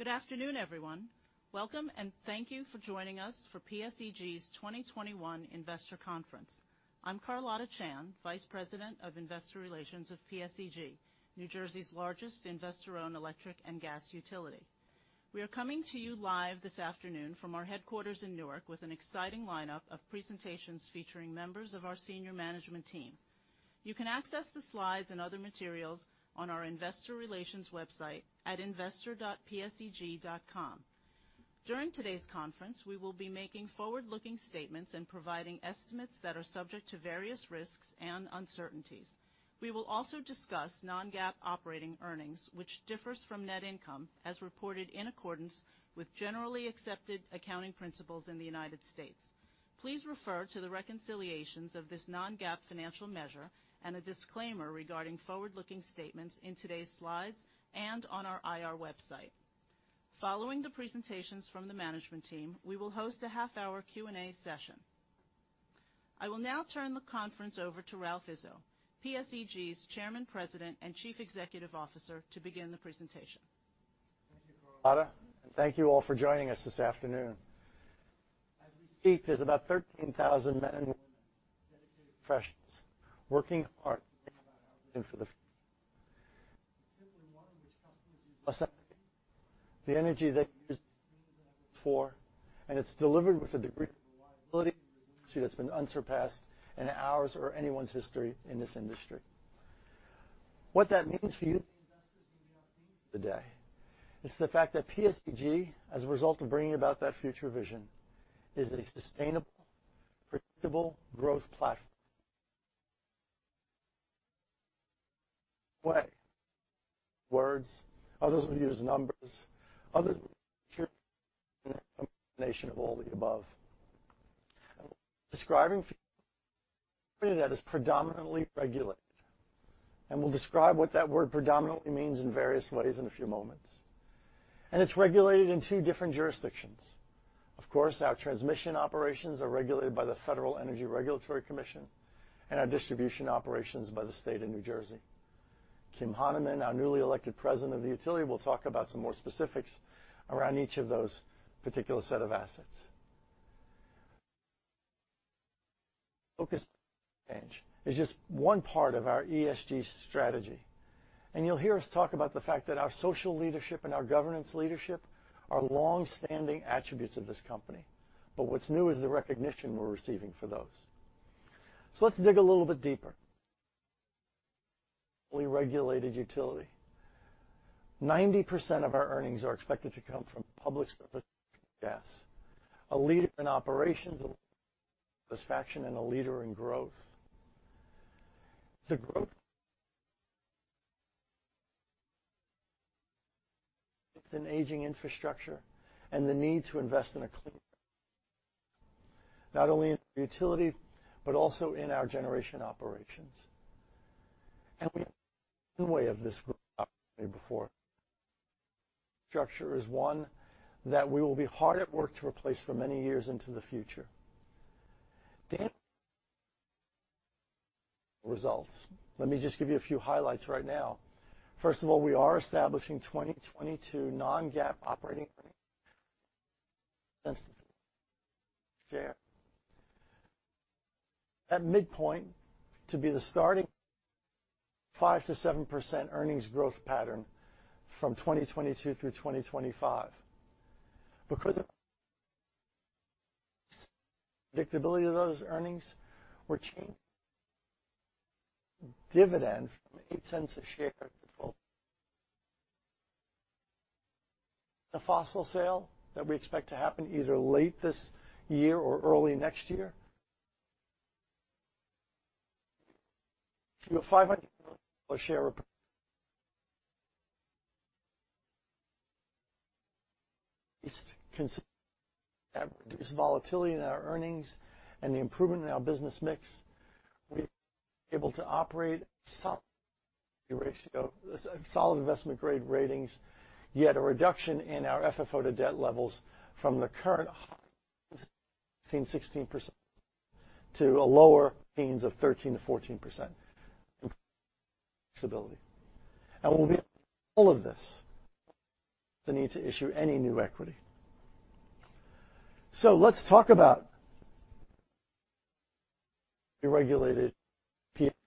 Good afternoon, everyone. Welcome, and thank you for joining us for PSEG's 2021 Investor Conference. I'm Carlotta Chan, Vice President of Investor Relations of PSEG, New Jersey's largest investor-owned electric and gas utility. We are coming to you live this afternoon from our headquarters in Newark with an exciting lineup of presentations featuring members of our senior management team. You can access the slides and other materials on our investor relations website at investor.pseg.com. During today's conference, we will be making forward-looking statements and providing estimates that are subject to various risks and uncertainties. We will also discuss non-GAAP operating earnings, which differs from net income as reported in accordance with generally accepted accounting principles in the United States. Please refer to the reconciliations of this non-GAAP financial measure and a disclaimer regarding forward-looking statements in today's slides and on our IR website. Following the presentations from the management team, we will host a half-hour Q&A session. I will now turn the conference over to Ralph Izzo, PSEG's Chairman, President, and Chief Executive Officer, to begin the presentation. Thank you, Carlotta, and thank you all for joining us this afternoon. As we speak, there's about 13,000 men and women, dedicated professionals, working hard to bring about our vision for the future. It's simply one in which customers use less energy, the energy they use is cleaner than it was before, and it's delivered with a degree of reliability and resiliency that's been unsurpassed in ours or anyone's history in this industry. What that means for you as investors in PSEG today is the fact that PSEG, as a result of bringing about that future vision, is a sustainable, predictable growth platform. Some use words, others will use numbers, others will use charts, and others a combination of all the above. Describing PSEG today, the company that is predominantly regulated, and we'll describe what that word predominantly means in various ways in a few moments. It's regulated in two different jurisdictions. Of course, our transmission operations are regulated by the Federal Energy Regulatory Commission, and our distribution operations by the State of New Jersey. Kim Hanemann, our newly elected president of the utility, will talk about some more specifics around each of those particular set of assets. Focus on change is just one part of our ESG strategy. You'll hear us talk about the fact that our social leadership and our governance leadership are longstanding attributes of this company. What's new is the recognition we're receiving for those. Let's dig a little bit deeper. Predominantly regulated utility. 90% of our earnings are expected to come from Public Service Electric and Gas. A leader in operations, a leader in customer satisfaction, and a leader in growth. The growth comes from two things: an aging infrastructure and the need to invest in a Clean Energy Future, not only in our utility but also in our generation operations. We have a proven way of this growth opportunity before us. Our current infrastructure is one that we will be hard at work to replace for many years into the future. Today, we're sharing with you early results. Let me just give you a few highlights right now. First of all, we are establishing 2022 non-GAAP operating earnings growth of $0.08 a share. At midpoint to be the starting point of a 5%-7% earnings growth pattern from 2022 through 2025. Because of the visibility and predictability of those earnings, we're changing our dividend from $0.08 a share to $0.12 a share. The fossil sale that we expect to happen either late this year or early next year, to a $500 million share repurchase program. These, considered together, reduce volatility in our earnings and the improvement in our business mix, we'll be able to operate solid investment-grade ratings, yet a reduction in our FFO-to-debt levels from the current high teens, 16%, to a lower teens of 13%-14%, improving flexibility. We'll be able to do all of this without the need to issue any new equity. Let's talk about the regulated PSEG of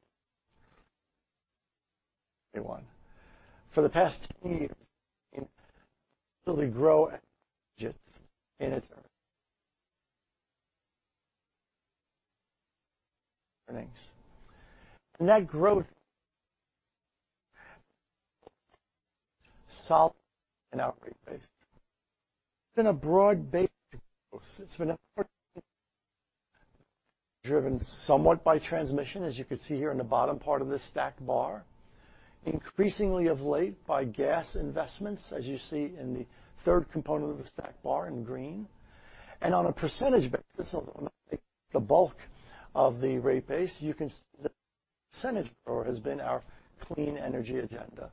2021. For the past 10 years, PSEG has steadily grown at low digits in its earnings. That growth has been predominantly solid and rate-based. It's been a broad-based growth. It's been a growth driven somewhat by transmission, as you can see here in the bottom part of this stacked bar. Increasingly of late by gas investments, as you see in the third component of the stacked bar in green. On a percentage basis, although it might make up the bulk of the rate base, you can see that the percentage grower has been our clean energy agenda.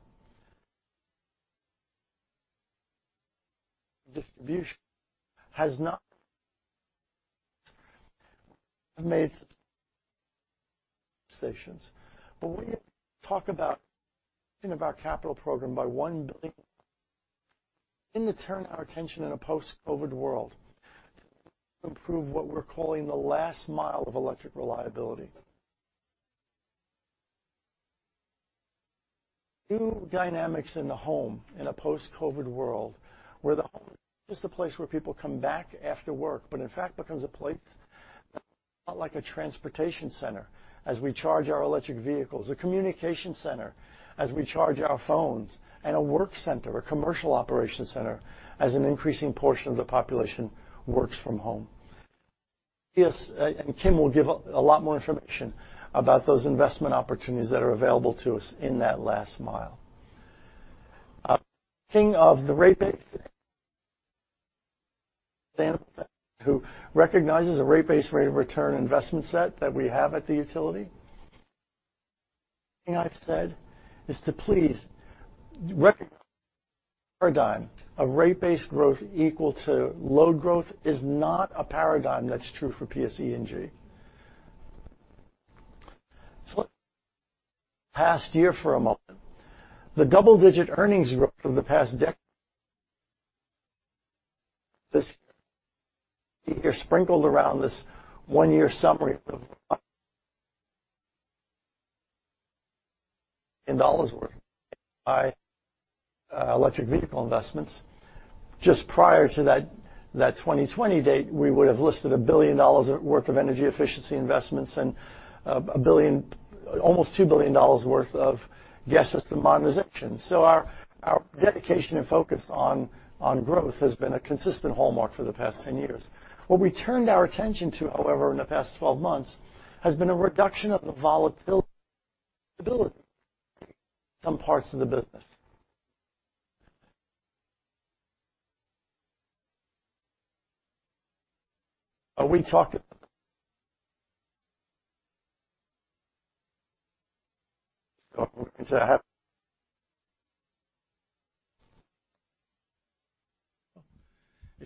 Distribution has not been made stations, but we talk about our capital program by $1 billion in the turn our attention in a post-COVID world to improve what we're calling the last mile of electric reliability. New dynamics in the home in a post-COVID world, where the home is the place where people come back after work, but in fact, becomes a place like a transportation center as we charge our electric vehicles, a communication center as we charge our phones, and a work center, a commercial operation center, as an increasing portion of the population works from home. Yes, Kim will give a lot more information about those investment opportunities that are available to us in that last mile. Speaking of the rate base, who recognizes a rate base rate of return investment set that we have at the utility? I've said is to please recognize paradigm, a rate base growth equal to load growth is not a paradigm that's true for PSE&G. Let's past year for a moment. The double-digit earnings growth from the past this year sprinkled around this one-year summary of in dollars' worth by electric vehicle investments. Just prior to that 2020 date, we would have listed $1 billion worth of Energy Efficiency investments and almost $2 billion worth of Gas System Modernization. Our dedication and focus on growth has been a consistent hallmark for the past 10 years. What we turned our attention to, however, in the past 12 months, has been a reduction of the volatility in some parts of the business.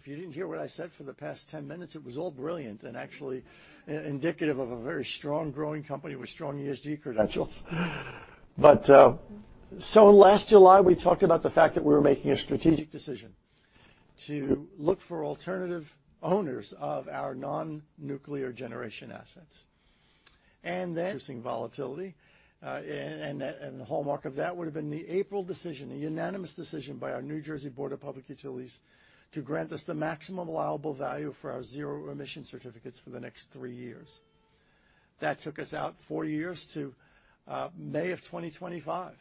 If you didn't hear what I said for the past 10 minutes, it was all brilliant and actually indicative of a very strong growing company with strong ESG credentials. Last July, we talked about the fact that we were making a strategic decision to look for alternative owners of our non-nuclear generation assets. Increasing volatility, and the hallmark of that would have been the April decision, a unanimous decision by our New Jersey Board of Public Utilities to grant us the maximum allowable value for our Zero Emission Certificates for the next 3 years. That took us out 4 years to May of 2025.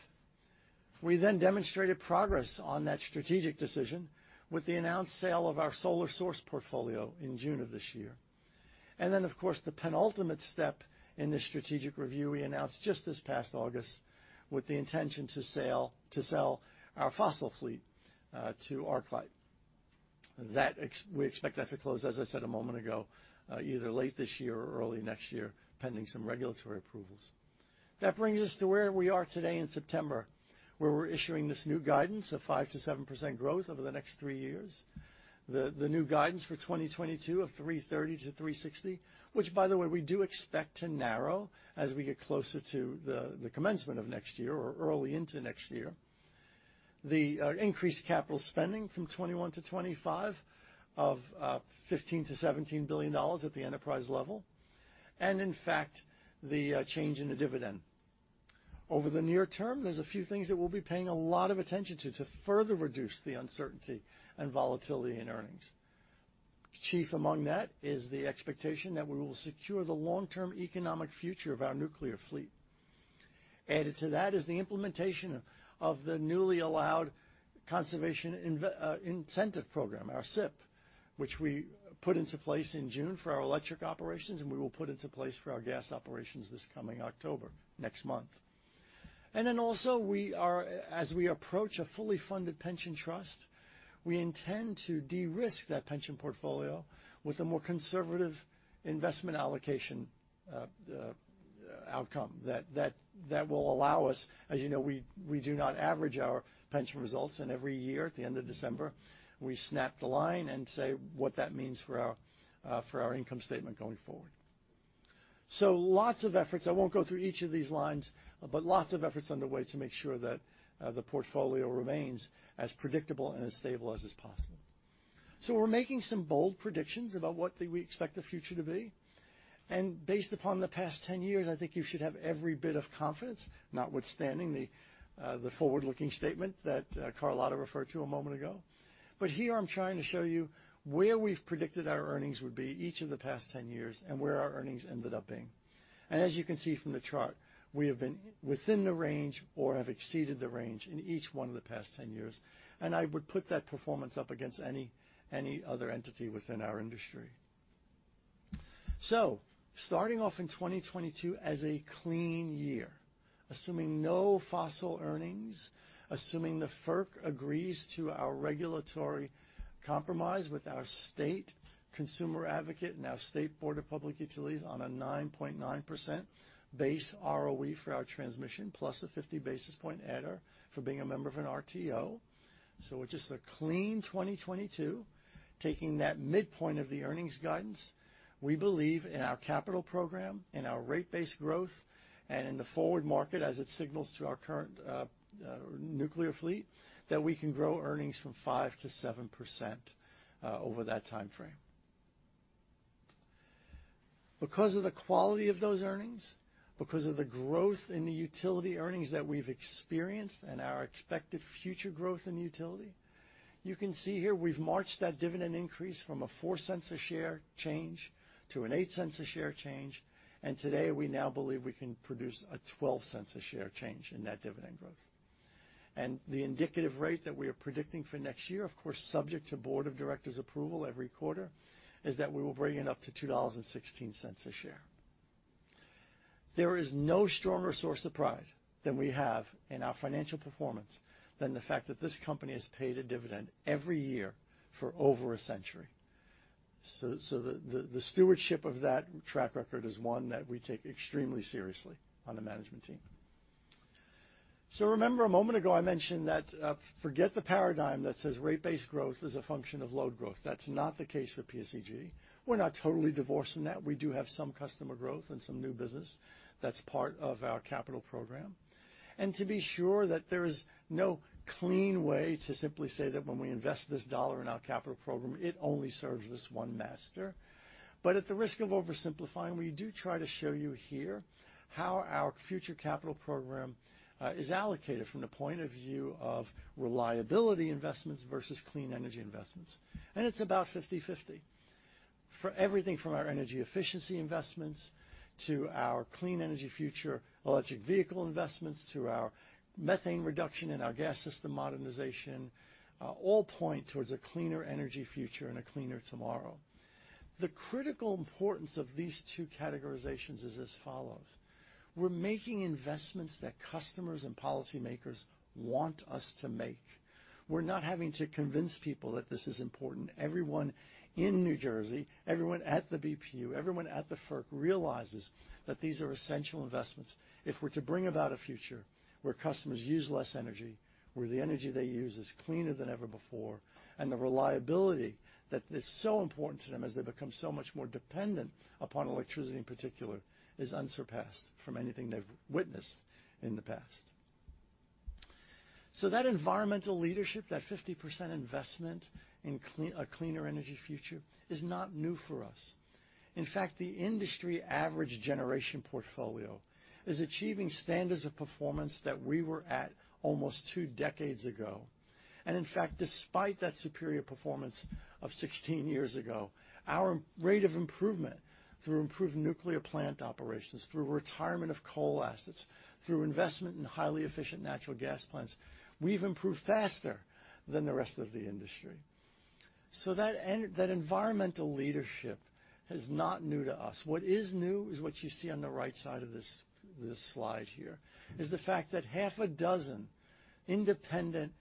We demonstrated progress on that strategic decision with the announced sale of our PSEG Solar Source portfolio in June of this year. The penultimate step in this strategic review, we announced just this past August with the intention to sell our fossil fleet, to ArcLight Capital Partners. We expect that to close, as I said a moment ago, either late this year or early next year, pending some regulatory approvals. That brings us to where we are today in September, where we're issuing this new guidance of 5%-7% growth over the next three years. The new guidance for 2022 of $3.30-$3.60, which by the way, we do expect to narrow as we get closer to the commencement of next year or early into next year. The increased capital spending from 2021 to 2025 of $15 billion-$17 billion at the enterprise level. In fact, the change in the dividend. Over the near term, there is a few things that we will be paying a lot of attention to further reduce the uncertainty and volatility in earnings. Chief among that is the expectation that we will secure the long-term economic future of our nuclear fleet. Added to that is the implementation of the newly allowed Conservation Incentive Program, our CIP, which we put into place in June for our electric operations, and we will put into place for our gas operations this coming October, next month. Also as we approach a fully funded pension trust, we intend to de-risk that pension portfolio with a more conservative investment allocation outcome that will allow us, as you know, we do not average our pension results, and every year at the end of December, we snap the line and say what that means for our income statement going forward. Lots of efforts. I won't go through each of these lines, but lots of efforts underway to make sure that the portfolio remains as predictable and as stable as is possible. We're making some bold predictions about what we expect the future to be. Based upon the past 10 years, I think you should have every bit of confidence, notwithstanding the forward-looking statement that Carlotta referred to a moment ago. Here I'm trying to show you where we've predicted our earnings would be each of the past 10 years and where our earnings ended up being. As you can see from the chart, we have been within the range or have exceeded the range in each one of the past 10 years, and I would put that performance up against any other entity within our industry. Starting off in 2022 as a clean year, assuming no fossil earnings, assuming the FERC agrees to our regulatory compromise with our state consumer advocate and our New Jersey Board of Public Utilities on a 9.9% base ROE for our transmission, plus a 50 basis point adder for being a member of an RTO. With just a clean 2022. Taking that midpoint of the earnings guidance, we believe in our capital program, in our rate base growth, and in the forward market as it signals to our current nuclear fleet, that we can grow earnings from 5%-7% over that time frame. Because of the quality of those earnings, because of the growth in the utility earnings that we've experienced and our expected future growth in utility, you can see here we've marched that dividend increase from a $0.04 a share change to an $0.08 a share change. Today, we now believe we can produce a $0.12 a share change in that dividend growth. The indicative rate that we are predicting for next year, of course, subject to board of directors approval every quarter, is that we will bring it up to $2.16 a share. There is no stronger source of pride that we have in our financial performance than the fact that this company has paid a dividend every year for over a century. The stewardship of that track record is one that we take extremely seriously on the management team. Remember a moment ago, I mentioned that forget the paradigm that says rate base growth is a function of load growth. That's not the case for PSEG. We're not totally divorced from that. We do have some customer growth and some new business that's part of our capital program. To be sure that there is no clean way to simply say that when we invest this dollar in our capital program, it only serves this one master. At the risk of oversimplifying, we do try to show you here how our future capital program is allocated from the point of view of reliability investments versus clean energy investments. It's about 50/50. For everything from our energy efficiency investments to our Clean Energy Future, electric vehicle investments, to our methane reduction in our gas system modernization, all point towards a cleaner energy future and a cleaner tomorrow. The critical importance of these two categorizations is as follows: we're making investments that customers and policymakers want us to make. We're not having to convince people that this is important. Everyone in New Jersey, everyone at the BPU, everyone at the FERC realizes that these are essential investments if we're to bring about a future where customers use less energy, where the energy they use is cleaner than ever before, and the reliability that is so important to them as they become so much more dependent upon electricity, in particular, is unsurpassed from anything they've witnessed in the past. That environmental leadership, that 50% investment in a Clean Energy Future, is not new for us. In fact, the industry average generation portfolio is achieving standards of performance that we were at almost two decades ago. In fact, despite that superior performance of 16 years ago, our rate of improvement through improved nuclear plant operations, through retirement of coal assets, through investment in highly efficient natural gas plants, we've improved faster than the rest of the industry. That environmental leadership is not new to us. What is new is what you see on the right side of this slide here, is the fact that half a dozen independent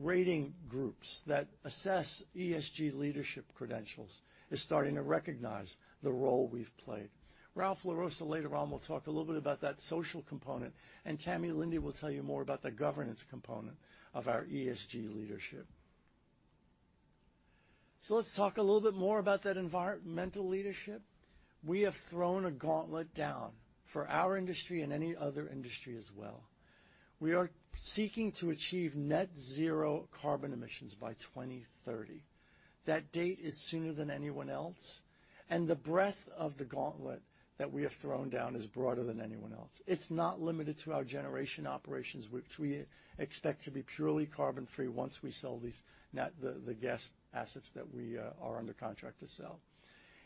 rating groups that assess ESG leadership credentials are starting to recognize the role we've played. Ralph LaRossa later on will talk a little bit about that social component, and Tamara Linde will tell you more about the governance component of our ESG leadership. Let's talk a little bit more about that environmental leadership. We have thrown a gauntlet down for our industry and any other industry as well. We are seeking to achieve net zero carbon emissions by 2030. That date is sooner than anyone else, and the breadth of the gauntlet that we have thrown down is broader than anyone else. It's not limited to our generation operations, which we expect to be purely carbon-free once we sell the gas assets that we are under contract to sell.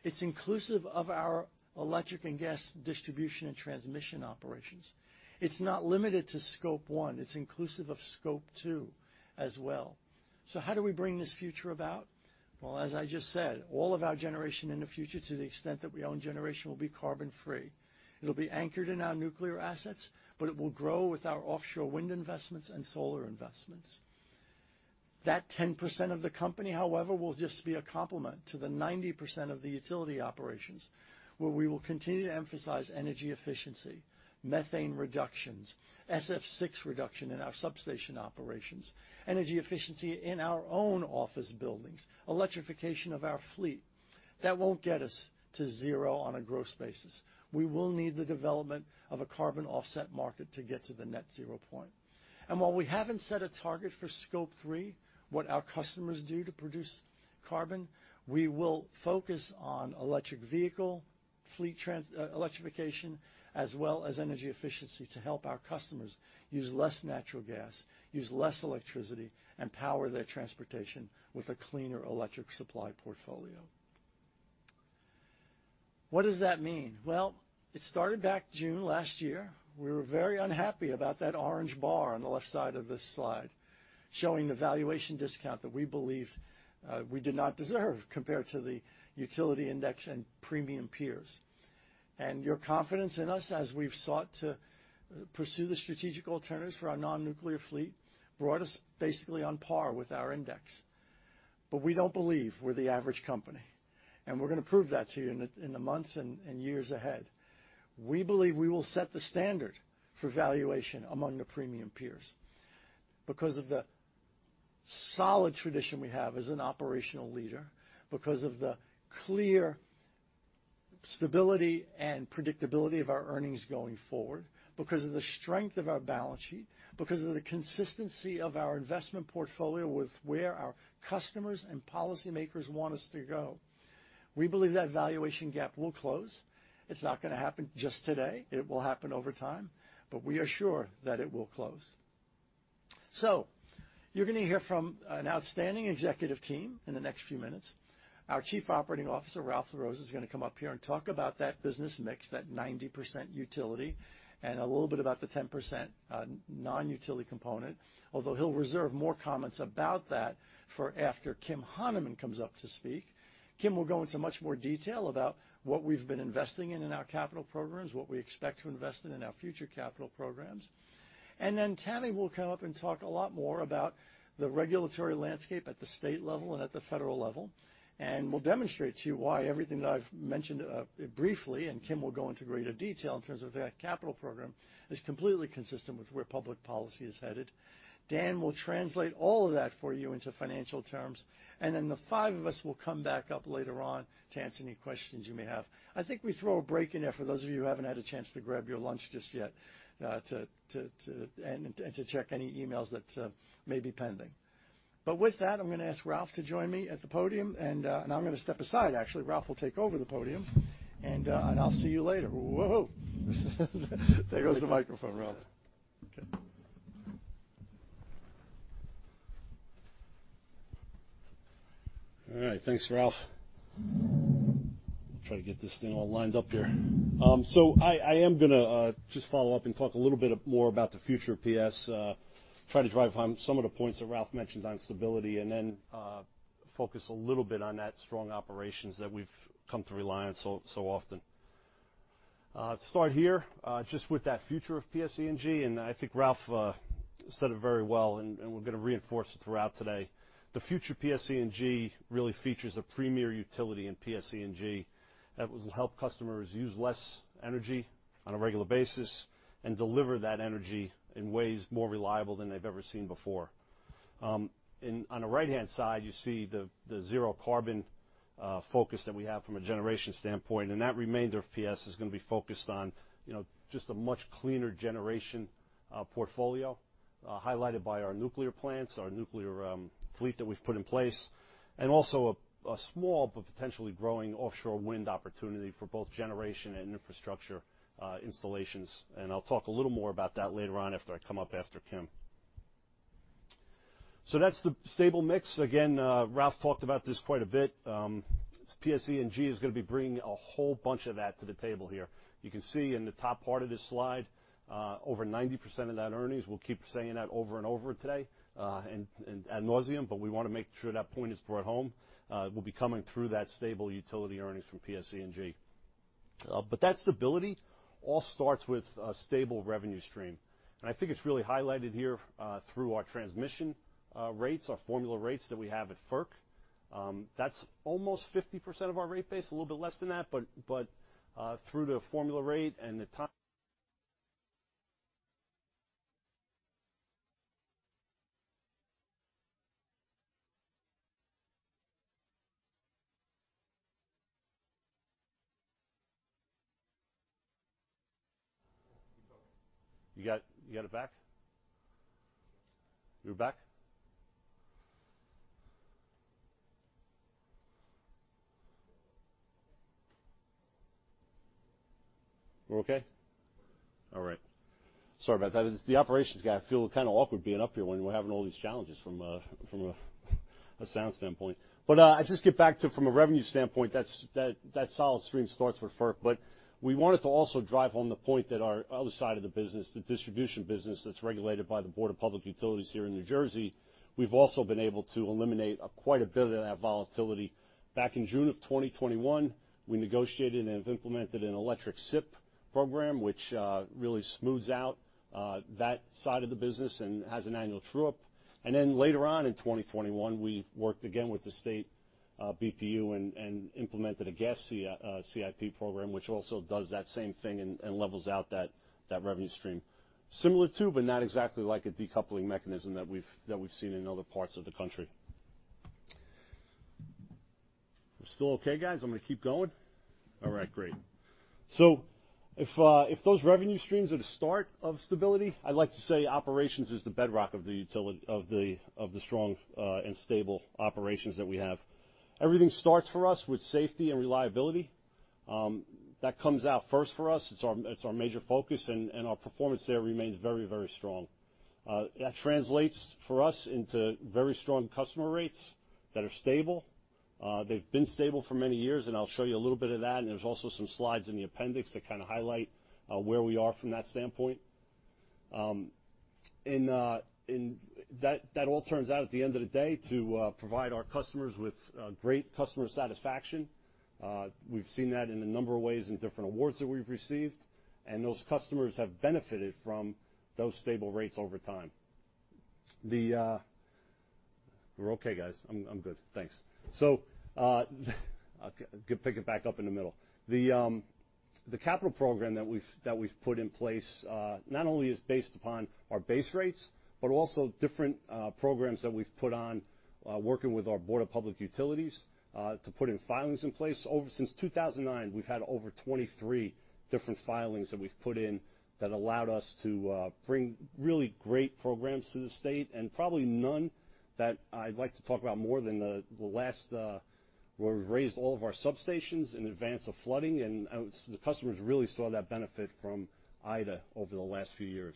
It's inclusive of our electric and gas distribution and transmission operations. It's not limited to scope one. It's inclusive of scope two as well. How do we bring this future about? Well, as I just said, all of our generation in the future, to the extent that we own generation, will be carbon free. It'll be anchored in our nuclear assets, but it will grow with our offshore wind investments and solar investments. That 10% of the company, however, will just be a complement to the 90% of the utility operations, where we will continue to emphasize energy efficiency, methane reductions, SF6 reduction in our substation operations, energy efficiency in our own office buildings, electrification of our fleet. That won't get us to zero on a gross basis. We will need the development of a carbon offset market to get to the net zero point. While we haven't set a target for scope three, what our customers do to produce carbon, we will focus on electric vehicle, fleet electrification, as well as energy efficiency to help our customers use less natural gas, use less electricity, and power their transportation with a cleaner electric supply portfolio. What does that mean? It started back June last year. We were very unhappy about that orange bar on the left side of this slide, showing the valuation discount that we believed we did not deserve compared to the utility index and premium peers. Your confidence in us as we've sought to pursue the strategic alternatives for our non-nuclear fleet brought us basically on par with our index. We don't believe we're the average company. We're going to prove that to you in the months and years ahead. We believe we will set the standard for valuation among the premium peers because of the solid tradition we have as an operational leader, because of the clear stability and predictability of our earnings going forward, because of the strength of our balance sheet, because of the consistency of our investment portfolio with where our customers and policymakers want us to go. We believe that valuation gap will close. It's not going to happen just today. It will happen over time. We are sure that it will close. You're going to hear from an outstanding executive team in the next few minutes. Our Chief Operating Officer, Ralph LaRossa, is going to come up here and talk about that business mix, that 90% utility, and a little bit about the 10% non-utility component. Although he'll reserve more comments about that for after Kim Hanemann comes up to speak. Kim will go into much more detail about what we've been investing in in our capital programs, what we expect to invest in in our future capital programs. Tammy will come up and talk a lot more about the regulatory landscape at the state level and at the federal level, and will demonstrate to you why everything that I've mentioned briefly, and Kim will go into greater detail in terms of that capital program, is completely consistent with where public policy is headed. Dan will translate all of that for you into financial terms. Then the 5 of us will come back up later on to answer any questions you may have. I think we throw a break in there for those of you who haven't had a chance to grab your lunch just yet, and to check any emails that may be pending. With that, I'm going to ask Ralph to join me at the podium, and I'm going to step aside, actually. Ralph will take over the podium. I'll see you later. Whoa. There goes the microphone, Ralph. Okay. All right. Thanks, Ralph. I'll try to get this thing all lined up here. I am going to just follow up and talk a little bit more about the future of PSEG, try to drive home some of the points that Ralph mentioned on stability, and then focus a little bit on that strong operations that we've come to rely on so often. Start here, just with that future of PSEG, and I think Ralph said it very well, and we're going to reinforce it throughout today. The future of PSEG really features a premier utility in PSEG that will help customers use less energy on a regular basis and deliver that energy in ways more reliable than they've ever seen before. On the right-hand side, you see the zero carbon focus that we have from a generation standpoint, and that remainder of PSEG is going to be focused on just a much cleaner generation portfolio, highlighted by our nuclear plants, our nuclear fleet that we've put in place, and also a small but potentially growing offshore wind opportunity for both generation and infrastructure installations. I'll talk a little more about that later on after I come up after Kim. That's the stable mix. Again, Ralph talked about this quite a bit. PSEG is going to be bringing a whole bunch of that to the table here. You can see in the top part of this slide, over 90% of that earnings, we'll keep saying that over and over today, ad nauseam, but we want to make sure that point is brought home, will be coming through that stable utility earnings from PSEG. That stability all starts with a stable revenue stream. I think it's really highlighted here, through our transmission rates, our formula rates that we have at FERC. That's almost 50% of our rate base, a little bit less than that, but through the formula rate and the top. You got it back? We're back? We're okay? All right. Sorry about that. As the operations guy, I feel kind of awkward being up here when we're having all these challenges from a sound standpoint. I just get back to, from a revenue standpoint, that solid stream starts with FERC. We wanted to also drive home the point that our other side of the business, the distribution business that's regulated by the Board of Public Utilities here in New Jersey, we've also been able to eliminate quite a bit of that volatility. Back in June of 2021, we negotiated and have implemented an electric CIP program, which really smooths out that side of the business and has an annual true-up. Later on in 2021, we worked again with the state BPU and implemented a gas CIP program, which also does that same thing and levels out that revenue stream. Similar to, but not exactly like a decoupling mechanism that we've seen in other parts of the country. We're still okay, guys? I'm going to keep going? All right, great. If those revenue streams are the start of stability, I'd like to say operations is the bedrock of the strong and stable operations that we have. Everything starts for us with safety and reliability. That comes out first for us. It's our major focus, and our performance there remains very strong. That translates for us into very strong customer rates that are stable. They've been stable for many years, and I'll show you a little bit of that, and there's also some slides in the appendix that kind of highlight where we are from that standpoint. That all turns out at the end of the day to provide our customers with great customer satisfaction. We've seen that in a number of ways in different awards that we've received, and those customers have benefited from those stable rates over time. We're okay, guys. I'm good, thanks. I could pick it back up in the middle. The capital program that we've put in place not only is based upon our base rates, but also different programs that we've put on working with our New Jersey Board of Public Utilities, to put in filings in place. Since 2009, we've had over 23 different filings that we've put in that allowed us to bring really great programs to the state, and probably none that I'd like to talk about more than the last, where we've raised all of our substations in advance of flooding. The customers really saw that benefit from Ida over the last year.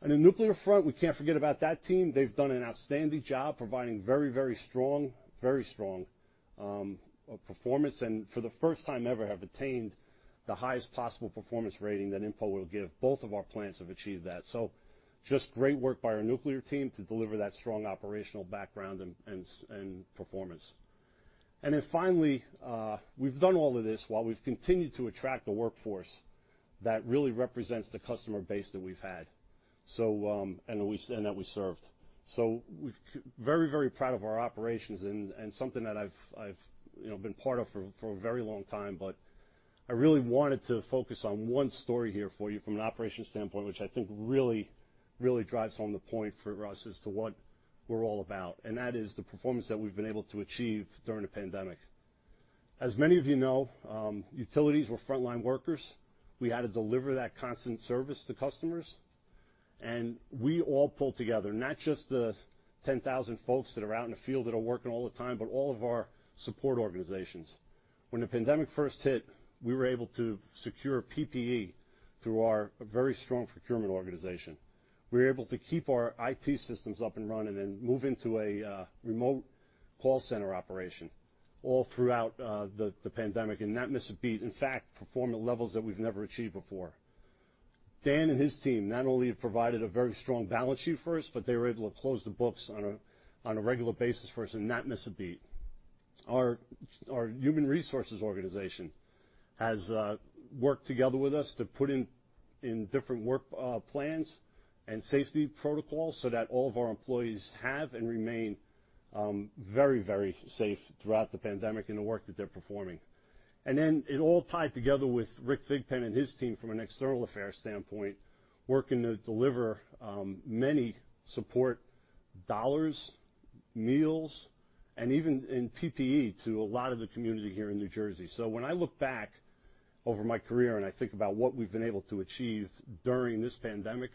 On the nuclear front, we can't forget about that team. They've done an outstanding job providing very strong performance, and for the first time ever, have attained the highest possible performance rating that INPO will give. Both of our plants have achieved that. Just great work by our nuclear team to deliver that strong operational background and performance. Finally, we've done all of this while we've continued to attract a workforce that really represents the customer base that we've had, and that we served. Very proud of our operations and something that I've been part of for a very long time, but I really wanted to focus on one story here for you from an operations standpoint, which I think really drives home the point for us as to what we're all about, and that is the performance that we've been able to achieve during the pandemic. As many of you know, utilities, we're frontline workers. We had to deliver that constant service to customers, and we all pulled together, not just the 10,000 folks that are out in the field that are working all the time, but all of our support organizations. When the pandemic first hit, we were able to secure PPE through our very strong procurement organization. We were able to keep our IT systems up and running and move into a remote call center operation all throughout the pandemic and not miss a beat. In fact, perform at levels that we've never achieved before. Dan and his team not only have provided a very strong balance sheet for us, but they were able to close the books on a regular basis for us and not miss a beat. Our human resources organization has worked together with us to put in different work plans and safety protocols so that all of our employees have and remain very safe throughout the pandemic in the work that they're performing. It all tied together with Rick Thigpen and his team from an external affairs standpoint, working to deliver many support dollars, meals, and even in PPE to a lot of the community here in New Jersey. When I look back over my career and I think about what we've been able to achieve during this pandemic,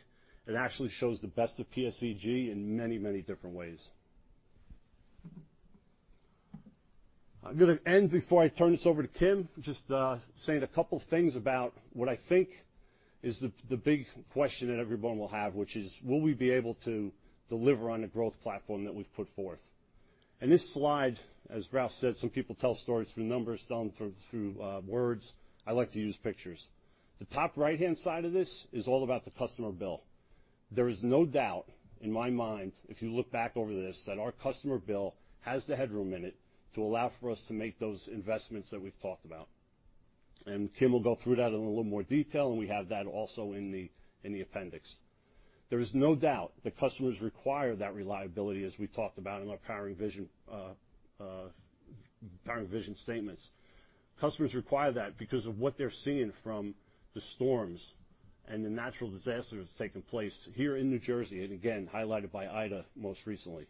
it actually shows the best of PSEG in many different ways. I'm going to end before I turn this over to Kim, just saying a couple things about what I think is the big question that everyone will have, which is: will we be able to deliver on the growth platform that we've put forth? This slide, as Ralph said, some people tell stories through numbers, some through words. I like to use pictures. The top right-hand side of this is all about the customer bill. There is no doubt in my mind if you look back over this, that our customer bill has the headroom in it to allow for us to make those investments that we've talked about. Kim will go through that in a little more detail, and we have that also in the appendix. There is no doubt that customers require that reliability, as we talked about in our powering vision statements. Customers require that because of what they're seeing from the storms and the natural disasters taking place here in New Jersey, and again, highlighted by Ida most recently.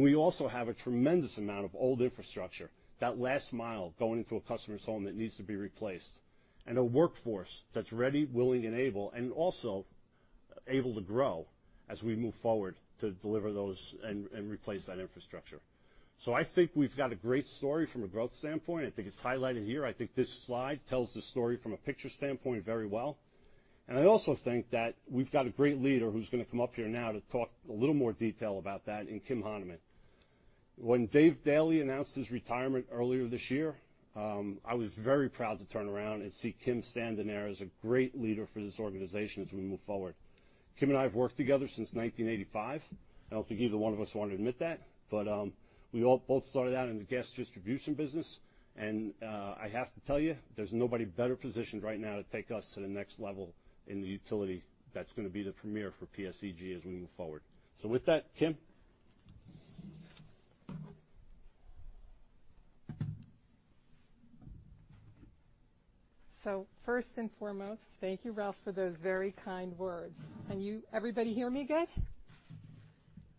We also have a tremendous amount of old infrastructure. That last mile going into a customer's home that needs to be replaced. A workforce that's ready, willing, and able, and also able to grow as we move forward to deliver those and replace that infrastructure. I think we've got a great story from a growth standpoint. I think it's highlighted here. I think this slide tells the story from a picture standpoint very well. I also think that we've got a great leader who's going to come up here now to talk a little more detail about that in Kim Hanemann. When Dave Daly announced his retirement earlier this year, I was very proud to turn around and see Kim standing there as a great leader for this organization as we move forward. Kim and I have worked together since 1985. I don't think either one of us want to admit that, but, we both started out in the gas distribution business, and I have to tell you, there's nobody better positioned right now to take us to the next level in the utility that's going to be the premier for PSEG as we move forward. With that, Kim. First and foremost, thank you, Ralph, for those very kind words. Can everybody hear me good?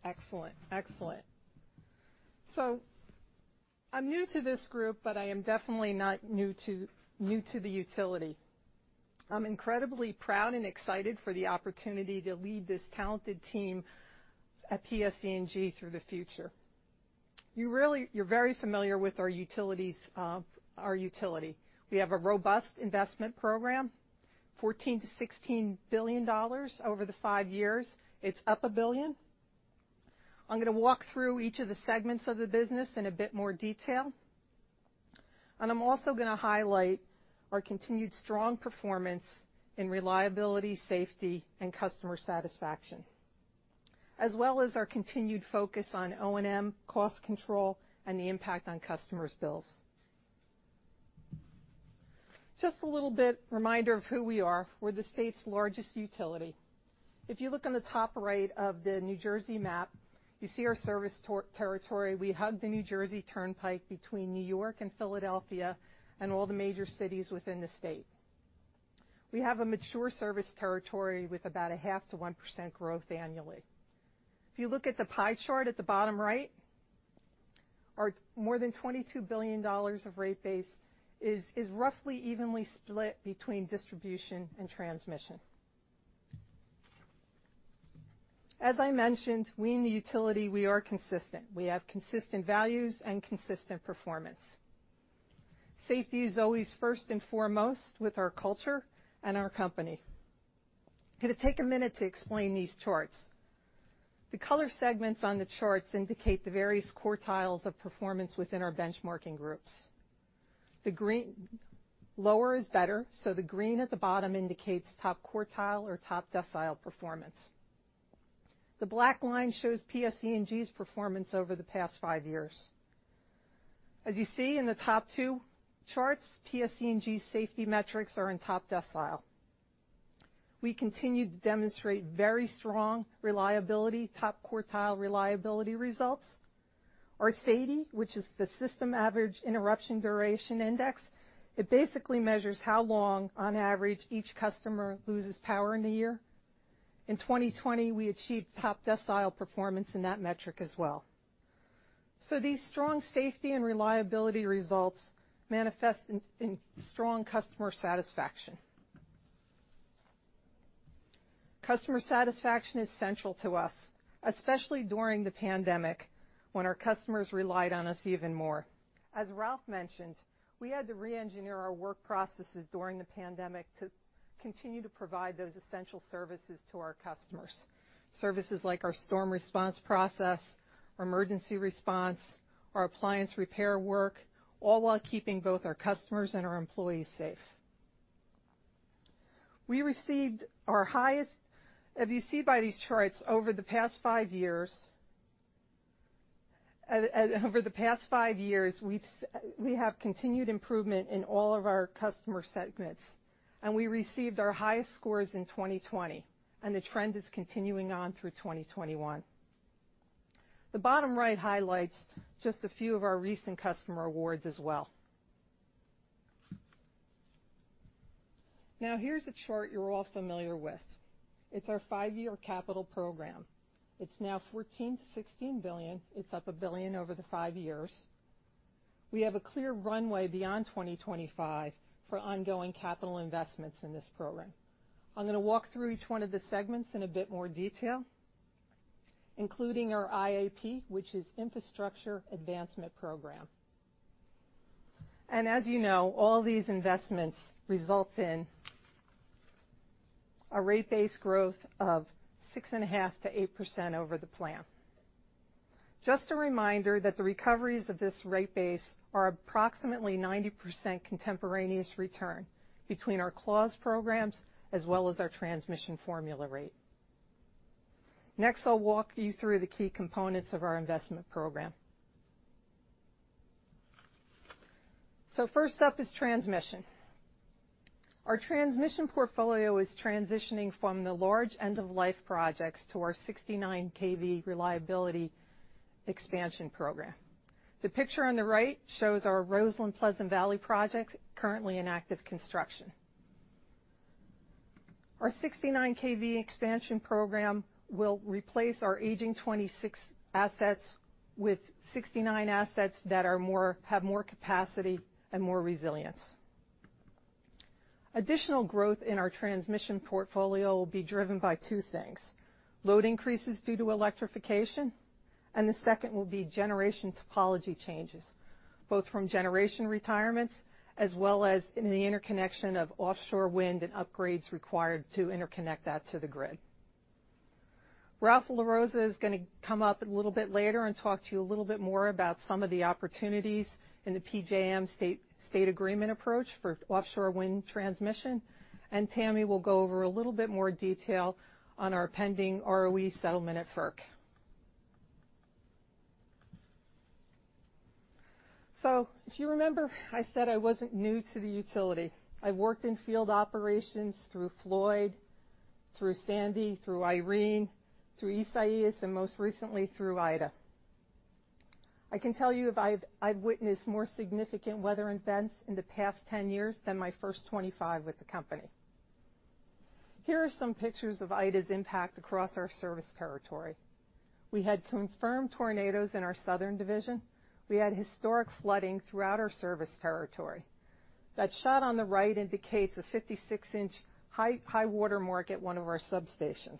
Excellent. I'm new to this group, but I am definitely not new to the utility. I'm incredibly proud and excited for the opportunity to lead this talented team at PSEG through the future. You're very familiar with our utility. We have a robust investment program, $14 billion-$16 billion over the 5 years. It's up $1 billion. I'm going to walk through each of the segments of the business in a bit more detail, and I'm also going to highlight our continued strong performance in reliability, safety, and customer satisfaction, as well as our continued focus on O&M cost control and the impact on customers' bills. Just a little bit reminder of who we are. We're the state's largest utility. If you look on the top right of the New Jersey map, you see our service territory. We hug the New Jersey Turnpike between New York and Philadelphia, and all the major cities within the state. We have a mature service territory with about a half to 1% growth annually. If you look at the pie chart at the bottom right, our more than $22 billion of rate base is roughly evenly split between distribution and transmission. As I mentioned, we in the utility are consistent. We have consistent values and consistent performance. Safety is always first and foremost with our culture and our company. I'm going to take a minute to explain these charts. The color segments on the charts indicate the various quartiles of performance within our benchmarking groups. Lower is better, the green at the bottom indicates top quartile or top decile performance. The black line shows PSE&G's performance over the past 5 years. As you see in the top 2 charts, PSE&G's safety metrics are in top decile. We continue to demonstrate very strong reliability, top quartile reliability results. Our SAIDI, which is the System Average Interruption Duration Index, basically measures how long, on average, each customer loses power in a year. In 2020, we achieved top decile performance in that metric as well. These strong safety and reliability results manifest in strong customer satisfaction. Customer satisfaction is central to us, especially during the pandemic, when our customers relied on us even more. As Ralph mentioned, we had to re-engineer our work processes during the pandemic to continue to provide those essential services to our customers, services like our storm response process, our emergency response, our appliance repair work, all while keeping both our customers and our employees safe. As you see by these charts, over the past 5 years, we have continued improvement in all of our customer segments, and we received our highest scores in 2020, and the trend is continuing on through 2021. The bottom right highlights just a few of our recent customer awards as well. Here's a chart you're all familiar with. It's our 5-year capital program. It's now $14 billion-$16 billion. It's up $1 billion over the 5 years. We have a clear runway beyond 2025 for ongoing capital investments in this program. I'm going to walk through each one of the segments in a bit more detail, including our IAP, which is Infrastructure Advancement Program. As you know, all these investments results in a rate base growth of 6.5%-8% over the plan. Just a reminder that the recoveries of this rate base are approximately 90% contemporaneous return between our clause programs as well as our transmission formula rate. Next, I'll walk you through the key components of our investment program. First up is transmission. Our transmission portfolio is transitioning from the large end-of-life projects to our 69 kV reliability expansion program. The picture on the right shows our Roseland-Pleasant Valley project, currently in active construction. Our 69 kV expansion program will replace our aging 26 kV assets with 69 kV assets that have more capacity and more resilience. Additional growth in our transmission portfolio will be driven by two things, load increases due to electrification, and the second will be generation topology changes, both from generation retirements as well as in the interconnection of offshore wind and upgrades required to interconnect that to the grid. Ralph LaRossa is going to come up a little bit later and talk to you a little bit more about some of the opportunities in the PJM State Agreement Approach for offshore wind transmission, and Tammy will go over a little bit more detail on our pending ROE settlement at FERC. If you remember, I said I wasn't new to the utility. I've worked in field operations through Floyd, through Sandy, through Irene, through Isaias, and most recently through Ida. I can tell you I've witnessed more significant weather events in the past 10 years than my first 25 with the company. Here are some pictures of Ida's impact across our service territory. We had confirmed tornadoes in our southern division. We had historic flooding throughout our service territory. That shot on the right indicates a 56-inch high water mark at one of our substations.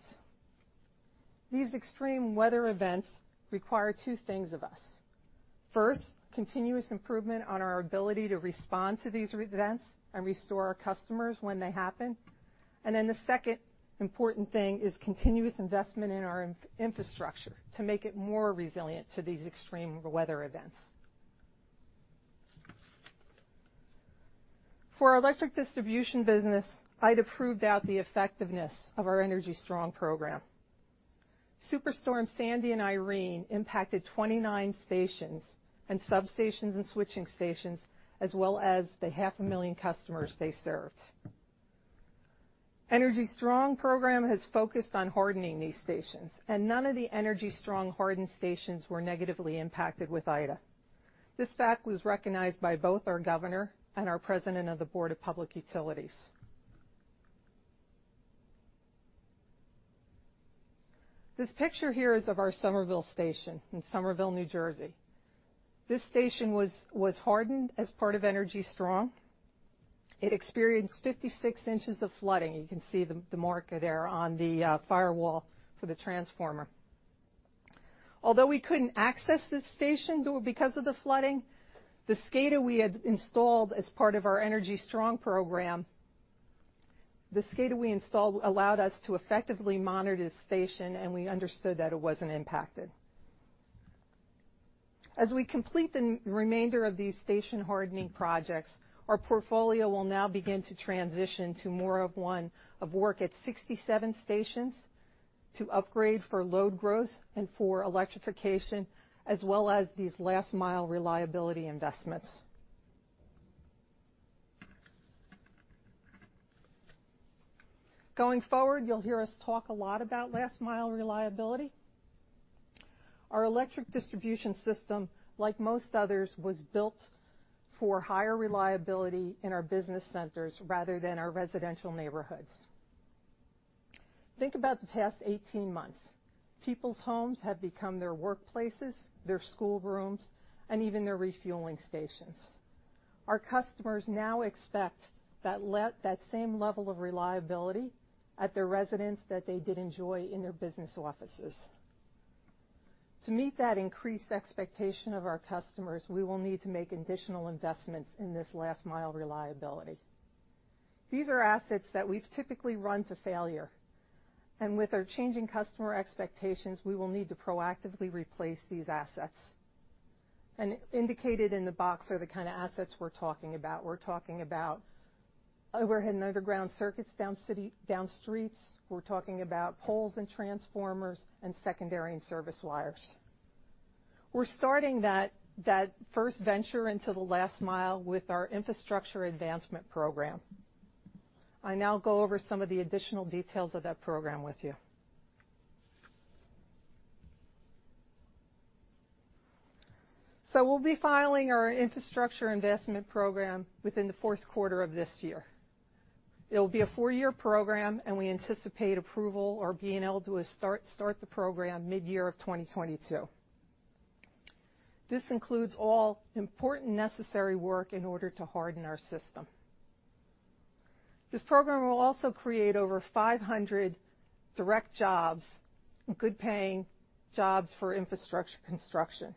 These extreme weather events require two things of us. First, continuous improvement on our ability to respond to these events and restore our customers when they happen. The second important thing is continuous investment in our infrastructure to make it more resilient to these extreme weather events. For our electric distribution business, Ida proved out the effectiveness of our Energy Strong program. Superstorm Sandy and Irene impacted 29 stations and substations and switching stations, as well as the half a million customers they served. Energy Strong program has focused on hardening these stations, and none of the Energy Strong hardened stations were negatively impacted with Ida. This fact was recognized by both our governor and our President of the Board of Public Utilities. This picture here is of our Somerville station in Somerville, New Jersey. This station was hardened as part of Energy Strong. It experienced 56 inches of flooding. You can see the marker there on the firewall for the transformer. We couldn't access this station because of the flooding, the SCADA we had installed as part of our Energy Strong program, the SCADA we installed allowed us to effectively monitor the station, and we understood that it wasn't impacted. We complete the remainder of these station hardening projects, our portfolio will now begin to transition to more of one of work at 67 stations to upgrade for load growth and for electrification, as well as these last-mile reliability investments. Going forward, you'll hear us talk a lot about last-mile reliability. Our electric distribution system, like most others, was built for higher reliability in our business centers rather than our residential neighborhoods. Think about the past 18 months. People's homes have become their workplaces, their schoolrooms, and even their refueling stations. Our customers now expect that same level of reliability at their residence that they did enjoy in their business offices. To meet that increased expectation of our customers, we will need to make additional investments in this last-mile reliability. These are assets that we've typically run to failure, and with our changing customer expectations, we will need to proactively replace these assets. Indicated in the box are the kind of assets we're talking about. We're talking about overhead and underground circuits down streets. We're talking about poles and transformers and secondary and service wires. We're starting that first venture into the last mile with our Infrastructure Advancement Program. I now go over some of the additional details of that program with you. We'll be filing our infrastructure investment program within the fourth quarter of this year. It'll be a four-year program, and we anticipate approval or being able to start the program mid-year of 2022. This includes all important necessary work in order to harden our system. This program will also create over 500 direct jobs, good-paying jobs for infrastructure construction,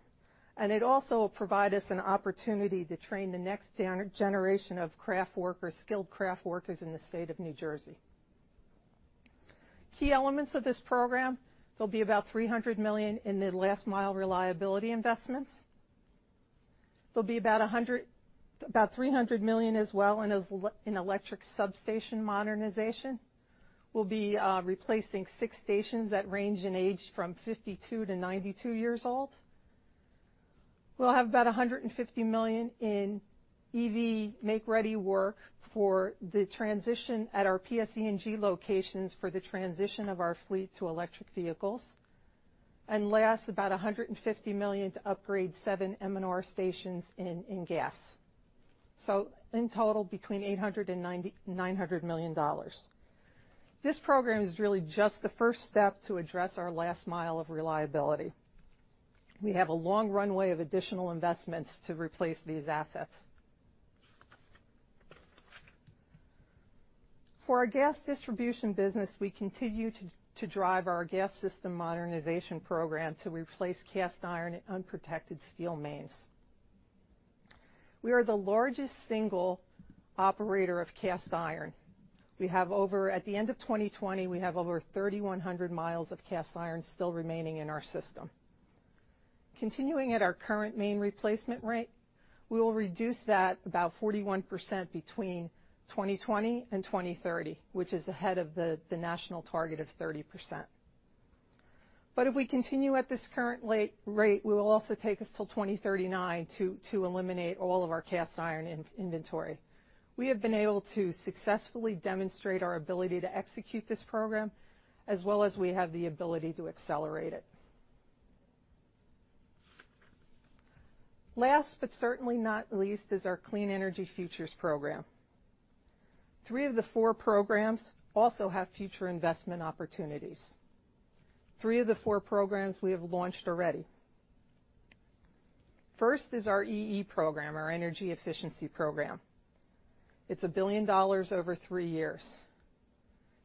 and it also will provide us an opportunity to train the next generation of craft workers, skilled craft workers in the state of New Jersey. Key elements of this program, there'll be about $300 million in the last-mile reliability investments. There'll be about $300 million as well in electric substation modernization. We'll be replacing six stations that range in age from 52-92 years old. We'll have about $150 million in EV make-ready work for the transition at our PSE&G locations for the transition of our fleet to electric vehicles, and last, about $150 million to upgrade seven M&R stations in gas. In total, between $800 million and $900 million. This program is really just the first step to address our last mile of reliability. We have a long runway of additional investments to replace these assets. For our gas distribution business, we continue to drive our Gas System Modernization program to replace cast iron and unprotected steel mains. We are the largest single operator of cast iron. At the end of 2020, we have over 3,100 miles of cast iron still remaining in our system. Continuing at our current main replacement rate, we will reduce that about 41% between 2020 and 2030, which is ahead of the national target of 30%. If we continue at this current rate, we will also take us till 2039 to eliminate all of our cast iron inventory. We have been able to successfully demonstrate our ability to execute this program as well as we have the ability to accelerate it. Last but certainly not least is our Clean Energy Future program. Three of the four programs also have future investment opportunities. Three of the four programs we have launched already. First is our EE program, our energy efficiency program. It's a $1 billion over 3 years.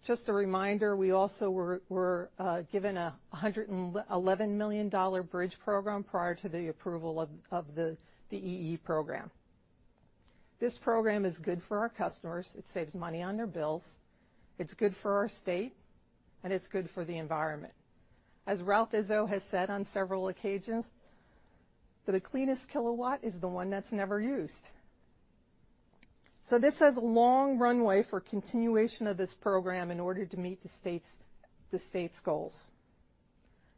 Just a reminder, we also were given a $111 million bridge program prior to the approval of the EE program. This program is good for our customers. It saves money on their bills. It's good for our state, and it's good for the environment. As Ralph Izzo has said on several occasions, that the cleanest kilowatt is the one that's never used. This has long runway for continuation of this program in order to meet the state's goals.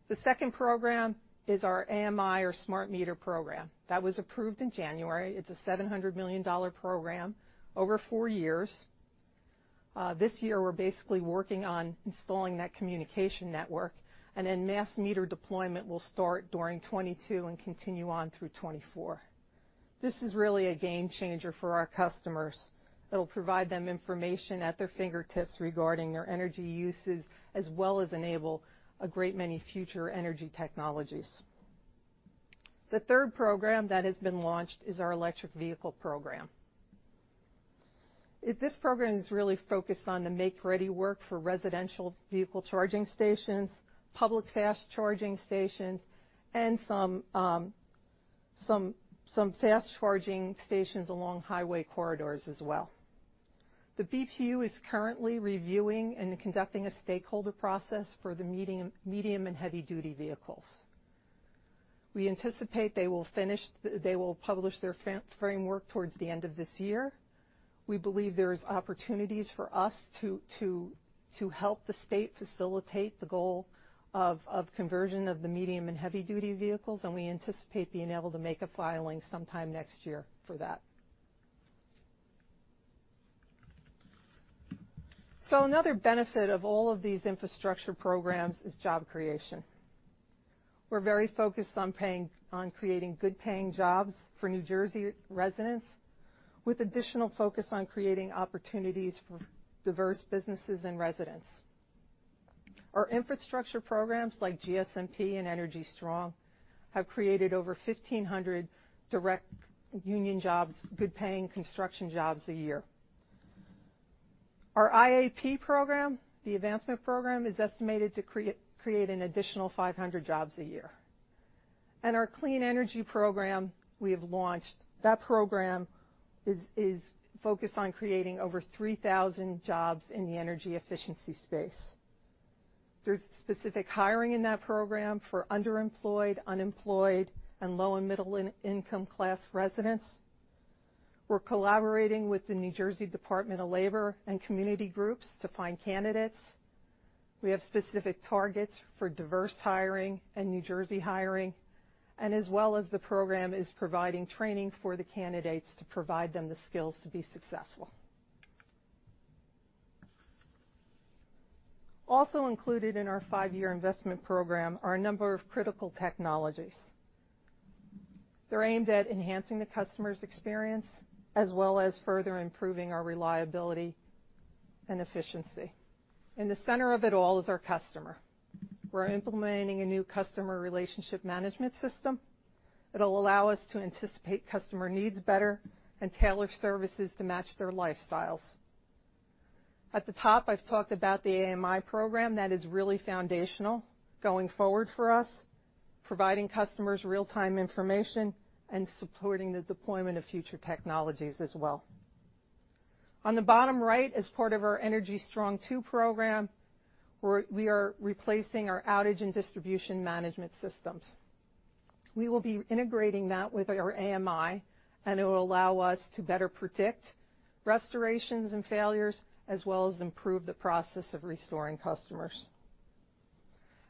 The second program is our AMI or Smart Meter program. That was approved in January. It's a $700 million program over 4 years. This year, we're basically working on installing that communication network, and then mass meter deployment will start during 2022 and continue on through 2024. This is really a game changer for our customers. It'll provide them information at their fingertips regarding their energy usage, as well as enable a great many future energy technologies. The third program that has been launched is our Electric Vehicle program. This program is really focused on the make-ready work for residential vehicle charging stations, public fast charging stations, and some fast charging stations along highway corridors as well. The BPU is currently reviewing and conducting a stakeholder process for the medium and heavy-duty vehicles. We anticipate they will publish their framework towards the end of this year. We believe there's opportunities for us to help the state facilitate the goal of conversion of the medium and heavy-duty vehicles. We anticipate being able to make a filing sometime next year for that. Another benefit of all of these infrastructure programs is job creation. We're very focused on creating good-paying jobs for New Jersey residents, with additional focus on creating opportunities for diverse businesses and residents. Our infrastructure programs, like GSMP and Energy Strong, have created over 1,500 direct union jobs, good-paying construction jobs a year. Our IAP program, the advancement program, is estimated to create an additional 500 jobs a year. Our clean energy program we have launched, that program is focused on creating over 3,000 jobs in the energy efficiency space. There's specific hiring in that program for underemployed, unemployed, and low and middle-income class residents. We're collaborating with the New Jersey Department of Labor and community groups to find candidates. We have specific targets for diverse hiring and New Jersey hiring, and as well as the program is providing training for the candidates to provide them the skills to be successful. Also included in our five-year investment program are a number of critical technologies. They're aimed at enhancing the customer's experience, as well as further improving our reliability and efficiency. In the center of it all is our customer. We're implementing a new customer relationship management system. It'll allow us to anticipate customer needs better and tailor services to match their lifestyles. At the top, I've talked about the AMI program that is really foundational going forward for us, providing customers real-time information and supporting the deployment of future technologies as well. On the bottom right, as part of our Energy Strong II program, we are replacing our outage and distribution management systems. We will be integrating that with our AMI, and it will allow us to better predict restorations and failures, as well as improve the process of restoring customers.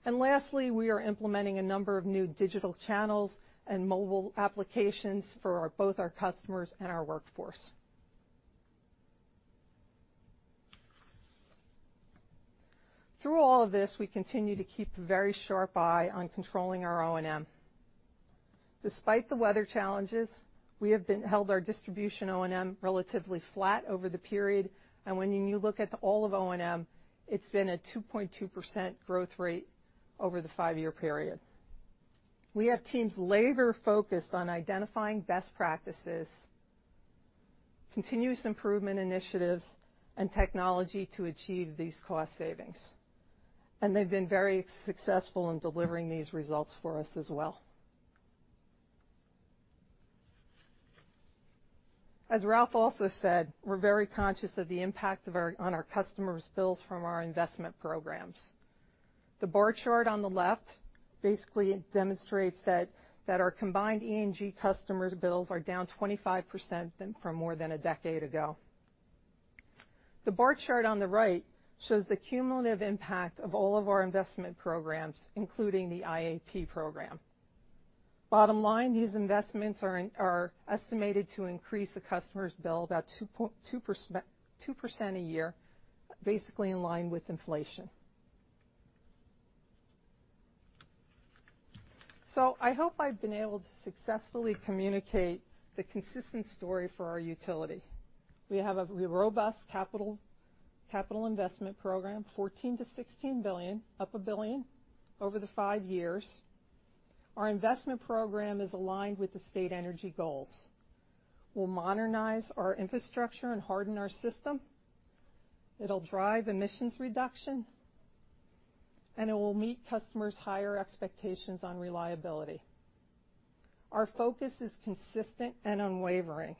Lastly, we are implementing a number of new digital channels and mobile applications for both our customers and our workforce. Through all of this, we continue to keep a very sharp eye on controlling our O&M. Despite the weather challenges, we have held our distribution O&M relatively flat over the period, and when you look at all of O&M, it's been a 2.2% growth rate over the five-year period. We have teams labor-focused on identifying best practices, continuous improvement initiatives, and technology to achieve these cost savings. They've been very successful in delivering these results for us as well. As Ralph also said, we're very conscious of the impact on our customers' bills from our investment programs. The bar chart on the left basically demonstrates that our combined E&G customers' bills are down 25% from more than a decade ago. The bar chart on the right shows the cumulative impact of all of our investment programs, including the IAP program. Bottom line, these investments are estimated to increase the customer's bill about 2% a year, basically in line with inflation. I hope I've been able to successfully communicate the consistent story for our utility. We have a robust capital investment program, $14 billion-$16 billion, up $1 billion, over the five years. Our investment program is aligned with the state energy goals. We'll modernize our infrastructure and harden our system. It'll drive emissions reduction, and it will meet customers' higher expectations on reliability. Our focus is consistent and unwavering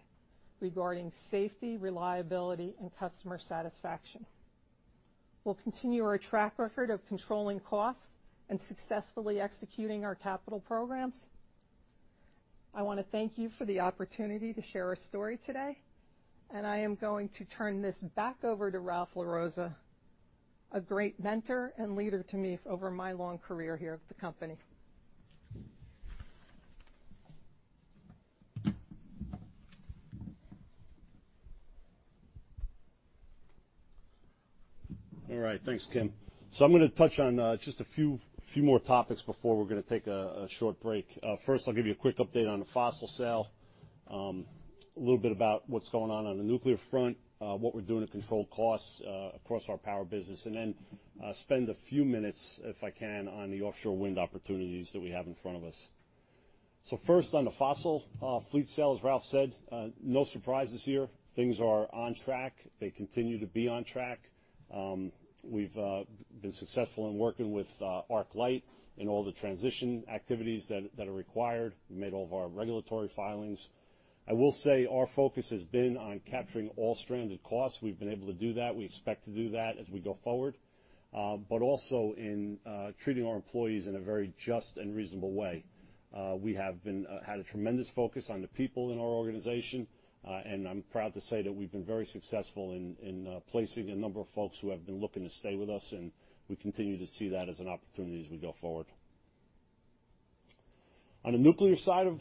regarding safety, reliability, and customer satisfaction. We'll continue our track record of controlling costs and successfully executing our capital programs. I want to thank you for the opportunity to share our story today. I am going to turn this back over to Ralph LaRossa, a great mentor and leader to me over my long career here at the company. All right. Thanks, Kim. I'm going to touch on just a few more topics before we're going to take a short break. First, I'll give you a quick update on the fossil sale, a little bit about what's going on on the nuclear front, what we're doing to control costs across our power business, and then spend a few minutes, if I can, on the offshore wind opportunities that we have in front of us. First, on the fossil fleet sale, as Ralph said, no surprises here. Things are on track. They continue to be on track. We've been successful in working with ArcLight in all the transition activities that are required. We made all of our regulatory filings. I will say our focus has been on capturing all stranded costs. We've been able to do that. We expect to do that as we go forward. Also in treating our employees in a very just and reasonable way. We have had a tremendous focus on the people in our organization, and I'm proud to say that we've been very successful in placing a number of folks who have been looking to stay with us, and we continue to see that as an opportunity as we go forward. On the nuclear side of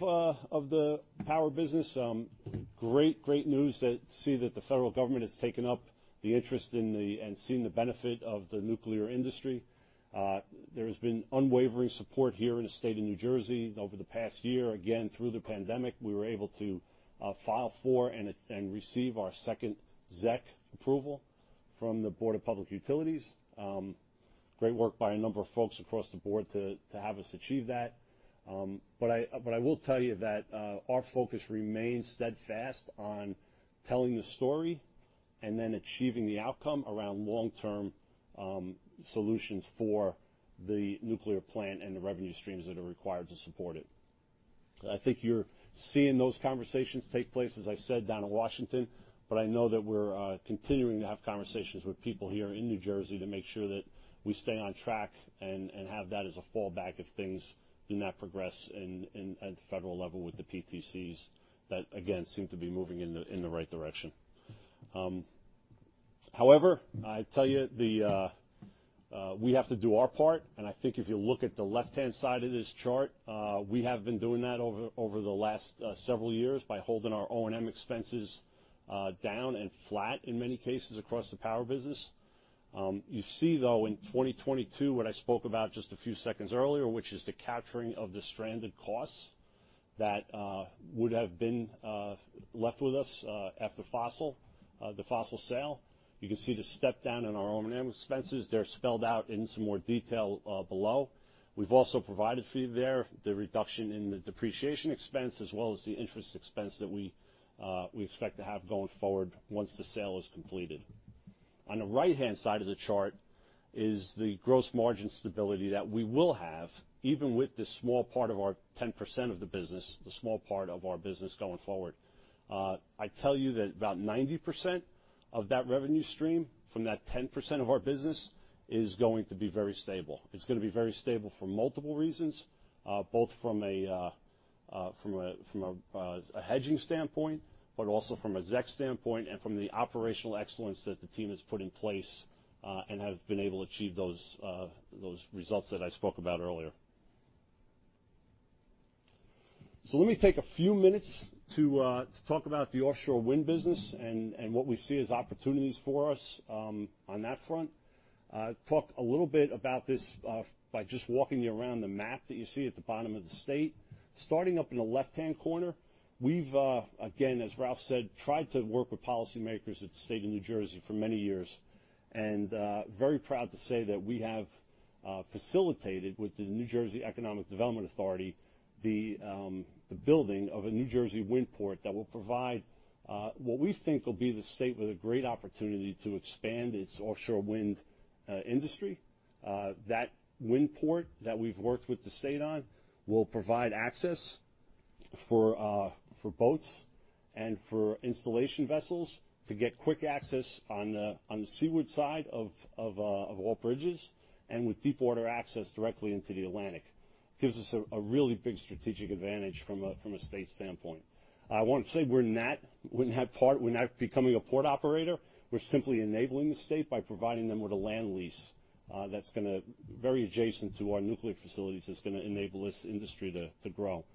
the power business, great news to see that the federal government has taken up the interest and seen the benefit of the nuclear industry. There has been unwavering support here in the state of New Jersey over the past year. Again, through the pandemic, we were able to file for and receive our ZEC II approval from the Board of Public Utilities. Great work by a number of folks across the board to have us achieve that. I will tell you that our focus remains steadfast on telling the story and then achieving the outcome around long-term solutions for the nuclear plant and the revenue streams that are required to support it. I think you're seeing those conversations take place, as I said, down in Washington, but I know that we're continuing to have conversations with people here in New Jersey to make sure that we stay on track and have that as a fallback if things do not progress at the federal level with the PTCs that, again, seem to be moving in the right direction. I tell you, we have to do our part, and I think if you look at the left-hand side of this chart, we have been doing that over the last several years by holding our O&M expenses down and flat, in many cases, across the power business. You see, in 2022, what I spoke about just a few seconds earlier, which is the capturing of the stranded costs that would have been left with us after the fossil sale. You can see the step-down in our O&M expenses. They're spelled out in some more detail below. We've also provided for you there the reduction in the depreciation expense as well as the interest expense that we expect to have going forward once the sale is completed. On the right-hand side of the chart is the gross margin stability that we will have, even with the small part of our 10% of the business, the small part of our business going forward. I tell you that about 90% of that revenue stream from that 10% of our business is going to be very stable. It's going to be very stable for multiple reasons, both from a hedging standpoint, but also from a ZEC standpoint and from the operational excellence that the team has put in place and have been able to achieve those results that I spoke about earlier. Let me take a few minutes to talk about the offshore wind business and what we see as opportunities for us on that front. Talk a little bit about this by just walking you around the map that you see at the bottom of the state. Starting up in the left-hand corner, we've, again, as Ralph said, tried to work with policymakers at the state of New Jersey for many years. Very proud to say that we have facilitated, with the New Jersey Economic Development Authority, the building of a New Jersey wind port that will provide what we think will be the state with a great opportunity to expand its offshore wind industry. That wind port that we've worked with the state on will provide access for boats and for installation vessels to get quick access on the seaward side of all bridges, and with deep water access directly into the Atlantic. Gives us a really big strategic advantage from a state standpoint. I want to say we're not becoming a port operator. We're simply enabling the state by providing them with a land lease very adjacent to our nuclear facilities that's going to enable this industry to grow.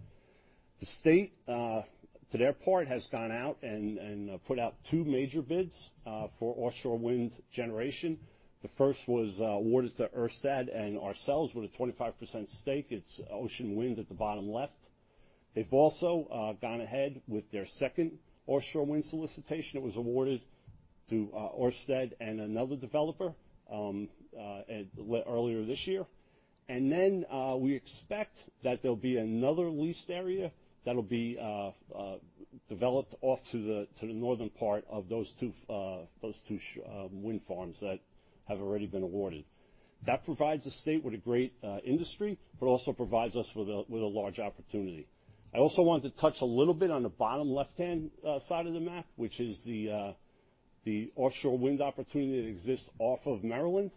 The state, to their part, has gone out and put out two major bids for offshore wind generation. The first was awarded to Ørsted and ourselves with a 25% stake. It's Ocean Wind at the bottom left. They've also gone ahead with their second offshore wind solicitation. It was awarded to Ørsted and another developer earlier this year. We expect that there'll be another leased area that'll be developed off to the northern part of those two wind farms that have already been awarded. That provides the state with a great industry, but also provides us with a large opportunity. I also wanted to touch a little bit on the bottom left-hand side of the map, which is the offshore wind opportunity that exists off of Maryland,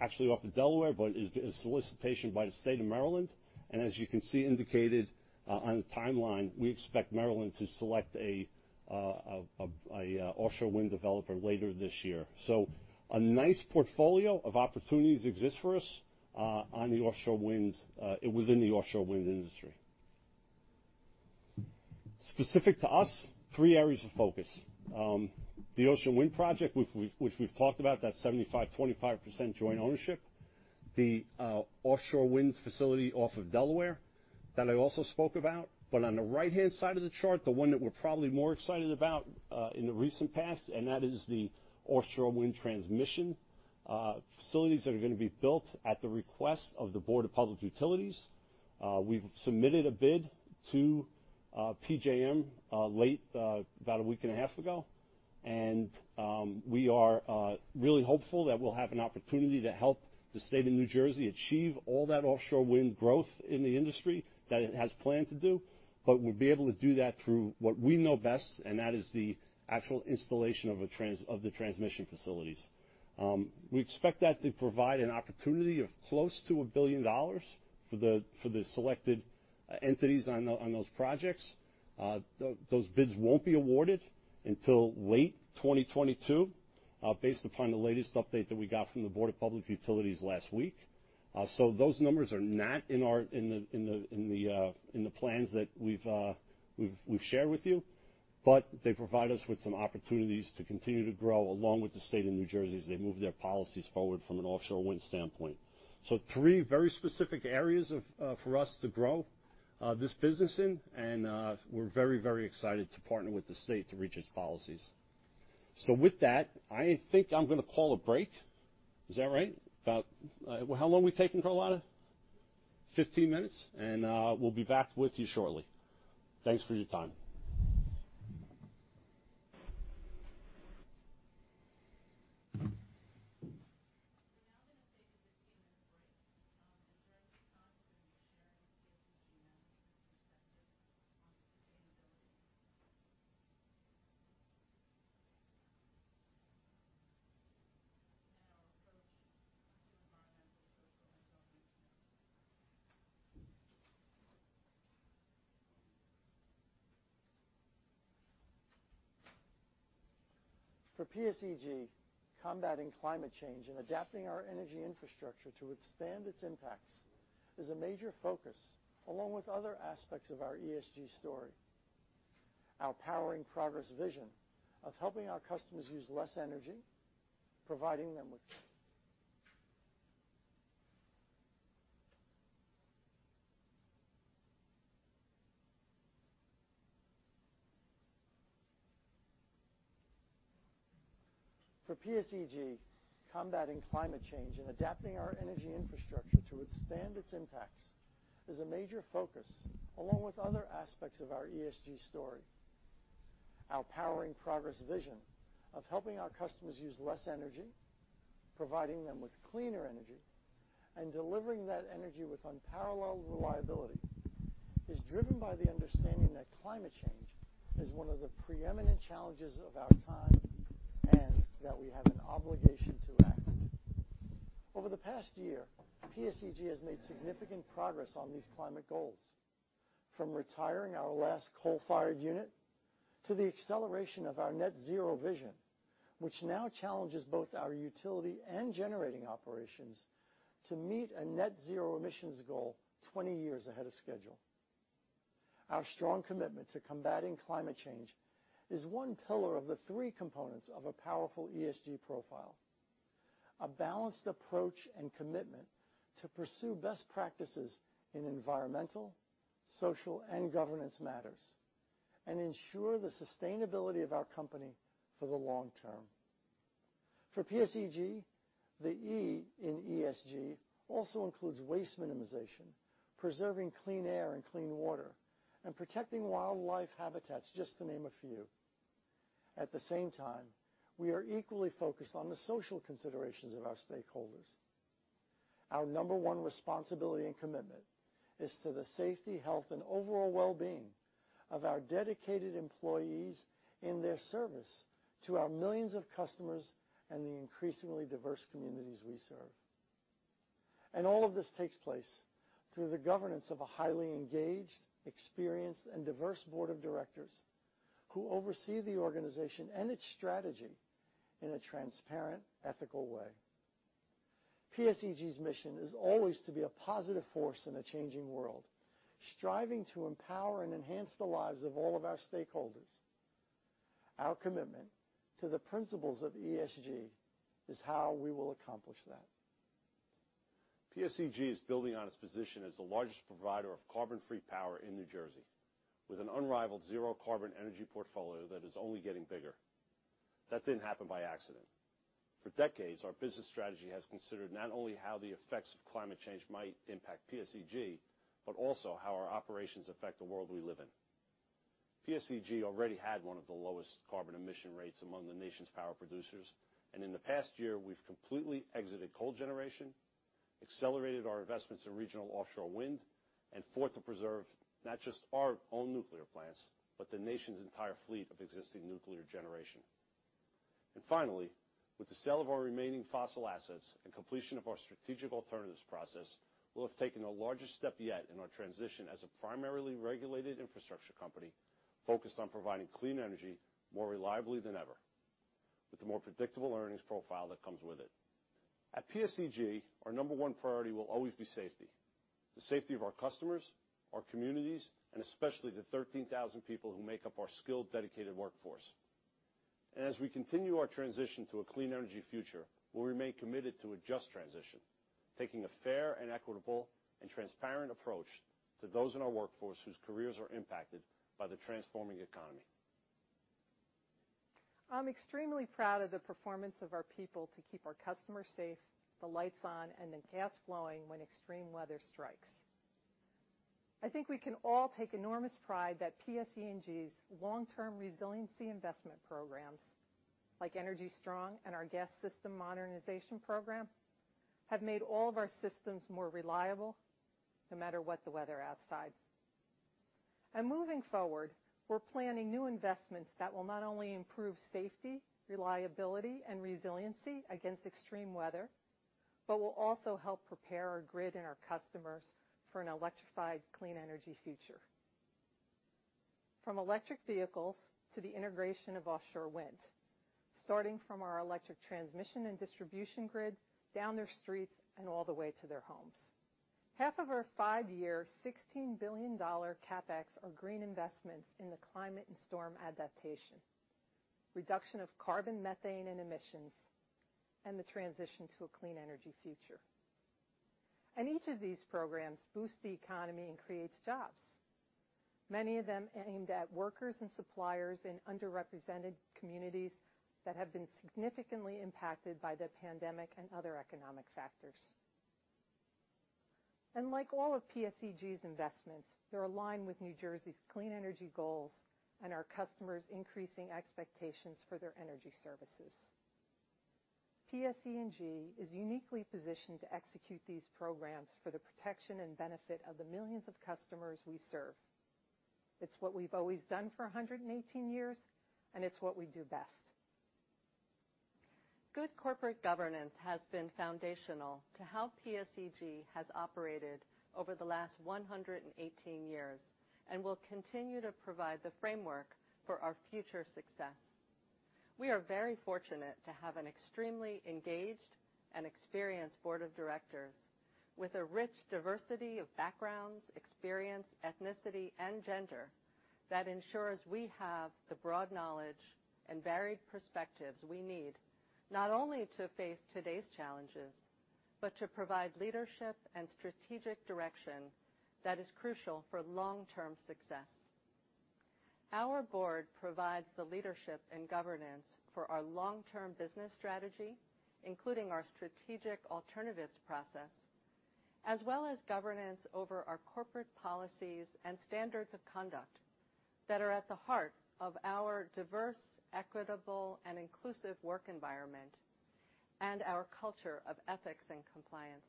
actually off of Delaware, but is a solicitation by the state of Maryland. As you can see indicated on the timeline, we expect Maryland to select a offshore wind developer later this year. A nice portfolio of opportunities exist for us within the offshore wind industry. Specific to us, three areas of focus. The Ocean Wind project, which we've talked about, that 75/25% joint ownership, the offshore wind facility off of Delaware that I also spoke about, but on the right-hand side of the chart, the one that we're probably more excited about in the recent past, and that is the offshore wind transmission facilities that are going to be built at the request of the Board of Public Utilities. We've submitted a bid to PJM late, about a week and a half ago. We are really hopeful that we'll have an opportunity to help the state of New Jersey achieve all that offshore wind growth in the industry that it has planned to do, but we'll be able to do that through what we know best, and that is the actual installation of the transmission facilities. We expect that to provide an opportunity of close to $1 billion for the selected entities on those projects. Those bids won't be awarded until late 2022, based upon the latest update that we got from the Board of Public Utilities last week. Those numbers are not in the plans that we've shared with you, but they provide us with some opportunities to continue to grow along with the state of New Jersey as they move their policies forward from an offshore wind standpoint. Three very specific areas for us to grow this business in and we're very excited to partner with the state to reach its policies. With that, I think I'm going to call a break. Is that right? How long are we taking, Carlotta? 15 minutes, and we'll be back with you shortly. Thanks for your time. We're now going to take a 15-minute break. During this time, we're going to be sharing PSEG's views and perspectives on sustainability and our approach to environmental, social, and governance matters. For PSEG, combating climate change and adapting our energy infrastructure to withstand its impacts is a major focus along with other aspects of our ESG story. Our powering progress vision of helping our customers use less energy, providing them with cleaner energy, and delivering that energy with unparalleled reliability is driven by the understanding that climate change is one of the preeminent challenges of our time, and that we have an obligation to act. Over the past year, PSEG has made significant progress on these climate goals, from retiring our last coal-fired unit to the acceleration of our net zero vision, which now challenges both our utility and generating operations to meet a Net Zero Emissions Goal 20 years ahead of schedule. Our strong commitment to combating climate change is one pillar of the three components of a powerful ESG profile, a balanced approach and commitment to pursue best practices in environmental, social, and governance matters, and ensure the sustainability of our company for the long term. For PSEG, the E in ESG also includes waste minimization, preserving clean air and clean water, and protecting wildlife habitats, just to name a few. At the same time, we are equally focused on the social considerations of our stakeholders. Our number one responsibility and commitment is to the safety, health, and overall well-being of our dedicated employees in their service to our millions of customers and the increasingly diverse communities we serve. All of this takes place through the governance of a highly engaged, experienced, and diverse board of directors who oversee the organization and its strategy in a transparent, ethical way. PSEG's mission is always to be a positive force in a changing world, striving to empower and enhance the lives of all of our stakeholders. Our commitment to the principles of ESG is how we will accomplish that. PSEG is building on its position as the largest provider of carbon-free power in New Jersey, with an unrivaled zero carbon energy portfolio that is only getting bigger. That didn't happen by accident. For decades, our business strategy has considered not only how the effects of climate change might impact PSEG, but also how our operations affect the world we live in. PSEG already had one of the lowest carbon emission rates among the nation's power producers, and in the past year, we've completely exited coal generation, accelerated our investments in regional offshore wind, and fought to preserve not just our own nuclear plants, but the nation's entire fleet of existing nuclear generation. Finally, with the sale of our remaining fossil assets and completion of our strategic alternatives process, we'll have taken the largest step yet in our transition as a primarily regulated infrastructure company focused on providing clean energy more reliably than ever, with the more predictable earnings profile that comes with it. At PSEG, our number one priority will always be safety, the safety of our customers, our communities, and especially the 13,000 people who make up our skilled, dedicated workforce. As we continue our transition to a Clean Energy Future, we'll remain committed to a just transition, taking a fair and equitable and transparent approach to those in our workforce whose careers are impacted by the transforming economy. I'm extremely proud of the performance of our people to keep our customers safe, the lights on, and the gas flowing when extreme weather strikes. I think we can all take enormous pride that PSEG's long-term resiliency investment programs, like Energy Strong and our Gas System Modernization program, have made all of our systems more reliable no matter what the weather outside. Moving forward, we're planning new investments that will not only improve safety, reliability, and resiliency against extreme weather, but will also help prepare our grid and our customers for an electrified, Clean Energy Future. From electric vehicles to the integration of offshore wind, starting from our electric transmission and distribution grid, down their streets, and all the way to their homes. Half of our 5-year, $16 billion CapEx are green investments in the climate and storm adaptation, reduction of carbon, methane, and emissions, and the transition to a Clean Energy Future. Each of these programs boosts the economy and creates jobs, many of them aimed at workers and suppliers in underrepresented communities that have been significantly impacted by the pandemic and other economic factors. Like all of PSEG's investments, they're aligned with New Jersey's clean energy goals and our customers' increasing expectations for their energy services. PSEG is uniquely positioned to execute these programs for the protection and benefit of the millions of customers we serve. It's what we've always done for 118 years, and it's what we do best. Good corporate governance has been foundational to how PSEG has operated over the last 118 years and will continue to provide the framework for our future success. We are very fortunate to have an extremely engaged and experienced board of directors with a rich diversity of backgrounds, experience, ethnicity, and gender that ensures we have the broad knowledge and varied perspectives we need, not only to face today's challenges, but to provide leadership and strategic direction that is crucial for long-term success. Our board provides the leadership and governance for our long-term business strategy, including our strategic alternatives process, as well as governance over our corporate policies and standards of conduct that are at the heart of our diverse, equitable, and inclusive work environment and our culture of ethics and compliance.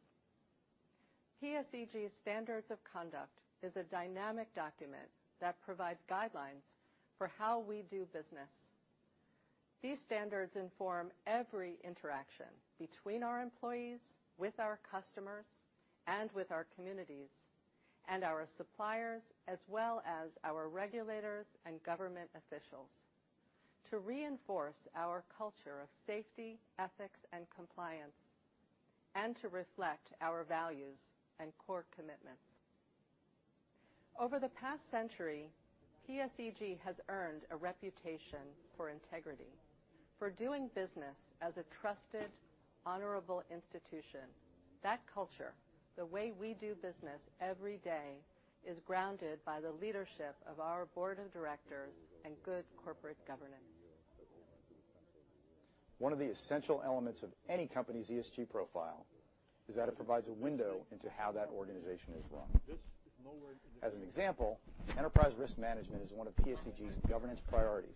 PSEG's standards of conduct is a dynamic document that provides guidelines for how we do business. These standards inform every interaction between our employees, with our customers, and with our communities, and our suppliers, as well as our regulators and government officials to reinforce our culture of safety, ethics, and compliance, and to reflect our values and core commitments. Over the past century, PSEG has earned a reputation for integrity, for doing business as a trusted, honorable institution. That culture, the way we do business every day, is grounded by the leadership of our board of directors and good corporate governance. One of the essential elements of any company's ESG profile is that it provides a window into how that organization is run. As an example, enterprise risk management is one of PSEG's governance priorities,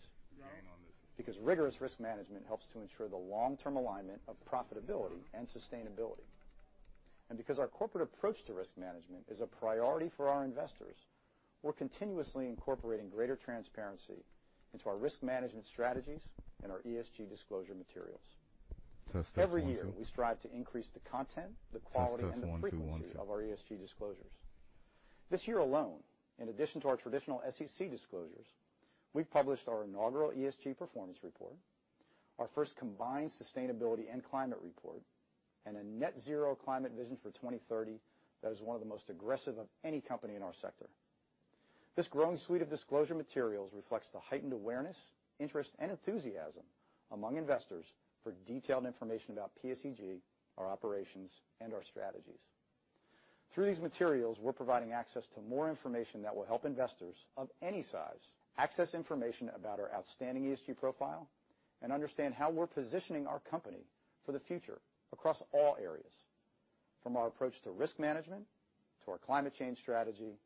because rigorous risk management helps to ensure the long-term alignment of profitability and sustainability. Because our corporate approach to risk management is a priority for our investors, we're continuously incorporating greater transparency into our risk management strategies and our ESG disclosure materials. Every year, we strive to increase the content, the quality, and the frequency of our ESG disclosures. This year alone, in addition to our traditional SEC disclosures, we've published our inaugural ESG performance report, our first combined sustainability and climate report, and a net zero climate vision for 2030 that is one of the most aggressive of any company in our sector. This growing suite of disclosure materials reflects the heightened awareness, interest, and enthusiasm among investors for detailed information about PSEG, our operations, and our strategies. Through these materials, we're providing access to more information that will help investors of any size access information about our outstanding ESG profile and understand how we're positioning our company for the future across all areas. From our approach to risk management, to our climate change strategy,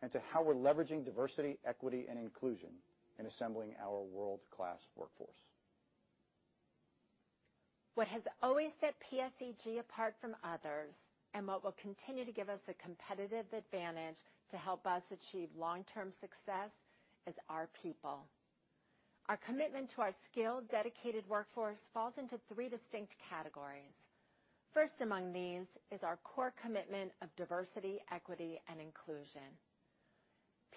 and to how we're leveraging diversity, equity, and inclusion in assembling our world-class workforce. What has always set PSEG apart from others, and what will continue to give us the competitive advantage to help us achieve long-term success, is our people. Our commitment to our skilled, dedicated workforce falls into three distinct categories. First among these is our core commitment of diversity, equity, and inclusion.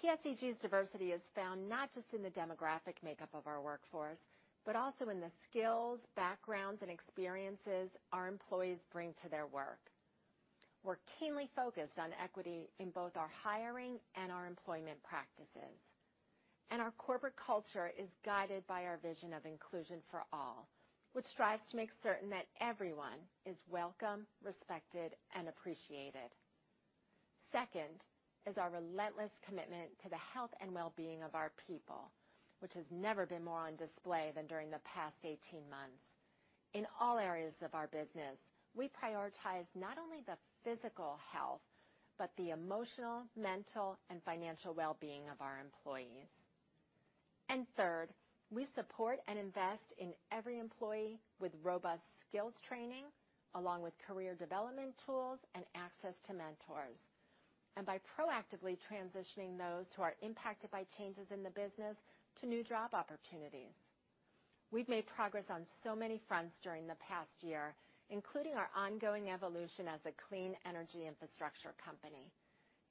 PSEG's diversity is found not just in the demographic makeup of our workforce, but also in the skills, backgrounds, and experiences our employees bring to their work. We're keenly focused on equity in both our hiring and our employment practices. Our corporate culture is guided by our vision of inclusion for all, which strives to make certain that everyone is welcome, respected, and appreciated. Second is our relentless commitment to the health and well-being of our people, which has never been more on display than during the past 18 months. In all areas of our business, we prioritize not only the physical health but the emotional, mental, and financial well-being of our employees. Third, we support and invest in every employee with robust skills training, along with career development tools and access to mentors, and by proactively transitioning those who are impacted by changes in the business to new job opportunities. We've made progress on so many fronts during the past year, including our ongoing evolution as a clean energy infrastructure company.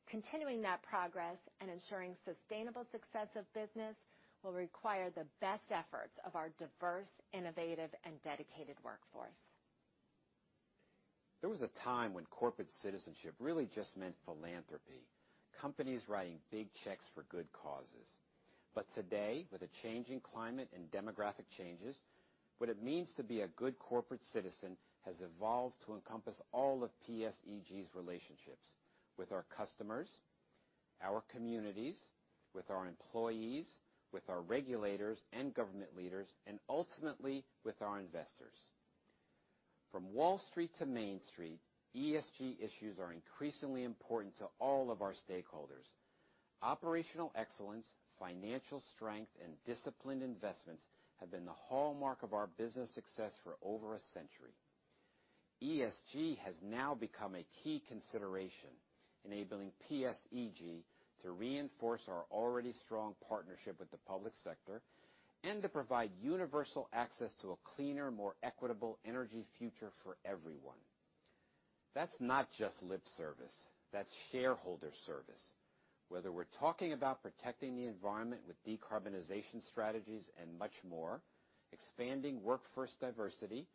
Continuing that progress and ensuring sustainable success of business will require the best efforts of our diverse, innovative, and dedicated workforce. There was a time when corporate citizenship really just meant philanthropy, companies writing big checks for good causes. Today, with a changing climate and demographic changes, what it means to be a good corporate citizen has evolved to encompass all of PSEG's relationships with our customers, our communities, with our employees, with our regulators and government leaders, and ultimately, with our investors. From Wall Street to Main Street, ESG issues are increasingly important to all of our stakeholders. Operational excellence, financial strength, and disciplined investments have been the hallmark of our business success for over a century. ESG has now become a key consideration, enabling PSEG to reinforce our already strong partnership with the public sector and to provide universal access to a cleaner, more equitable energy future for everyone. That's not just lip service. That's shareholder service. Whether we're talking about protecting the environment with decarbonization strategies and much more, expanding workforce diversity,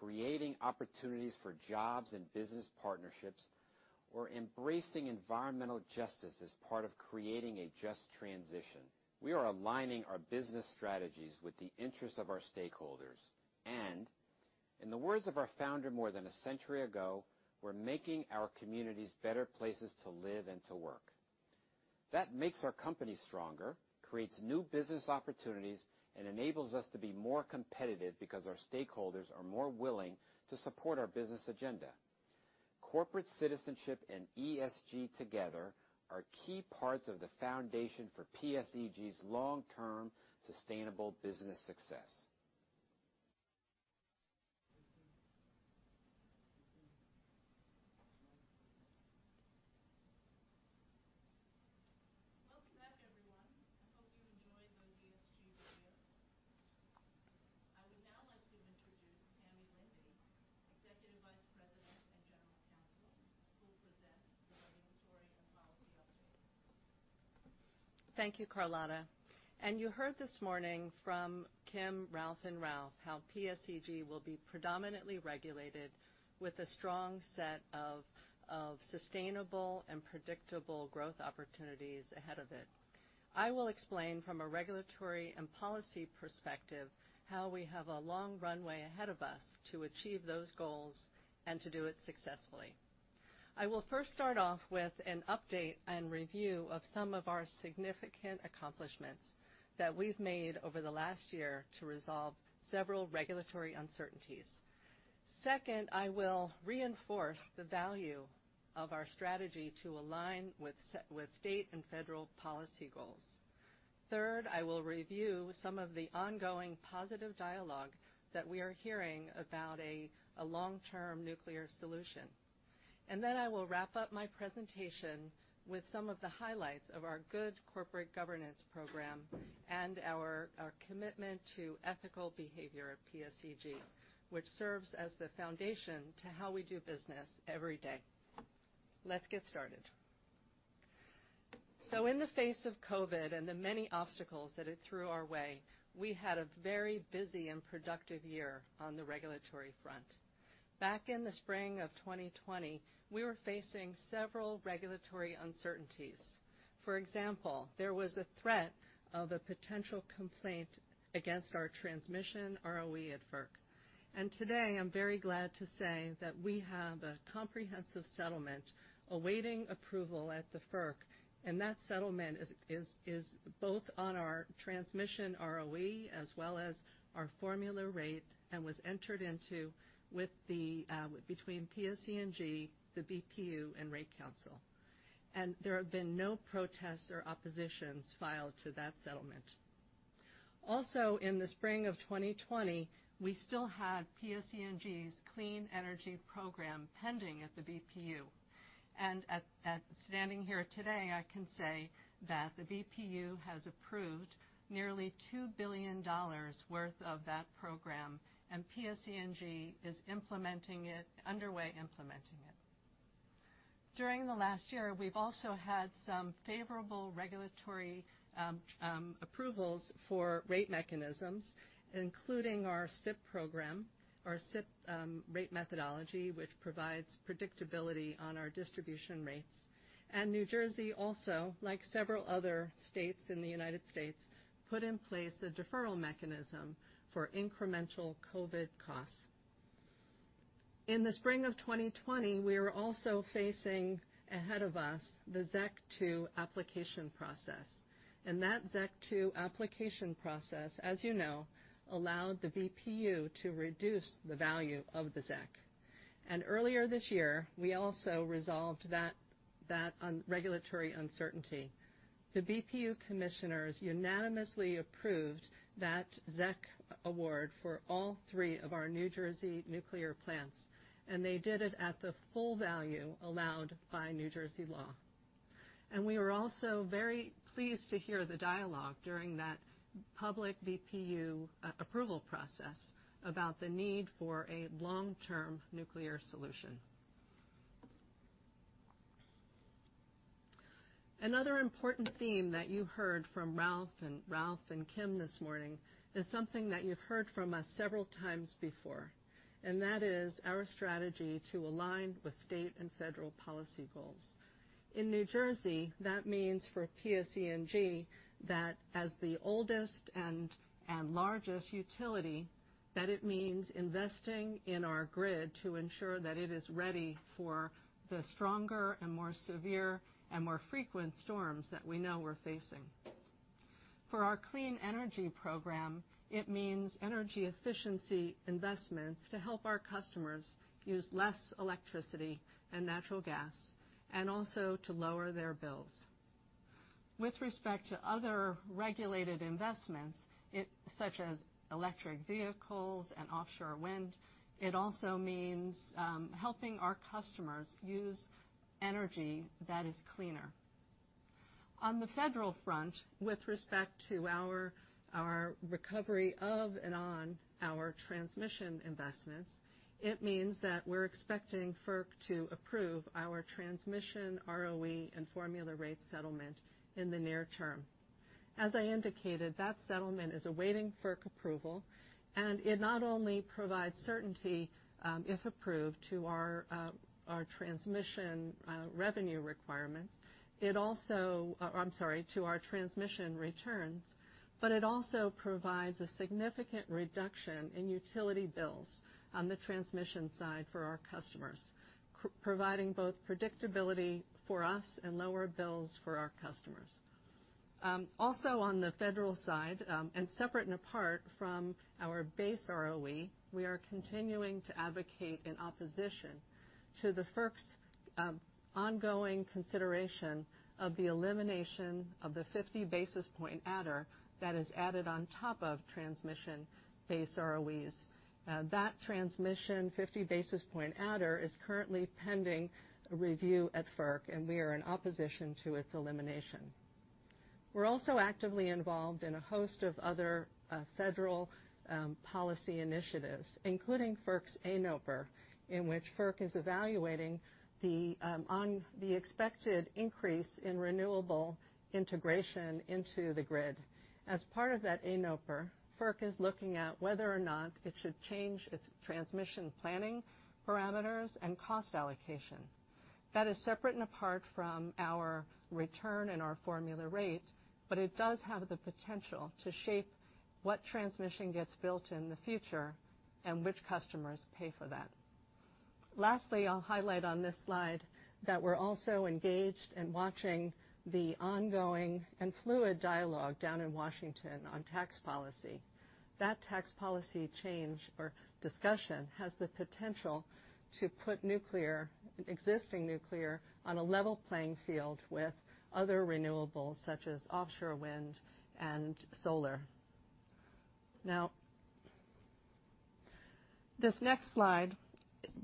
creating opportunities for jobs and business partnerships, or embracing environmental justice as part of creating a just transition, we are aligning our business strategies with the interests of our stakeholders. In the words of our founder more than a century ago, we're making our communities better places to live and to work. That makes our company stronger, creates new business opportunities, and enables us to be more competitive because our stakeholders are more willing to support our business agenda. Corporate citizenship and ESG together are key parts of the foundation for PSEG's long-term sustainable business success. Welcome back, everyone. I hope you enjoyed those ESG videos. I would now like to introduce Tammy Linde, Executive Vice President and General Counsel, who will present the regulatory and policy update. Thank you, Carlotta. You heard this morning from Kim, Ralph, and Ralph how PSEG will be predominantly regulated with a strong set of sustainable and predictable growth opportunities ahead of it. I will explain from a regulatory and policy perspective how we have a long runway ahead of us to achieve those goals and to do it successfully. I will first start off with an update and review of some of our significant accomplishments that we've made over the last year to resolve several regulatory uncertainties. Second, I will reinforce the value of our strategy to align with state and federal policy goals. Third, I will review some of the ongoing positive dialogue that we are hearing about a long-term nuclear solution. I will wrap up my presentation with some of the highlights of our good corporate governance program and our commitment to ethical behavior at PSEG, which serves as the foundation to how we do business every day. Let's get started. In the face of COVID and the many obstacles that it threw our way, we had a very busy and productive year on the regulatory front. Back in the spring of 2020, we were facing several regulatory uncertainties. For example, there was a threat of a potential complaint against our transmission ROE at FERC. Today, I'm very glad to say that we have a comprehensive settlement awaiting approval at the FERC, that settlement is both on our transmission ROE as well as our formula rate, and was entered into between PSE&G, the BPU, and Rate Counsel. There have been no protests or oppositions filed to that settlement. Also in the spring of 2020, we still had PSEG's clean energy program pending at the BPU. Standing here today, I can say that the BPU has approved nearly $2 billion worth of that program, and PSEG is underway implementing it. During the last year, we've also had some favorable regulatory approvals for rate mechanisms, including our CIP program, our CIP rate methodology, which provides predictability on our distribution rates. New Jersey also, like several other states in the U.S., put in place a deferral mechanism for incremental COVID costs. In the spring of 2020, we were also facing ahead of us the ZEC two application process. That ZEC two application process, as you know, allowed the BPU to reduce the value of the ZEC. Earlier this year, we also resolved that regulatory uncertainty. The BPU commissioners unanimously approved that ZEC award for all three of our New Jersey nuclear plants. They did it at the full value allowed by New Jersey law. We were also very pleased to hear the dialogue during that public BPU approval process about the need for a long-term nuclear solution. Another important theme that you heard from Ralph and Kim this morning is something that you've heard from us several times before. That is our strategy to align with state and federal policy goals. In New Jersey, that means for PSEG, that as the oldest and largest utility, that it means investing in our grid to ensure that it is ready for the stronger and more severe and more frequent storms that we know we're facing. For our clean energy program, it means energy efficiency investments to help our customers use less electricity and natural gas, and also to lower their bills. With respect to other regulated investments, such as electric vehicles and offshore wind, it also means helping our customers use energy that is cleaner. On the federal front, with respect to our recovery of and on our transmission investments, it means that we're expecting FERC to approve our transmission ROE and formula rate settlement in the near term. As I indicated, that settlement is awaiting FERC approval, and it not only provides certainty, if approved, to our transmission revenue requirements, I'm sorry, to our transmission returns, but it also provides a significant reduction in utility bills on the transmission side for our customers, providing both predictability for us and lower bills for our customers. Also on the federal side, and separate and apart from our base ROE, we are continuing to advocate in opposition to the FERC's ongoing consideration of the elimination of the 50 basis point adder that is added on top of transmission-based ROEs. That transmission 50 basis point adder is currently pending review at FERC, and we are in opposition to its elimination. We're also actively involved in a host of other federal policy initiatives, including FERC's ANOPR, in which FERC is evaluating the expected increase in renewable integration into the grid. As part of that ANOPR, FERC is looking at whether or not it should change its transmission planning parameters and cost allocation. That is separate and apart from our return and our formula rate, but it does have the potential to shape what transmission gets built in the future and which customers pay for that. Lastly, I'll highlight on this slide that we're also engaged and watching the ongoing and fluid dialogue down in Washington on tax policy. That tax policy change or discussion has the potential to put existing nuclear on a level playing field with other renewables such as offshore wind and solar. This next slide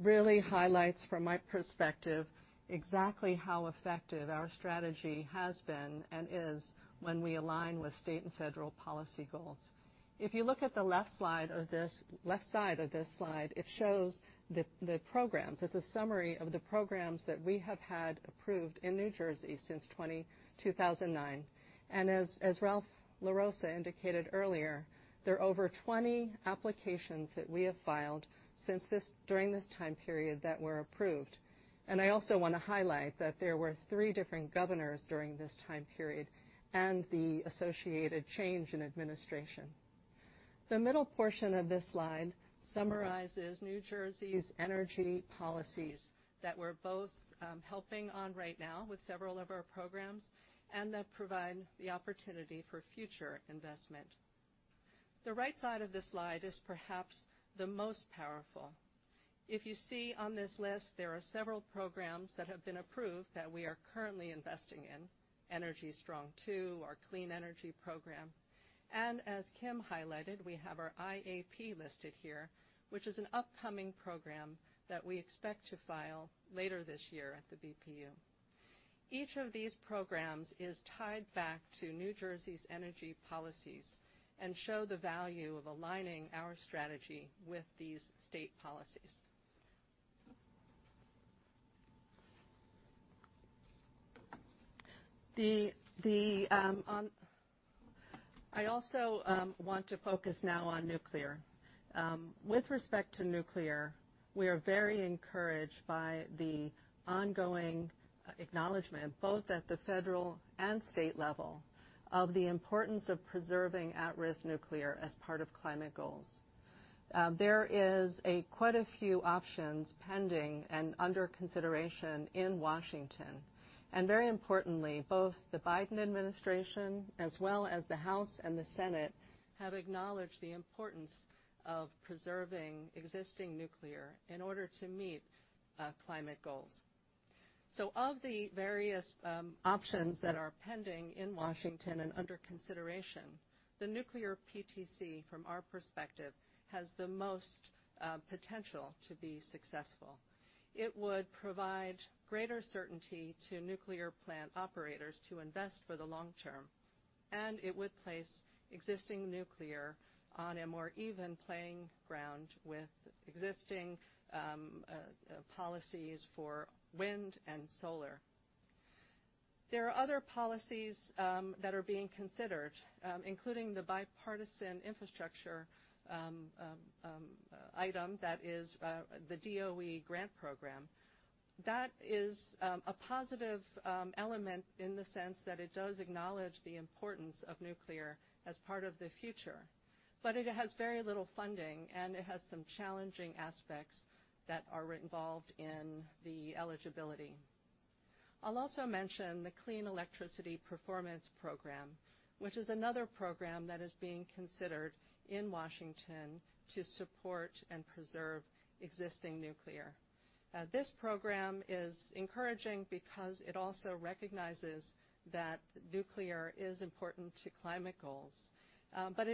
really highlights, from my perspective, exactly how effective our strategy has been and is when we align with state and federal policy goals. If you look at the left side of this slide, it shows the programs. It's a summary of the programs that we have had approved in New Jersey since 2009. As Ralph LaRossa indicated earlier, there are over 20 applications that we have filed during this time period that were approved. I also want to highlight that there were three different governors during this time period and the associated change in administration. The middle portion of this slide summarizes New Jersey's energy policies that we're both helping on right now with several of our programs and that provide the opportunity for future investment. The right side of this slide is perhaps the most powerful. If you see on this list, there are several programs that have been approved that we are currently investing in, Energy Strong II, our Clean Energy Future program, and as Kim highlighted, we have our IAP listed here, which is an upcoming program that we expect to file later this year at the BPU. Each of these programs is tied back to New Jersey's energy policies and show the value of aligning our strategy with these state policies. I also want to focus now on nuclear. With respect to nuclear, we are very encouraged by the ongoing acknowledgement, both at the federal and state level, of the importance of preserving at-risk nuclear as part of climate goals. There is quite a few options pending and under consideration in Washington. Very importantly, both the Biden administration, as well as the House and the Senate, have acknowledged the importance of preserving existing nuclear in order to meet climate goals. Of the various options that are pending in Washington and under consideration, the nuclear PTC, from our perspective, has the most potential to be successful. It would provide greater certainty to nuclear plant operators to invest for the long term, and it would place existing nuclear on a more even playing ground with existing policies for wind and solar. There are other policies that are being considered, including the bipartisan infrastructure item that is the DOE grant program. That is a positive element in the sense that it does acknowledge the importance of nuclear as part of the future. It has very little funding, and it has some challenging aspects that are involved in the eligibility. I'll also mention the Clean Electricity Performance Program, which is another program that is being considered in Washington to support and preserve existing nuclear. It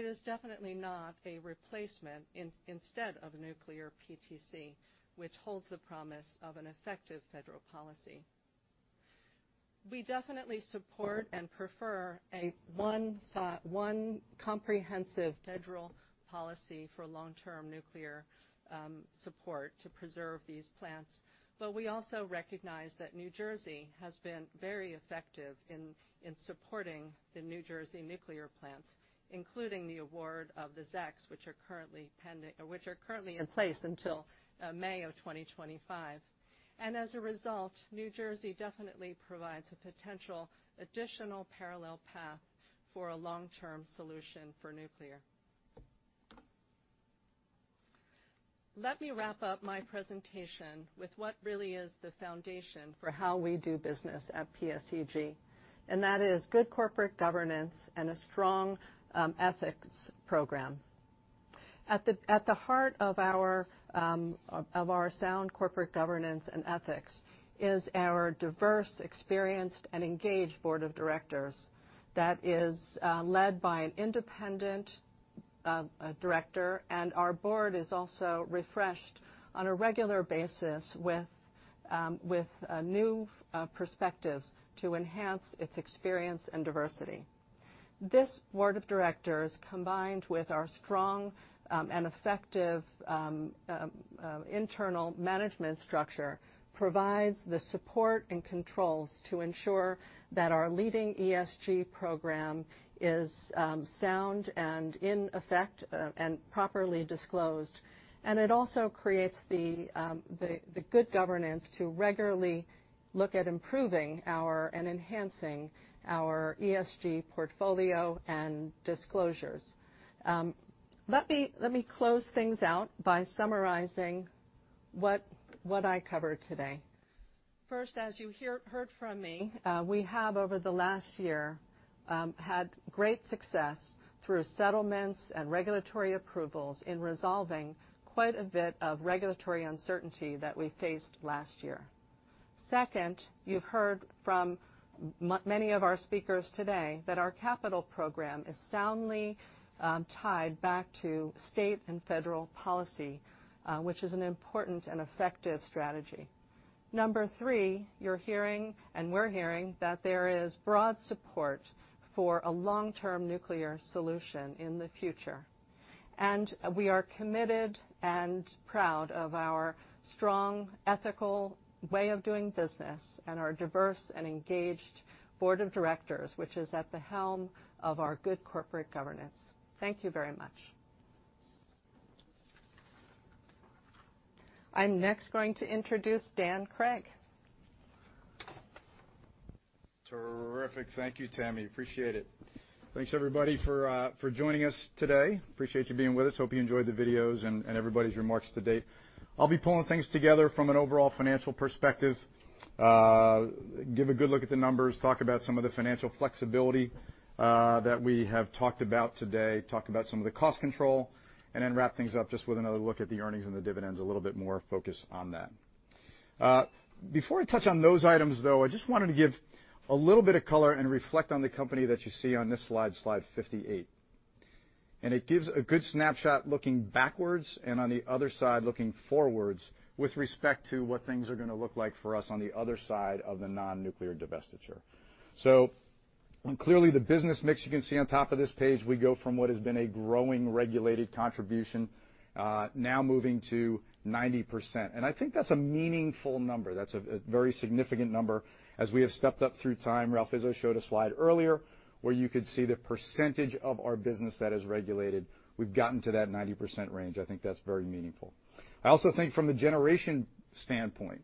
is definitely not a replacement instead of nuclear PTC, which holds the promise of an effective federal policy. We definitely support and prefer a one comprehensive federal policy for long-term nuclear support to preserve these plants. We also recognize that New Jersey has been very effective in supporting the New Jersey nuclear plants, including the award of the ZECs, which are currently in place until May of 2025. As a result, New Jersey definitely provides a potential additional parallel path for a long-term solution for nuclear. Let me wrap up my presentation with what really is the foundation for how we do business at PSEG. That is good corporate governance and a strong ethics program. At the heart of our sound corporate governance and ethics is our diverse, experienced, and engaged board of directors that is led by an independent director. Our board is also refreshed on a regular basis with new perspectives to enhance its experience and diversity. This board of directors, combined with our strong and effective internal management structure, provides the support and controls to ensure that our leading ESG program is sound and in effect and properly disclosed. It also creates the good governance to regularly look at improving and enhancing our ESG portfolio and disclosures. Let me close things out by summarizing what I covered today. First, as you heard from me, we have over the last year had great success through settlements and regulatory approvals in resolving quite a bit of regulatory uncertainty that we faced last year. Second, you've heard from many of our speakers today that our capital program is soundly tied back to state and federal policy, which is an important and effective strategy. Number three, you're hearing, and we're hearing, that there is broad support for a long-term nuclear solution in the future. We are committed and proud of our strong, ethical way of doing business and our diverse and engaged board of directors, which is at the helm of our good corporate governance. Thank you very much. I'm next going to introduce Dan Cregg Terrific. Thank you, Tammy. Appreciate it. Thanks everybody for joining us today. Appreciate you being with us. Hope you enjoyed the videos and everybody's remarks to date. I'll be pulling things together from an overall financial perspective, give a good look at the numbers, talk about some of the financial flexibility that we have talked about today, talk about some of the cost control, and then wrap things up just with another look at the earnings and the dividends, a little bit more focus on that. Before I touch on those items though, I just wanted to give a little bit of color and reflect on the company that you see on this slide 58. It gives a good snapshot looking backwards and on the other side, looking forwards with respect to what things are going to look like for us on the other side of the non-nuclear divestiture. Clearly, the business mix you can see on top of this page, we go from what has been a growing regulated contribution, now moving to 90%. I think that's a meaningful number. That's a very significant number as we have stepped up through time. Ralph Izzo showed a slide earlier where you could see the percentage of our business that is regulated. We've gotten to that 90% range. I think that's very meaningful. I also think from the generation standpoint,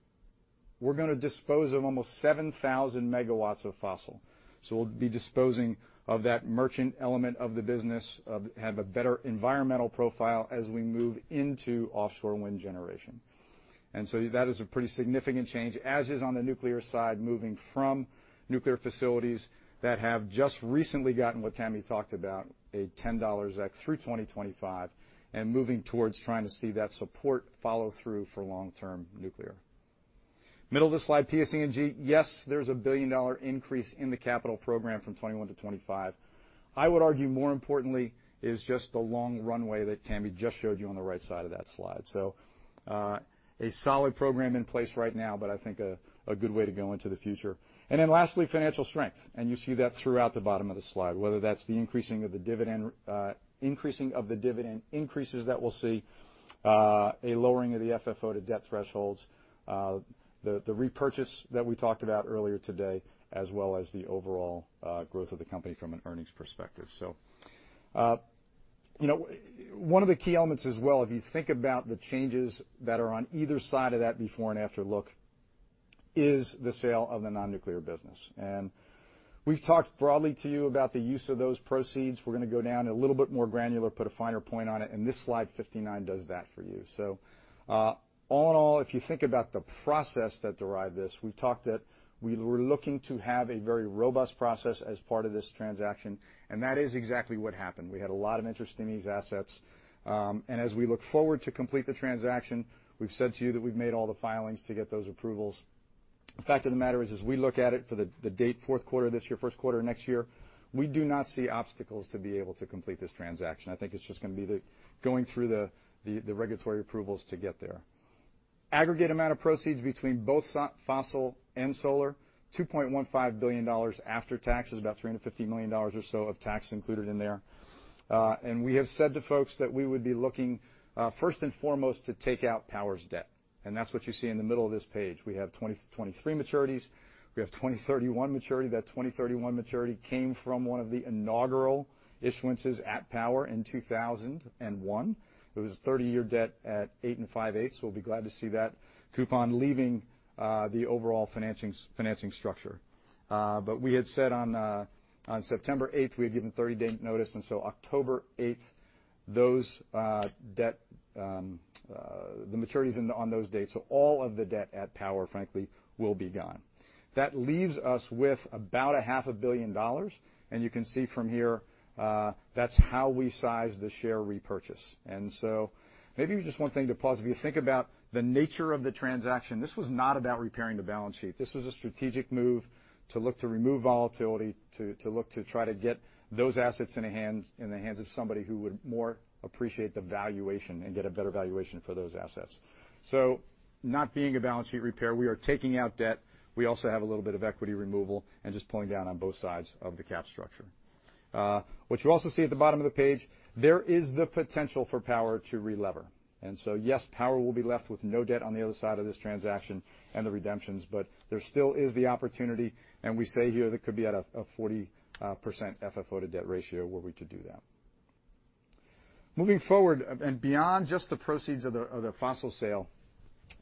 we're going to dispose of almost 7,000MW of fossil. We'll be disposing of that merchant element of the business, have a better environmental profile as we move into offshore wind generation. That is a pretty significant change, as is on the nuclear side, moving from nuclear facilities that have just recently gotten what Tammy Linde talked about, a $10 ZEC through 2025, and moving towards trying to see that support follow through for long-term nuclear. Middle of the slide, PSE&G. Yes, there is a billion-dollar increase in the capital program from 2021 to 2025. I would argue more importantly is just the long runway that Tammy Linde just showed you on the right side of that slide. A solid program in place right now, but I think a good way to go into the future. Lastly, financial strength. You see that throughout the bottom of the slide, whether that's the increasing of the dividend increases that we'll see, a lowering of the FFO-to-debt thresholds, the repurchase that we talked about earlier today, as well as the overall growth of the company from an earnings perspective. One of the key elements as well, if you think about the changes that are on either side of that before and after look, is the sale of the non-nuclear business. We've talked broadly to you about the use of those proceeds. We're going to go down a little bit more granular, put a finer point on it, and this slide 59 does that for you. All in all, if you think about the process that derived this, we talked that we were looking to have a very robust process as part of this transaction, and that is exactly what happened. We had a lot of interest in these assets. As we look forward to complete the transaction, we've said to you that we've made all the filings to get those approvals. The fact of the matter is, as we look at it for the date fourth quarter this year, first quarter next year, we do not see obstacles to be able to complete this transaction. I think it's just going to be the going through the regulatory approvals to get there. Aggregate amount of proceeds between both fossil and solar, $2.15 billion after tax. There's about $350 million or so of tax included in there. We have said to folks that we would be looking, first and foremost, to take out Power's debt, and that's what you see in the middle of this page. We have 2023 maturities. We have 2031 maturity. That 2031 maturity came from one of the inaugural issuances at Power in 2001. It was a 30-year debt at eight and five-eighths. We'll be glad to see that coupon leaving the overall financing structure. We had said on September 8th, we had given 30-day notice, October 8th, the maturities on those dates. All of the debt at Power, frankly, will be gone. That leaves us with about a half a billion dollars, and you can see from here, that's how we size the share repurchase. Maybe just one thing to pause. If you think about the nature of the transaction, this was not about repairing the balance sheet. This was a strategic move to look to remove volatility, to look to try to get those assets in the hands of somebody who would more appreciate the valuation and get a better valuation for those assets. Not being a balance sheet repair, we are taking out debt. We also have a little bit of equity removal and just pulling down on both sides of the cap structure. What you also see at the bottom of the page, there is the potential for Power to relever. Yes, Power will be left with no debt on the other side of this transaction and the redemptions, but there still is the opportunity, and we say here that could be at a 40% FFO-to-debt ratio were we to do that. Moving forward and beyond just the proceeds of the fossil sale,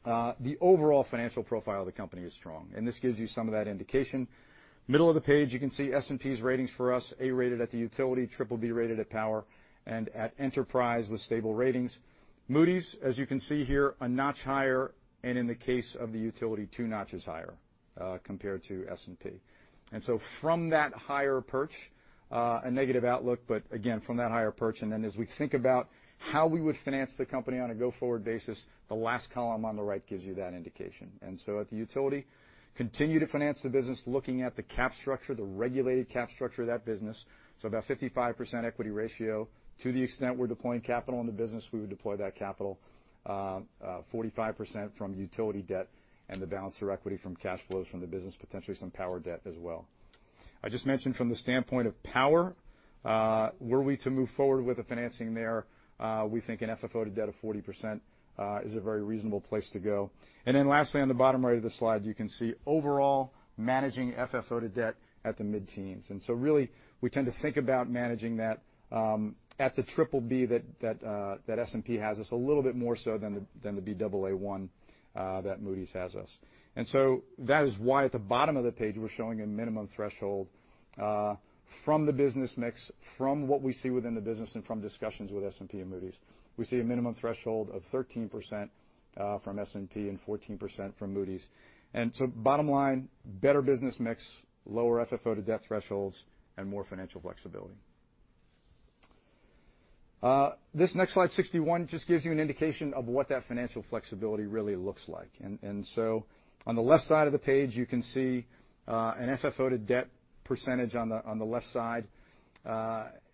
the overall financial profile of the company is strong, and this gives you some of that indication. Middle of the page, you can see S&P's ratings for us, A-rated at the utility, BBB rated at Power, and at Enterprise with stable ratings. Moody's, as you can see here, a notch higher, and in the case of the utility, two notches higher compared to S&P. From that higher perch, a negative outlook, but again, from that higher perch, as we think about how we would finance the company on a go-forward basis, the last column on the right gives you that indication. At the utility, continue to finance the business looking at the cap structure, the regulated cap structure of that business. About 55% equity ratio. To the extent we're deploying capital in the business, we would deploy that capital, 45% from utility debt and the balance through equity from cash flows from the business, potentially some Power debt as well. I just mentioned from the standpoint of Power, were we to move forward with the financing there, we think an FFO-to-debt of 40% is a very reasonable place to go. Lastly, on the bottom right of the slide, you can see overall managing FFO-to-debt at the mid-teens. Really, we tend to think about managing that at the BBB that S&P has us a little bit more so than the Baa1 that Moody's has us. That is why at the bottom of the page, we're showing a minimum threshold from the business mix, from what we see within the business, and from discussions with S&P and Moody's. We see a minimum threshold of 13% from S&P and 14% from Moody's. Bottom line, better business mix, lower FFO-to-debt thresholds, and more financial flexibility. This next slide, 61, just gives you an indication of what that financial flexibility really looks like. On the left side of the page, you can see an FFO-to-debt percentage on the left side.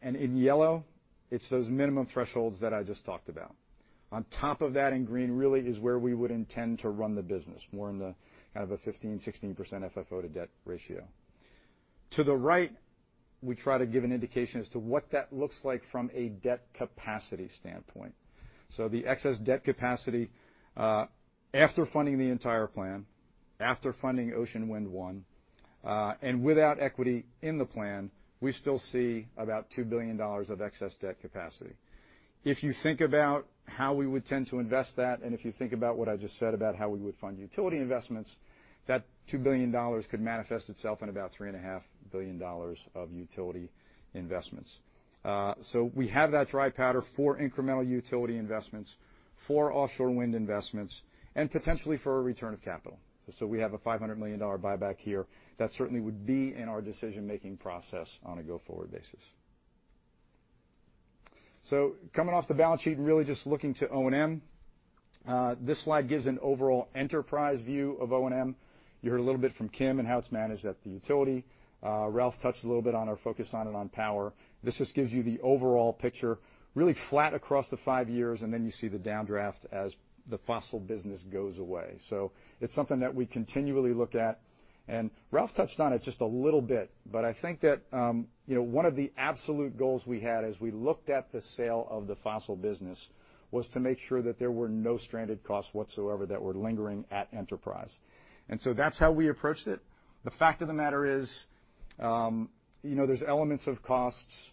In yellow, it's those minimum thresholds that I just talked about. On top of that, in green, really is where we would intend to run the business, more in the kind of a 15%-16% FFO-to-debt ratio. To the right, we try to give an indication as to what that looks like from a debt capacity standpoint. The excess debt capacity, after funding the entire plan, after funding Ocean Wind 1, and without equity in the plan, we still see about $2 billion of excess debt capacity. If you think about how we would tend to invest that, and if you think about what I just said about how we would fund utility investments, that $2 billion could manifest itself in about $3.5 billion of utility investments. We have that dry powder for incremental utility investments, for offshore wind investments, and potentially for a return of capital. We have a $500 million buyback here that certainly would be in our decision-making process on a go-forward basis. Coming off the balance sheet and really just looking to O&M. This slide gives an overall enterprise view of O&M. You heard a little bit from Kim and how it's managed at the utility. Ralph touched a little bit on our focus on it on power. This just gives you the overall picture, really flat across the five years, and then you see the downdraft as the fossil business goes away. It's something that we continually look at, and Ralph touched on it just a little bit, but I think that one of the absolute goals we had as we looked at the sale of the fossil business was to make sure that there were no stranded costs whatsoever that were lingering at enterprise. That's how we approached it. The fact of the matter is there's elements of costs,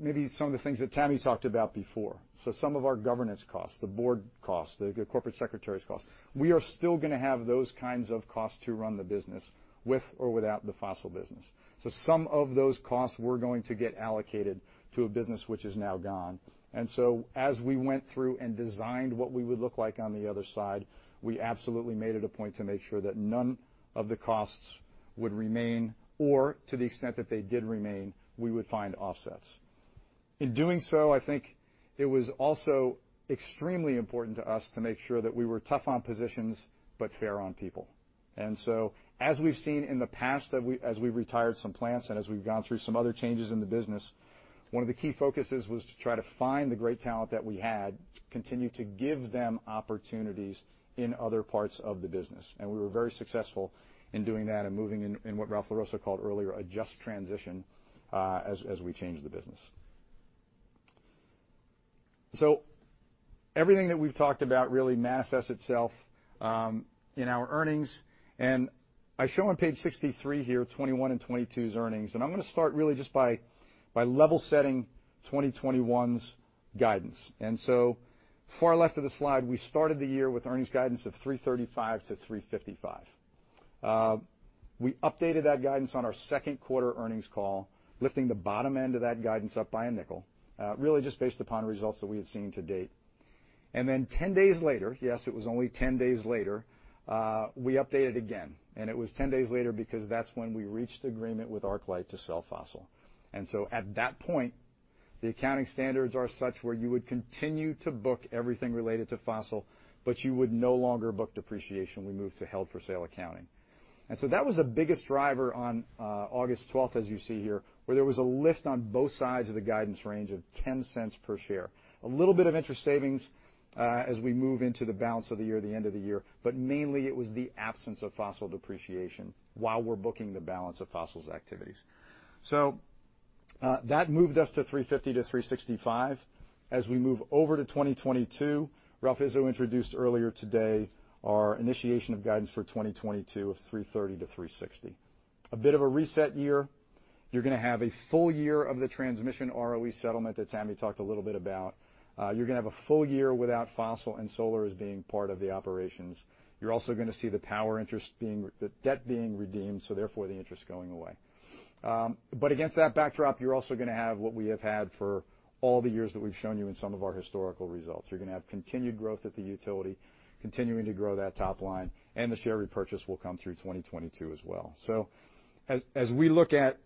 maybe some of the things that Tammy talked about before. Some of our governance costs, the board costs, the corporate secretary's costs. We are still going to have those kinds of costs to run the business with or without the fossil business. Some of those costs were going to get allocated to a business which is now gone. As we went through and designed what we would look like on the other side, we absolutely made it a point to make sure that none of the costs would remain or to the extent that they did remain, we would find offsets. In doing so, I think it was also extremely important to us to make sure that we were tough on positions but fair on people. As we've seen in the past, as we retired some plants and as we've gone through some other changes in the business, one of the key focuses was to try to find the great talent that we had, continue to give them opportunities in other parts of the business. We were very successful in doing that and moving in what Ralph LaRossa called earlier, a just transition, as we changed the business. Everything that we've talked about really manifests itself in our earnings. I show on page 63 here 2021 and 2022's earnings, and I'm going to start really just by level setting 2021's guidance. Far left of the slide, we started the year with earnings guidance of $335 to $355. We updated that guidance on our second quarter earnings call, lifting the bottom end of that guidance up by $0.05, really just based upon results that we had seen to date. Then 10 days later, yes, it was only 10 days later, we updated again, it was 10 days later because that's when we reached agreement with ArcLight to sell fossil. So at that point, the accounting standards are such where you would continue to book everything related to fossil, but you would no longer book depreciation. We moved to held for sale accounting. So that was the biggest driver on August 12th, as you see here, where there was a lift on both sides of the guidance range of $0.10 per share. A little bit of interest savings as we move into the balance of the year, the end of the year. Mainly it was the absence of fossil depreciation while we're booking the balance of fossil's activities. That moved us to $3.50-$3.65. We move over to 2022, Ralph Izzo introduced earlier today our initiation of guidance for 2022 of $3.30-$3.60. A bit of a reset year. You're going to have a full year of the transmission ROE settlement that Tammy talked a little bit about. You're going to have a full year without fossil and solar as being part of the operations. You're also going to see the power interest, the debt being redeemed, so therefore the interest going away. Against that backdrop, you're also going to have what we have had for all the years that we've shown you in some of our historical results. You're going to have continued growth at the utility, continuing to grow that top line, and the share repurchase will come through 2022 as well. As we look at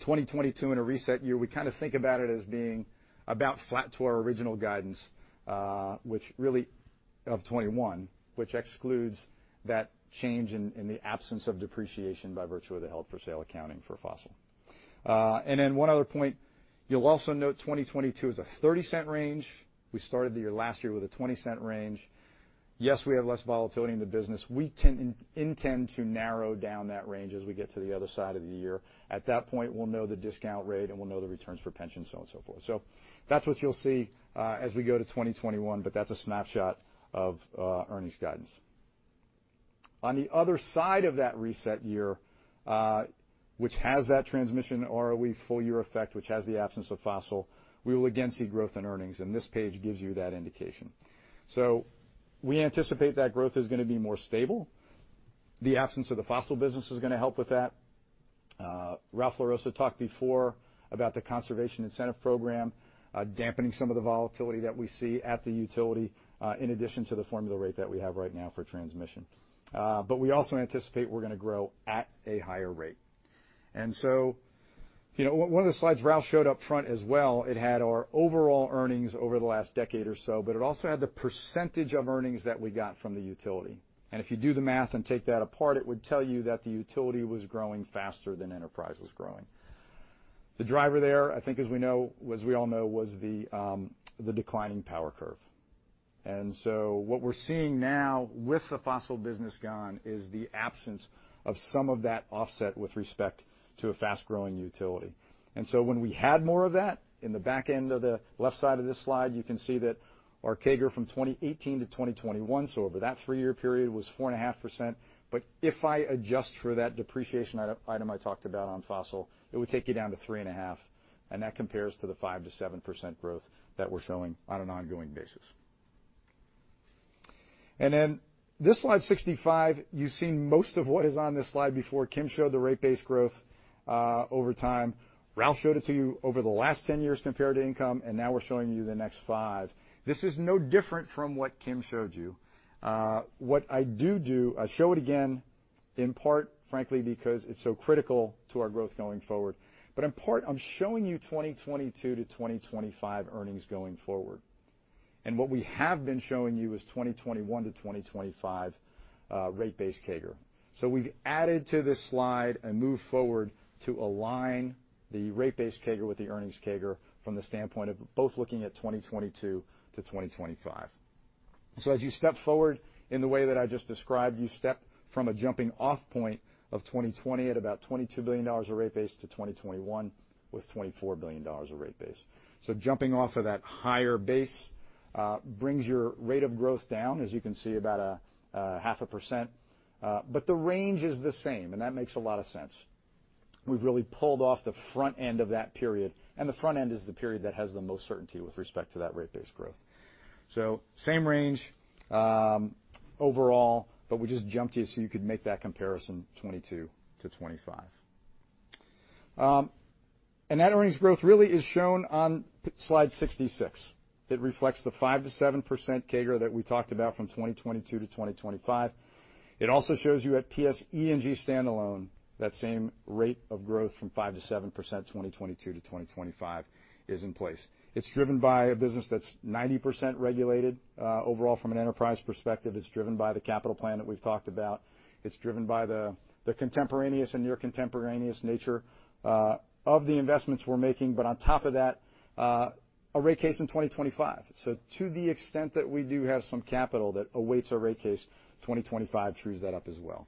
2022 in a reset year, we kind of think about it as being about flat to our original guidance, which really of 2021, which excludes that change in the absence of depreciation by virtue of the held for sale accounting for fossil. One other point, you'll also note 2022 is a $0.30 range. We started the year last year with a $0.20 range. Yes, we have less volatility in the business. We intend to narrow down that range as we get to the other side of the year. At that point, we'll know the discount rate, and we'll know the returns for pension, so on, so forth. That's what you'll see as we go to 2021, but that's a snapshot of earnings guidance. On the other side of that reset year, which has that transmission ROE full-year effect, which has the absence of fossil, we will again see growth in earnings, and this page gives you that indication. We anticipate that growth is going to be more stable. The absence of the fossil business is going to help with that. Ralph LaRossa talked before about the conservation incentive program, dampening some of the volatility that we see at the utility, in addition to the formula rate that we have right now for transmission. We also anticipate we're going to grow at a higher rate. One of the slides Ralph showed up front as well, it had our overall earnings over the last decade or so, but it also had the percentage of earnings that we got from the utility. If you do the math and take that apart, it would tell you that the utility was growing faster than enterprise was growing. The driver there, I think as we all know, was the declining power curve. What we're seeing now with the fossil business gone is the absence of some of that offset with respect to a fast-growing utility. When we had more of that, in the back end of the left side of this slide, you can see that our CAGR from 2018-2021, so over that 3-year period, was 4.5%. If I adjust for that depreciation item I talked about on fossil, it would take you down to 3.5%, and that compares to the 5%-7% growth that we're showing on an ongoing basis. This slide 65, you've seen most of what is on this slide before. Kim showed the rate base growth over time. Ralph showed it to you over the last 10 years compared to income, and now we're showing you the next five. This is no different from what Kim showed you. What I do, I show it again, in part, frankly, because it's so critical to our growth going forward. In part, I'm showing you 2022 to 2025 earnings going forward. What we have been showing you is 2021 to 2025 rate base CAGR. We've added to this slide and moved forward to align the rate base CAGR with the earnings CAGR from the standpoint of both looking at 2022-2025. As you step forward in the way that I just described, you step from a jumping-off point of 2020 at about $22 billion of rate base to 2021 with $24 billion of rate base. Jumping off of that higher base brings your rate of growth down, as you can see, about 0.5%. The range is the same, and that makes a lot of sense. We've really pulled off the front end of that period, and the front end is the period that has the most certainty with respect to that rate base growth. Same range overall, but we just jumped you so you could make that comparison 2022-2025. That earnings growth really is shown on slide 66. It reflects the 5%-7% CAGR that we talked about from 2022 to 2025. It also shows you at PSEG standalone, that same rate of growth from 5%-7%, 2022 to 2025 is in place. It's driven by a business that's 90% regulated. Overall, from an enterprise perspective, it's driven by the capital plan that we've talked about. It's driven by the contemporaneous and near contemporaneous nature of the investments we're making. On top of that, a rate case in 2025. To the extent that we do have some capital that awaits a rate case, 2025 trues that up as well.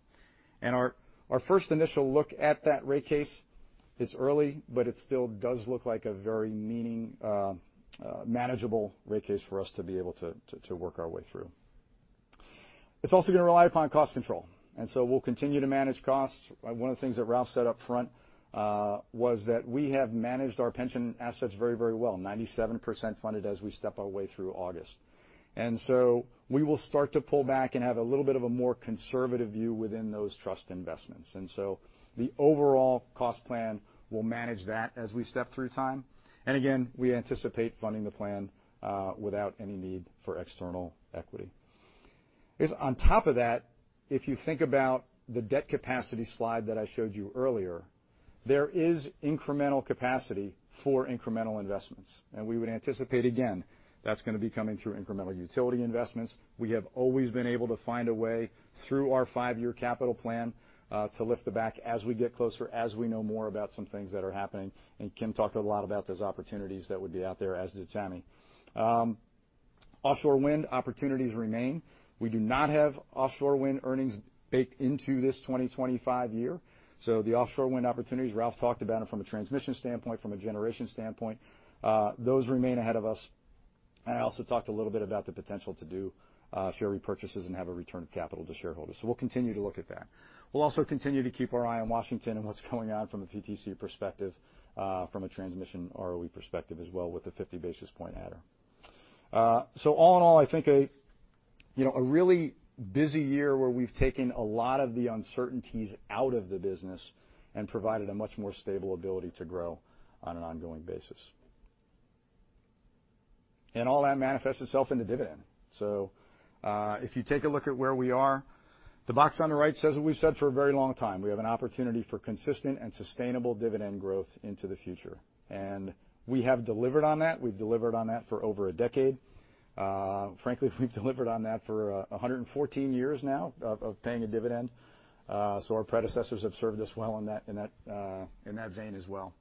Our first initial look at that rate case, it's early, but it still does look like a very manageable rate case for us to be able to work our way through. It's also going to rely upon cost control. We'll continue to manage costs. One of the things that Ralph said up front was that we have managed our pension assets very well, 97% funded as we step our way through August. We will start to pull back and have a little bit of a more conservative view within those trust investments. The overall cost plan will manage that as we step through time. Again, we anticipate funding the plan without any need for external equity. On top of that, if you think about the debt capacity slide that I showed you earlier, there is incremental capacity for incremental investments. We would anticipate, again, that's going to be coming through incremental utility investments. We have always been able to find a way through our 5-year capital plan to lift the back as we get closer, as we know more about some things that are happening. Kim talked a lot about those opportunities that would be out there, as did Tammy. Offshore wind opportunities remain. We do not have offshore wind earnings baked into this 2025 year. The offshore wind opportunities, Ralph talked about them from a transmission standpoint, from a generation standpoint. Those remain ahead of us. I also talked a little bit about the potential to do share repurchases and have a return of capital to shareholders. We'll continue to look at that. We'll also continue to keep our eye on Washington and what's going on from a PTC perspective, from a transmission ROE perspective as well with the 50 basis point adder. All in all, I think a really busy year where we've taken a lot of the uncertainties out of the business and provided a much more stable ability to grow on an ongoing basis. All that manifests itself in the dividend. If you take a look at where we are, the box on the right says what we've said for a very long time. We have an opportunity for consistent and sustainable dividend growth into the future. We have delivered on that. We've delivered on that for over a decade. Frankly, we've delivered on that for 114 years now of paying a dividend. Our predecessors have served us well in that vein as well.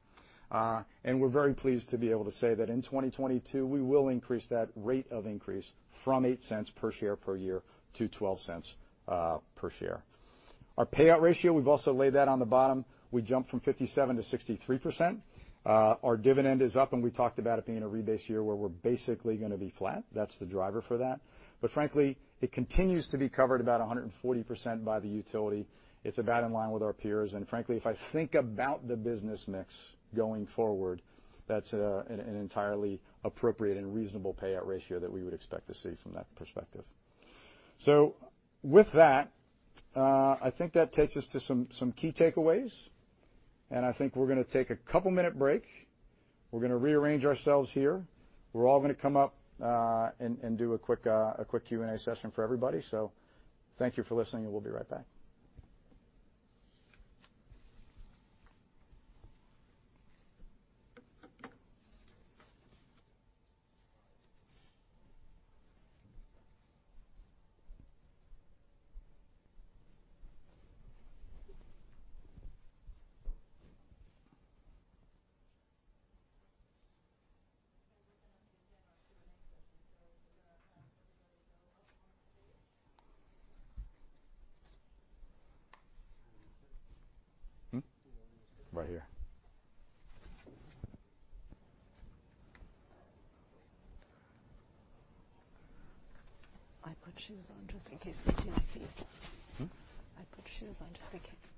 We're very pleased to be able to say that in 2022, we will increase that rate of increase from $0.08 per share per year to $0.12 per share. Our payout ratio, we've also laid that on the bottom. We jumped from 57%-63%. Our dividend is up, and we talked about it being a rebase year where we're basically going to be flat. That's the driver for that. Frankly, it continues to be covered about 140% by the utility. It's about in line with our peers. Frankly, if I think about the business mix going forward, that's an entirely appropriate and reasonable payout ratio that we would expect to see from that perspective. With that, I think that takes us to some key takeaways, and I think we're going to take a 2-minute break. We're going to rearrange ourselves here. We're all going to come up and do a quick Q&A session for everybody. Thank you for listening, and we'll be right back. Right here. I put shoes on just in case they see my feet. I put shoes on just in case.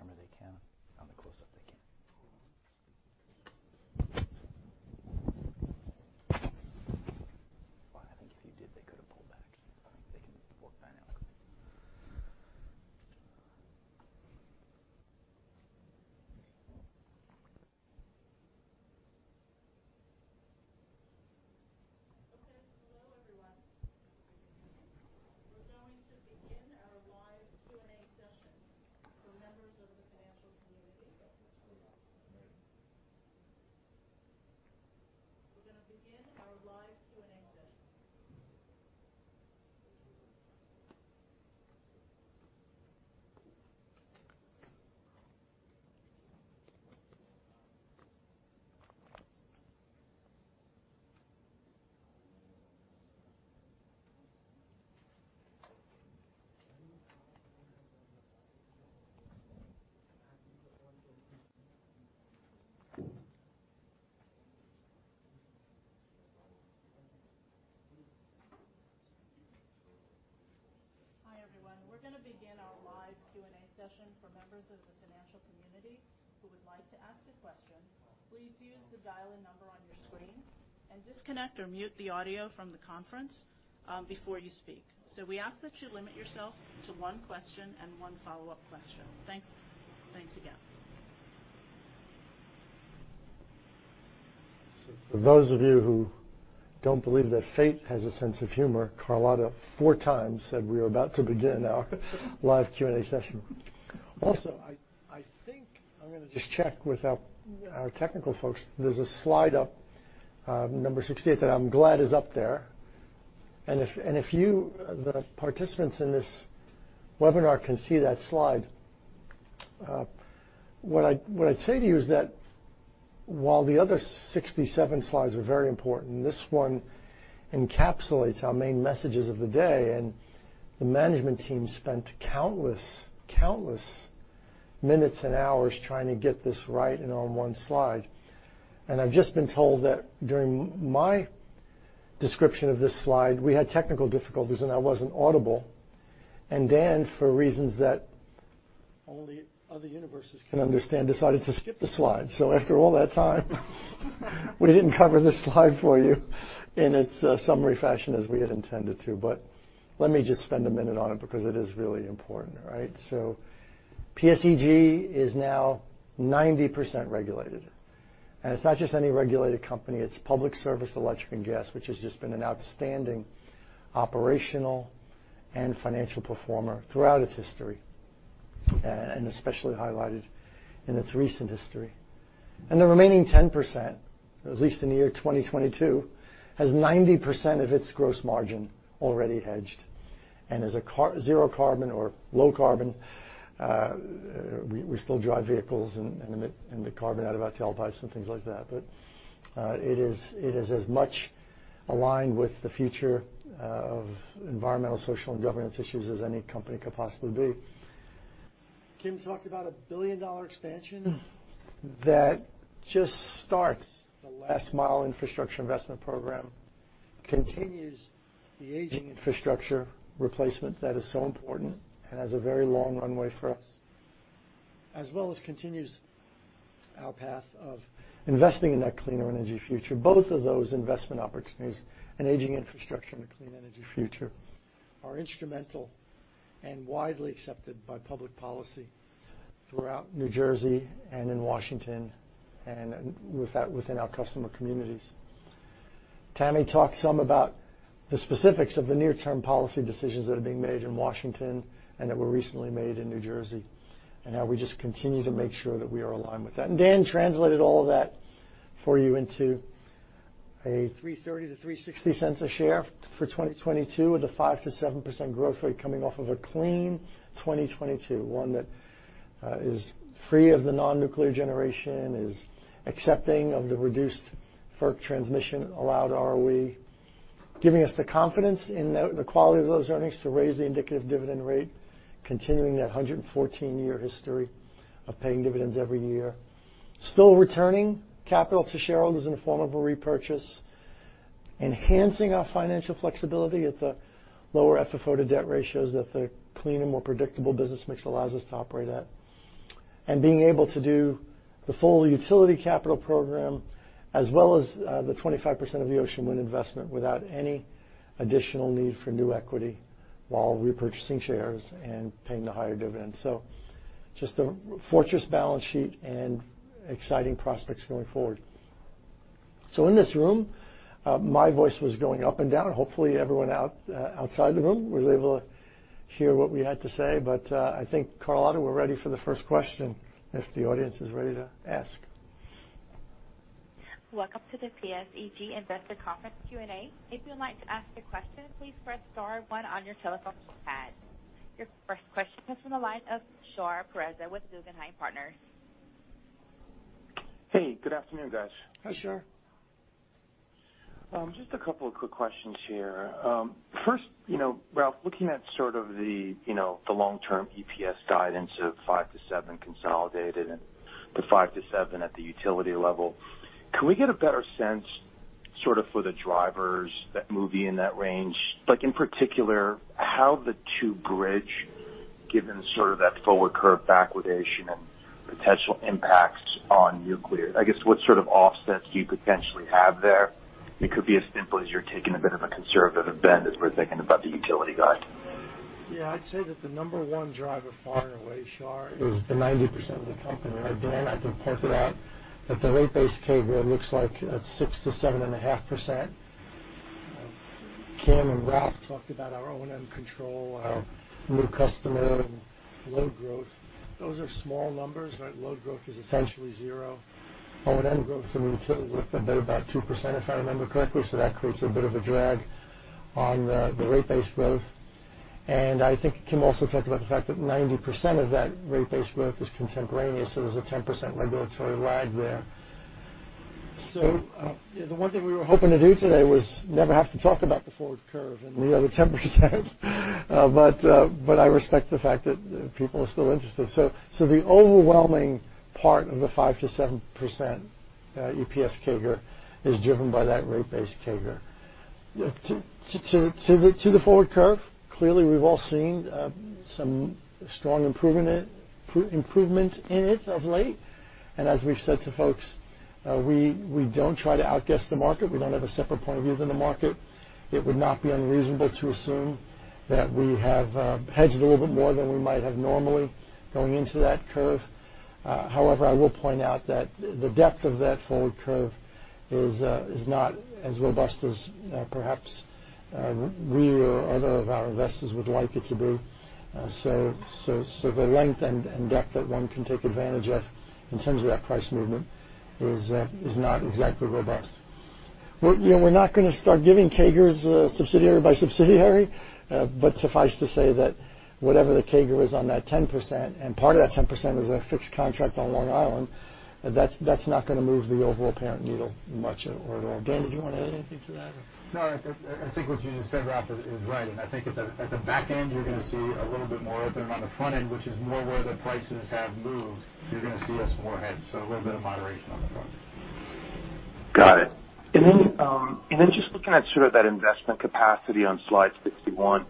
On the wide camera, they can. On the close-up, they can't. Well, I think if you did, they could have pulled back. They can pull back now. Okay. Hello, everyone. We're going to begin our live Q&A session for members of the financial community. We're going to begin our live Q&A session. Hi, everyone. We're going to begin our live Q&A session for members of the financial community who would like to ask a question. Please use the dial-in number on your screen and disconnect or mute the audio from the conference, before you speak. We ask that you limit yourself to one question and one follow-up question. Thanks. Thanks again. For those of you who don't believe that fate has a sense of humor, Carlotta 4x said we are about to begin our live Q&A session. I think I'm going to just check with our technical folks. There's a slide up, number 68, that I'm glad is up there. If you, the participants in this webinar, can see that slide, what I'd say to you is that while the other 67 slides are very important, this one encapsulates our main messages of the day. The management team spent countless minutes and hours trying to get this right and on 1 slide. I've just been told that during my description of this slide, we had technical difficulties, and I wasn't audible. Dan, for reasons that only other universes can understand, decided to skip the slide. After all that time, we didn't cover this slide for you in its summary fashion as we had intended to. Let me just spend a minute on it because it is really important, right? PSEG is now 90% regulated, and it's not just any regulated company, it's Public Service Electric and Gas, which has just been an outstanding operational and financial performer throughout its history. Especially highlighted in its recent history. The remaining 10%, at least in the year 2022, has 90% of its gross margin already hedged and is a zero carbon or low carbon. We still drive vehicles and emit carbon out of our tailpipes and things like that. It is as much aligned with the future of environmental, social, and governance issues as any company could possibly be. Kim talked about a billion-dollar expansion that just starts the last mile infrastructure investment program, continues the aging infrastructure replacement that is so important and has a very long runway for us, as well as continues our path of investing in that Clean Energy Future. Both of those investment opportunities, an aging infrastructure and a Clean Energy Future, are instrumental and widely accepted by public policy throughout New Jersey and in Washington and within our customer communities. Tammy Linde talked some about the specifics of the near-term policy decisions that are being made in Washington and that were recently made in New Jersey, and how we just continue to make sure that we are aligned with that. Dan translated all of that for you into a $3.30-$3.60 a share for 2022, with a 5%-7% growth rate coming off of a clean 2022. One that is free of the non-nuclear generation, is accepting of the reduced FERC transmission allowed ROE, giving us the confidence in the quality of those earnings to raise the indicative dividend rate, continuing that 114-year history of paying dividends every year. Still returning capital to shareholders in the form of a repurchase, enhancing our financial flexibility at the lower FFO-to-debt ratios that the clean and more predictable business mix allows us to operate at. Being able to do the full utility capital program, as well as the 25% of the Ocean Wind investment without any additional need for new equity while repurchasing shares and paying the higher dividends. Just a fortress balance sheet and exciting prospects going forward. In this room, my voice was going up and down. Hopefully, everyone outside the room was able to hear what we had to say. I think, Carlotta, we're ready for the first question if the audience is ready to ask. Welcome to the PSEG Investor Conference Q&A. Your first question comes from the line of Shar Pourreza with Guggenheim Partners. Hey, good afternoon, guys. Hi, Shar. Just a couple of quick questions here. First, Ralph, looking at sort of the long-term EPS guidance of 5-7 consolidated and the 5-7 at the utility level, can we get a better sense sort of for the drivers that move you in that range? In particular, how the 2 bridge, given sort of that forward curve backwardation and potential impacts on nuclear. I guess, what sort of offsets do you potentially have there? It could be as simple as you're taking a bit of a conservative bend as we're thinking about the utility guide. Yeah. I'd say that the number one driver far and away, Shar, is the 90% of the company. Dan, I can point it out, that the rate base CAGR looks like it's 6%-7.5%. Kim and Ralph talked about our O&M control, our new customer, and load growth. Those are small numbers. Load growth is essentially zero. O&M growth in the utility looked a bit about 2%, if I remember correctly. That creates a bit of a drag on the rate base growth. I think Kim also talked about the fact that 90% of that rate base growth is contemporaneous, so there's a 10% regulatory lag there. The one thing we were hoping to do today was never have to talk about the forward curve and the other 10%, but I respect the fact that people are still interested. The overwhelming part of the 5%-7% EPS CAGR is driven by that rate base CAGR. To the forward curve, clearly, we've all seen some strong improvement in it of late. As we've said to folks, we don't try to outguess the market. We don't have a separate point of view than the market. It would not be unreasonable to assume that we have hedged a little bit more than we might have normally going into that curve. However, I will point out that the depth of that forward curve is not as robust as perhaps we or other of our investors would like it to be. The length and depth that one can take advantage of in terms of that price movement is not exactly robust. We're not going to start giving CAGRs subsidiary by subsidiary, but suffice to say that whatever the CAGR is on that 10%, and part of that 10% is a fixed contract on Long Island, that's not going to move the overall parent needle much or at all. Dan, did you want to add anything to that? No. I think what you just said, Ralph, is right. I think at the back end, you're going to see a little bit more of it than on the front end, which is more where the prices have moved, you're going to see us more hedged, so a little bit of moderation on the front end. Got it. Just looking at sort of that investment capacity on slide 61,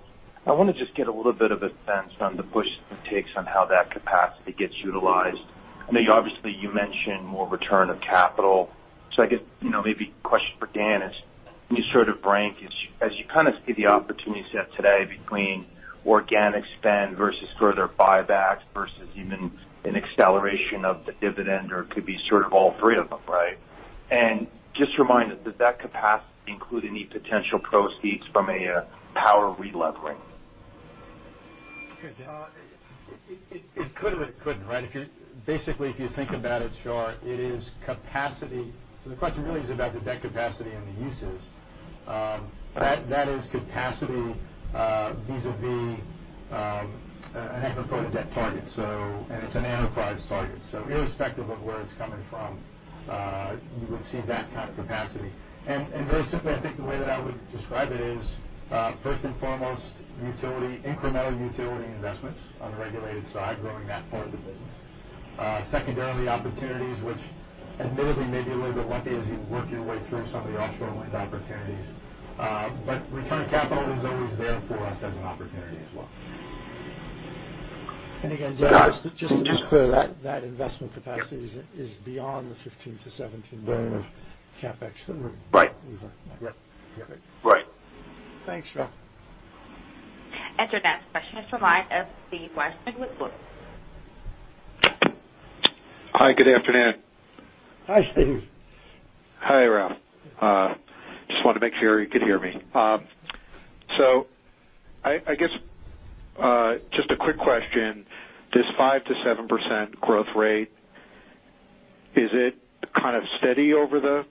I want to just get a little bit of a sense on the push and takes on how that capacity gets utilized. I know, obviously, you mentioned more return of capital. I guess maybe question for Dan is, can you sort of rank, as you kind of see the opportunity set today between organic spend versus further buybacks versus even an acceleration of the dividend, or it could be sort of all 3 of them, right? Just remind us, does that capacity include any potential proceeds from a power relevering? Good. It could, and it couldn't, right? Basically, if you think about it, Shar, it is capacity. The question really is about the debt capacity and the uses. That is capacity vis-a-vis an enterprise debt target. It's an enterprise target, so irrespective of where it's coming from, you would see that kind of capacity. Very simply, I think the way that I would describe it is, first and foremost, utility, incremental utility investments on the regulated side, growing that part of the business. Secondarily, opportunities which admittedly may be a little bit lucky as you work your way through some of the offshore wind opportunities. Return capital is always there for us as an opportunity as well. Again, just to be clear, that investment capacity is beyond the $15 billion-$17 billion of CapEx. Right Great. Right. Thanks, Shar. Your next question is from the line of Steve. Hi, good afternoon. Hi, Steve. Hi, Ralph. Just wanted to make sure you could hear me. I guess, just a quick question. This 5%-7% growth rate, is it kind of steady over the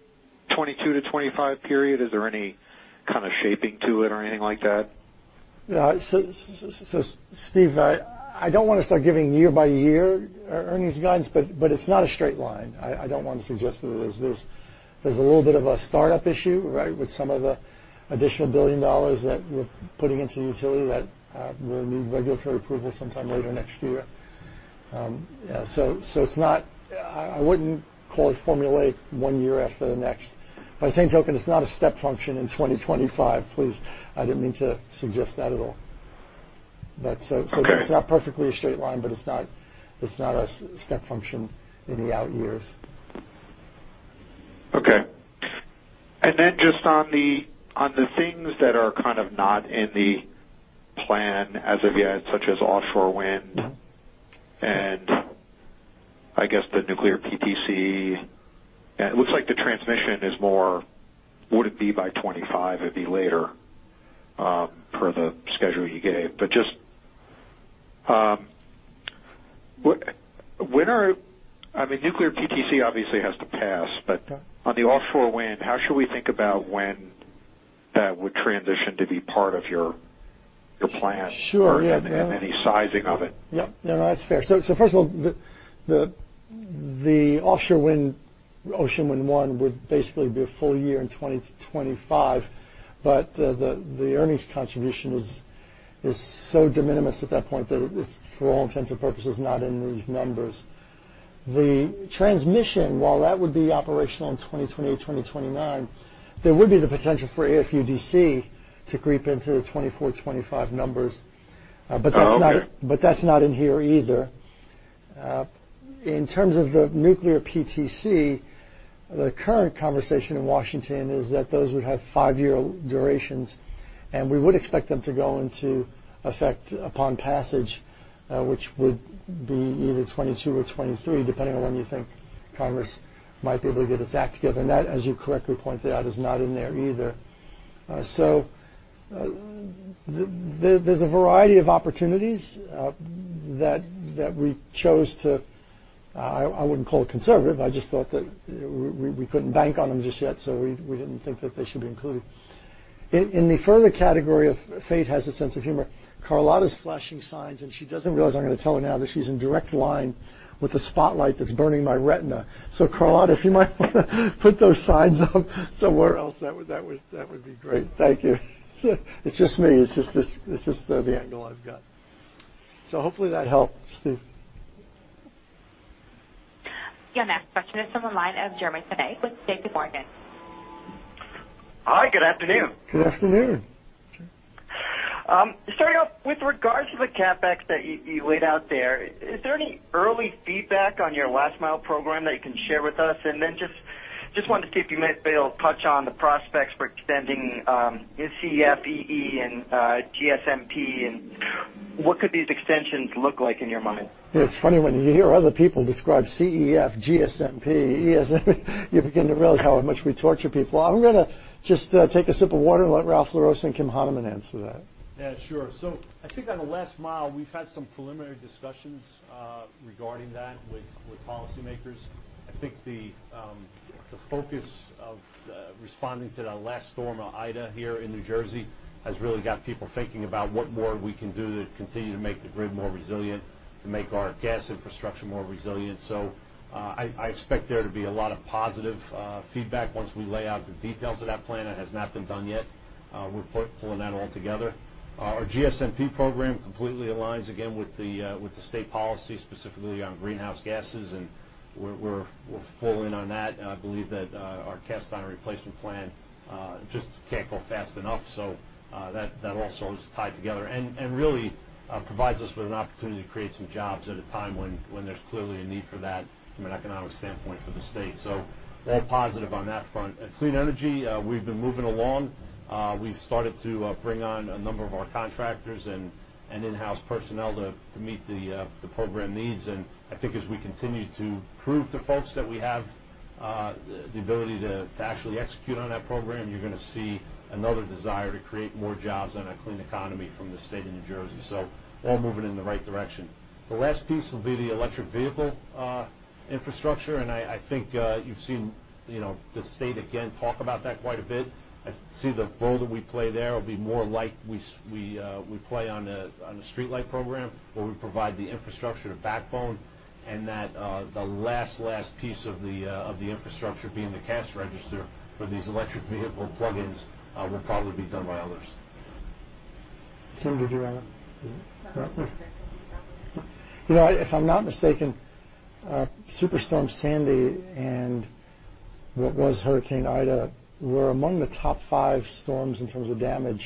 2022-2025 period? Is there any kind of shaping to it or anything like that? Steve, I don't want to start giving year by year earnings guidance, but it's not a straight line. I don't want to suggest that it is. There's a little bit of a startup issue, right? With some of the additional $1 billion that we're putting into the utility that will need regulatory approval sometime later next year. It's not, I wouldn't call it formulate 1 year after the next. By the same token, it's not a step function in 2025. Please, I didn't mean to suggest that at all. Okay It's not perfectly a straight line, but it's not a step function in the out years. Okay. Then just on the things that are kind of not in the plan as of yet, such as offshore wind and I guess the nuclear PTC. It looks like the transmission is more, would it be by 2025? It'd be later, per the schedule you gave. Just, I mean, nuclear PTC obviously has to pass. Yeah On the offshore wind, how should we think about when that would transition to be part of your plan? Sure, yeah. Any sizing of it? Yep. No, that's fair. First of all, the offshore wind, Ocean Wind 1 would basically be a full year in 2025, but the earnings contribution is so de minimis at that point that it's, for all intents and purposes, not in these numbers. The transmission, while that would be operational in 2028, 2029, there would be the potential for AFUDC to creep into the 2024, 2025 numbers. Oh, okay. That's not in here either. In terms of the nuclear PTC, the current conversation in Washington is that those would have 5-year durations, and we would expect them to go into effect upon passage, which would be either 2022 or 2023, depending on when you think Congress might be able to get its act together. That, as you correctly pointed out, is not in there either. There's a variety of opportunities that we chose to, I wouldn't call it conservative, I just thought that we couldn't bank on them just yet, so we didn't think that they should be included. In the further category of fate has a sense of humor, Carlotta's flashing signs, and she doesn't realize I'm going to tell her now that she's in direct line with the spotlight that's burning my retina. Carlotta, if you might want to put those signs up somewhere else, that would be great. Thank you. It's just me, it's just the angle I've got. Hopefully that helped, Steve. Your next question is from the line of Jeremy Tonet with JPMorgan. Hi, good afternoon. Good afternoon. Starting off with regards to the CapEx that you laid out there, is there any early feedback on your last mile program that you can share with us? Just wanted to see if you might be able to touch on the prospects for extending CEF, EE, and GSMP, and what could these extensions look like in your mind? It's funny when you hear other people describe CEF, GSMP, EE, you begin to realize how much we torture people. I'm going to just take a sip of water and let Ralph LaRossa and Kim Hanemann answer that. Yeah, sure. I think on the last mile, we've had some preliminary discussions regarding that with policymakers. I think the focus of responding to the last storm, Ida, here in New Jersey, has really got people thinking about what more we can do to continue to make the grid more resilient, to make our gas infrastructure more resilient. I expect there to be a lot of positive feedback once we lay out the details of that plan. That has not been done yet. We're pulling that all together. Our GSMP program completely aligns, again, with the state policy, specifically on greenhouse gases, and we're full in on that. I believe that our cast iron replacement plan just can't go fast enough. That also is tied together. Really provides us with an opportunity to create some jobs at a time when there's clearly a need for that from an economic standpoint for the state. All positive on that front. At Clean Energy, we've been moving along. We've started to bring on a number of our contractors and in-house personnel to meet the program needs. I think as we continue to prove to folks that we have The ability to actually execute on that program, you're going to see another desire to create more jobs in a clean economy from the state of New Jersey. All moving in the right direction. The last piece will be the electric vehicle infrastructure. I think you've seen the state, again, talk about that quite a bit. I see the role that we play there will be more like we play on the streetlight program, where we provide the infrastructure, the backbone, and that the last piece of the infrastructure being the cash register for these electric vehicle plugins will probably be done by others. Kim, did you have a thought there? No, I'm good. Thank you. If I'm not mistaken, Superstorm Sandy and what was Hurricane Ida were among the top five storms in terms of damage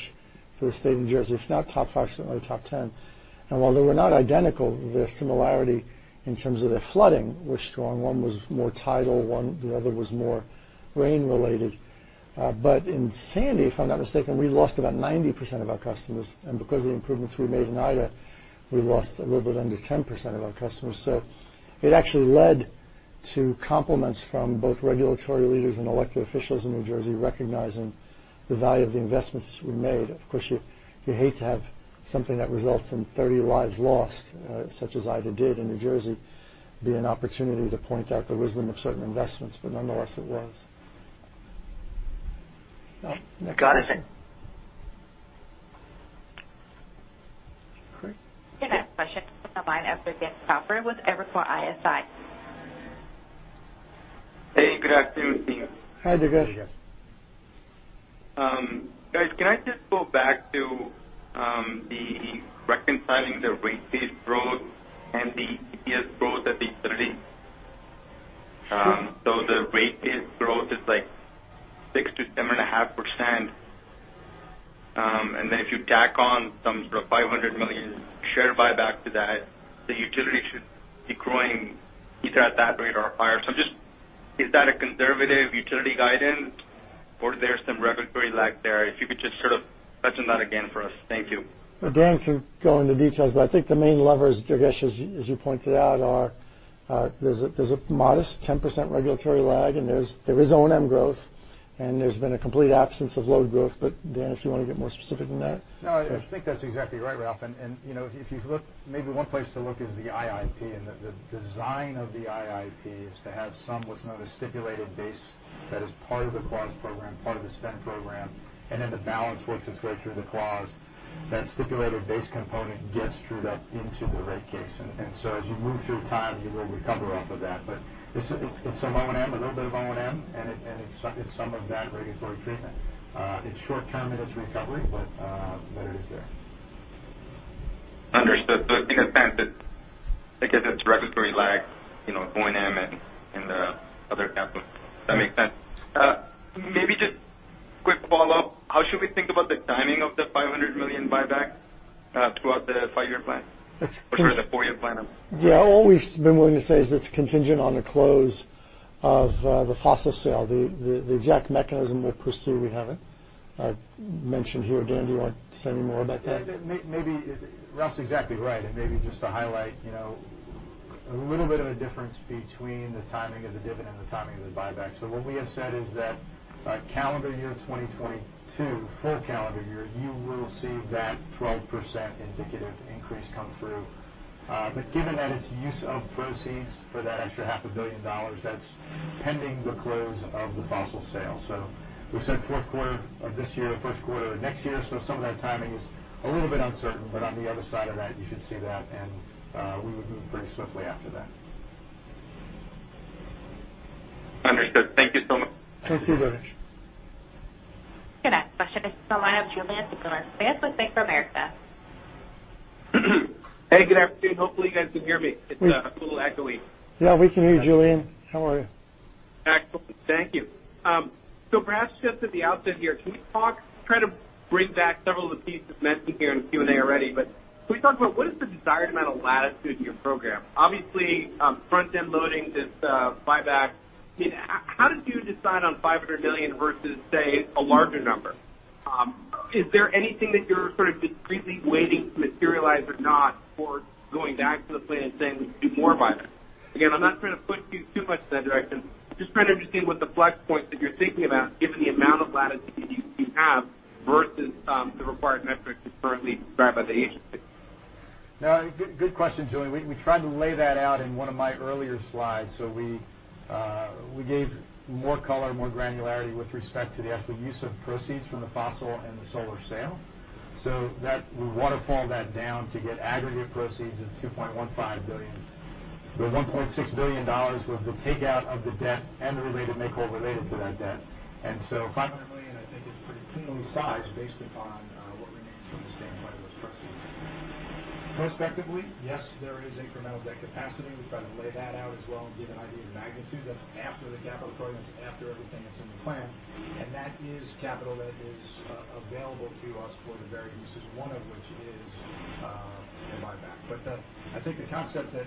for the state of New Jersey, if not top five, certainly top 10. While they were not identical, their similarity in terms of their flooding was strong. One was more tidal, the other was more rain-related. In Sandy, if I'm not mistaken, we lost about 90% of our customers, and because of the improvements we made in Ida, we lost a little bit under 10% of our customers. It actually led to compliments from both regulatory leaders and elected officials in New Jersey recognizing the value of the investments we made. Of course, you hate to have something that results in 30 lives lost such as Ida did in New Jersey, be an opportunity to point out the wisdom of certain investments, but nonetheless, it was. Durgesh, go ahead. Your next question comes on the line comes from Durgesh Chopra in with Evercore ISI. Hey, good afternoon to you. Hi, Durgesh. Guys, can I just go back to the reconciling the rate base growth and the EPS growth at the utility? Sure. The rate base growth is like 6%-7.5%, and then if you tack on some sort of $500 million share buyback to that, the utility should be growing either at that rate or higher. Is that a conservative utility guidance or there's some regulatory lag there? If you could just touch on that again for us. Thank you. Dan can go into details, but I think the main levers, Durgesh, as you pointed out, are there's a modest 10% regulatory lag, and there is O&M growth, and there's been a complete absence of load growth. Dan, if you want to get more specific than that. No, I think that's exactly right, Ralph. If you look, maybe one place to look is the IAP, and the design of the IAP is to have some what's known as stipulated base that is part of the clause program, part of the spend program, and then the balance works its way through the clause. That stipulated base component gets trued up into the rate case. So as you move through time, you will recover off of that. It's a little bit of O&M, and it's some of that regulatory treatment. It's short-term in its recovery, but it is there. Understood. I guess it's regulatory lag, O&M, and the other capital. Does that make sense? Maybe just quick follow-up, how should we think about the timing of the $500 million buyback throughout the 5-year plan? Sorry, the 4-year plan, I mean. Yeah. All we've been willing to say is it's contingent on the close of the fossil sale. The exact mechanism we'll pursue, we haven't mentioned here. Dan, do you want to say any more about that? Ralph's exactly right. Maybe just to highlight a little bit of a difference between the timing of the dividend and the timing of the buyback. What we have said is that by calendar year 2022, full calendar year, you will see that 12% indicative increase come through. Given that it's use of proceeds for that extra half a billion dollars, that's pending the close of the fossil sale. We've said fourth quarter of this year, first quarter of next year. Some of that timing is a little bit uncertain, but on the other side of that, you should see that, and we would move pretty swiftly after that. Understood. Thank you so much. Thank you, Durgesh. Your next question is on the line with Julien Dumoulin-Smith with Bank of America. Hey, good afternoon. Hopefully, you guys can hear me. It's a little echoey. Yeah, we can hear you, Julien. How are you? Excellent. Thank you. Perhaps just at the outset here, try to bring back several of the pieces mentioned here in the Q&A already. Can we talk about what is the desired amount of latitude in your program? Obviously, front-end loading this buyback. How did you decide on $500 million versus, say, a larger number? Is there anything that you're sort of discreetly waiting to materialize or not for going back to the plan and saying we can do more buybacks? Again, I'm not trying to push you too much in that direction. Just trying to understand what the flex points that you're thinking about given the amount of latitude that you have versus the required metrics that's currently described by the agency. No, good question, Julien. We tried to lay that out in one of my earlier slides. We gave more color, more granularity with respect to the actual use of proceeds from the fossil and the solar sale. We waterfall that down to get aggregate proceeds of $2.15 billion, where $1.6 billion was the takeout of the debt and the related make-whole related to that debt. $500 million, I think, is pretty cleanly sized based upon what remains from the standpoint of those proceeds. Prospectively, yes, there is incremental debt capacity. We try to lay that out as well and give an idea of magnitude. That's after the capital program, that's after everything that's in the plan. That is capital that is available to us for the various uses, one of which is the buyback. I think the concept that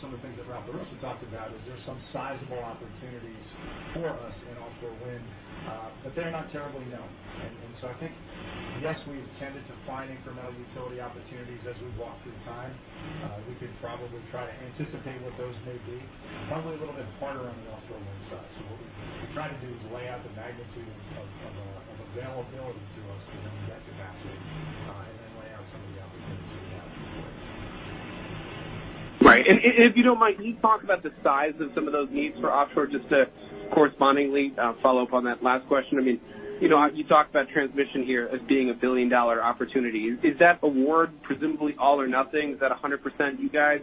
some of the things that Ralph LaRossa talked about is there's some sizable opportunities for us in offshore wind, but they're not terribly known. I think, yes, we've tended to find incremental utility opportunities as we've walked through time. We could probably try to anticipate what those may be, probably a little bit harder on the offshore wind side. What we try to do is lay out the magnitude of availability to us for when we get Right. If you don't mind, can you talk about the size of some of those needs for offshore, just to correspondingly follow up on that last question? You talked about transmission here as being a billion-dollar opportunity. Is that award presumably all or nothing? Is that 100% you guys?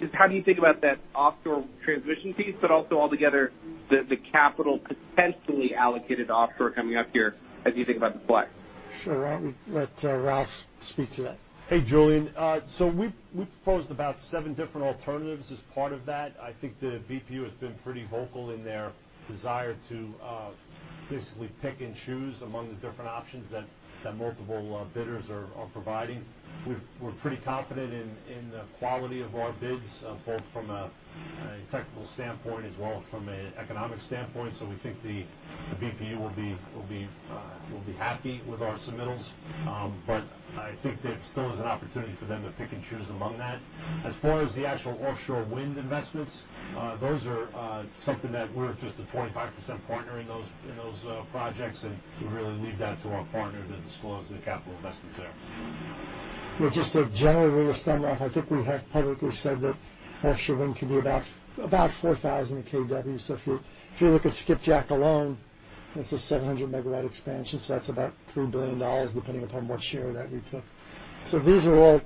Just how do you think about that offshore transmission piece, but also altogether, the capital potentially allocated offshore coming up here as you think about the supply? Sure. I would let Ralph speak to that. Hey, Julien. We've proposed about seven different alternatives as part of that. I think the BPU has been pretty vocal in their desire to basically pick and choose among the different options that multiple bidders are providing. We're pretty confident in the quality of our bids, both from a technical standpoint as well as from an economic standpoint. We think the BPU will be happy with our submittals. I think there still is an opportunity for them to pick and choose among that. As far as the actual offshore wind investments, those are something that we're just a 25% partner in those projects, and we really leave that to our partner to disclose the capital investments there. Just a general rule of thumb, Ralph, I think we have publicly said that offshore wind could be about 4,000 kW. If you look at Skipjack alone, that's a 700-MW expansion. That's about $3 billion, depending upon what share of that we took. These are all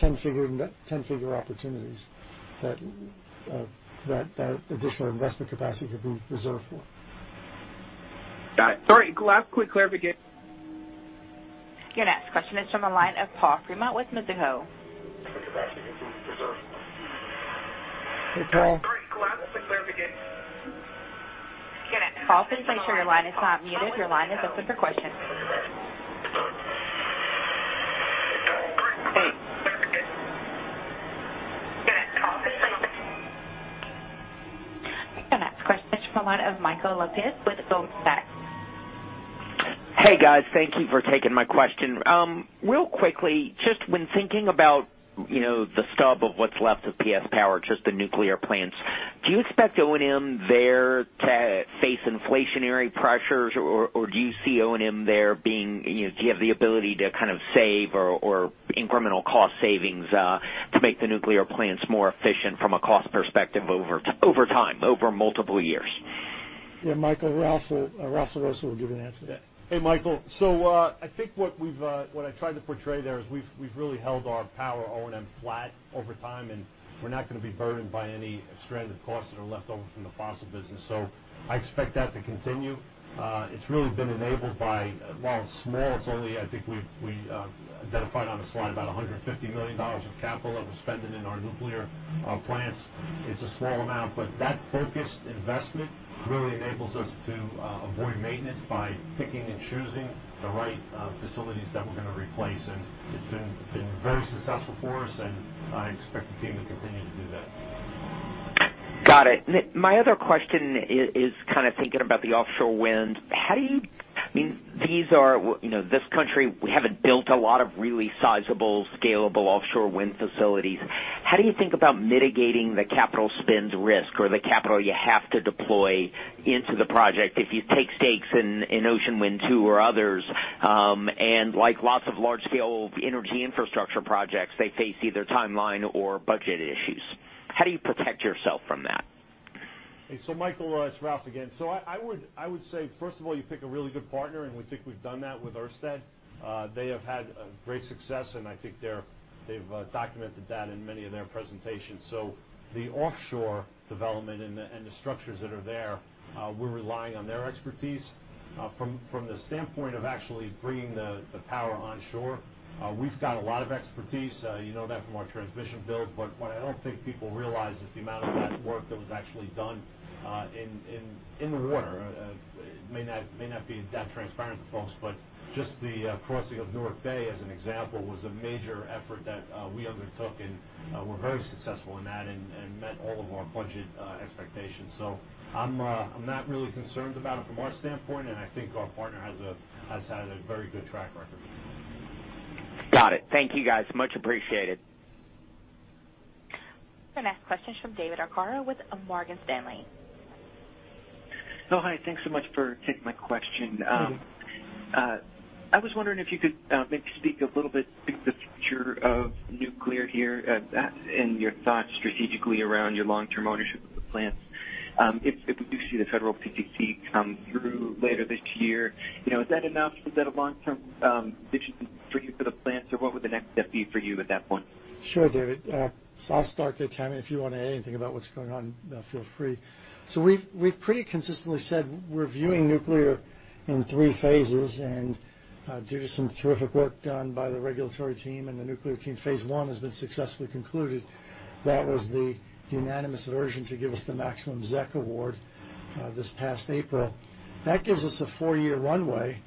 10-figure opportunities that additional investment capacity could be reserved for. Got it. Sorry, last quick clarification. Your next question is from the line of Paul Fremont with Mizuho. Hey, Paul. Paul, please make sure your line is not muted. Your line is open for question. Your next question is from the line of Michael Lapides with Goldman Sachs. Hey, guys. Thank you for taking my question. Real quickly, just when thinking about the stub of what's left of PSEG Power, just the nuclear plants, do you expect O&M there to face inflationary pressures, or do you have the ability to kind of save or incremental cost savings to make the nuclear plants more efficient from a cost perspective over time, over multiple years? Yeah, Michael, Ralph LaRossa will give you an answer to that. Hey, Michael. I think what I tried to portray there is we've really held our power O&M flat over time, and we're not going to be burdened by any stranded costs that are left over from the fossil business. I expect that to continue. It's really been enabled by, while it's small, it's only I think we identified on the slide about $150 million of capital that was spent in our nuclear plants. It's a small amount, but that focused investment really enables us to avoid maintenance by picking and choosing the right facilities that we're going to replace. It's been very successful for us, and I expect the team to continue to do that. Got it. My other question is kind of thinking about the offshore wind. This country, we haven't built a lot of really sizable, scalable offshore wind facilities. How do you think about mitigating the capital spend's risk or the capital you have to deploy into the project if you take stakes in Ocean Wind 2 or others? Like lots of large-scale energy infrastructure projects, they face either timeline or budget issues. How do you protect yourself from that? Michael, it's Ralph again. I would say, first of all, you pick a really good partner, and we think we've done that with Ørsted. They have had great success, and I think they've documented that in many of their presentations. The offshore development and the structures that are there, we're relying on their expertise. From the standpoint of actually bringing the power onshore, we've got a lot of expertise. You know that from our transmission build. What I don't think people realize is the amount of that work that was actually done in the water. It may not be that transparent to folks, but just the crossing of Newark Bay, as an example, was a major effort that we undertook, and were very successful in that and met all of our budget expectations. I'm not really concerned about it from our standpoint, and I think our partner has had a very good track record. Got it. Thank you, guys. Much appreciated. Our next question is from David Arcaro with Morgan Stanley. Oh, hi. Thanks so much for taking my question. I was wondering if you could maybe speak a little bit to the future of nuclear here and your thoughts strategically around your long-term ownership of the plants. If we do see the federal PTC come through later this year, is that enough? Is that a long-term solution for you for the plants, or what would the next step be for you at that point? Sure, David. I'll start the timing. If you want to add anything about what's going on, feel free. We've pretty consistently said we're viewing nuclear in III phases, and due to some terrific work done by the regulatory team and the nuclear team, phase I has been successfully concluded. That was the unanimous version to give us the maximum ZEC award this past April. That gives us a 4-year runway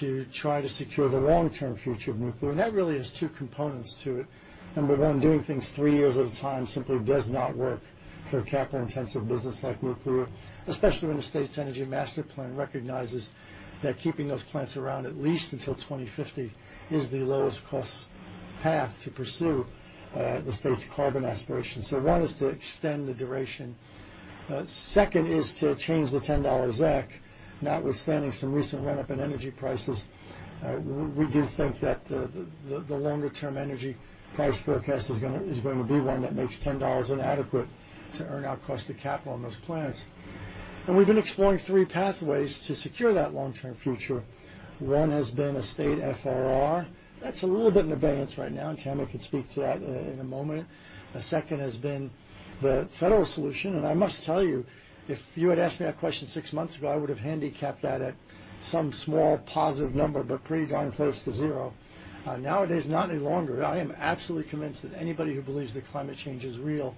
to try to secure the long-term future of nuclear, and that really has two components to it. Number one, doing things 3 years at a time simply does not work for a capital-intensive business like nuclear, especially when the state's energy master plan recognizes that keeping those plants around at least until 2050 is the lowest cost path to pursue the state's carbon aspirations. One is to extend the duration. Second is to change the $10 ZEC, notwithstanding some recent run-up in energy prices. We do think that the longer-term energy price forecast is going to be one that makes $10 inadequate to earn our cost of capital on those plants. We've been exploring three pathways to secure that long-term future. One has been a state FRR. That's a little bit in abeyance right now, and Tammy can speak to that in a moment. A second has been the federal solution, and I must tell you, if you had asked me that question six months ago, I would've handicapped that at some small positive number, but pretty darn close to zero. Nowadays, not any longer. I am absolutely convinced that anybody who believes that climate change is real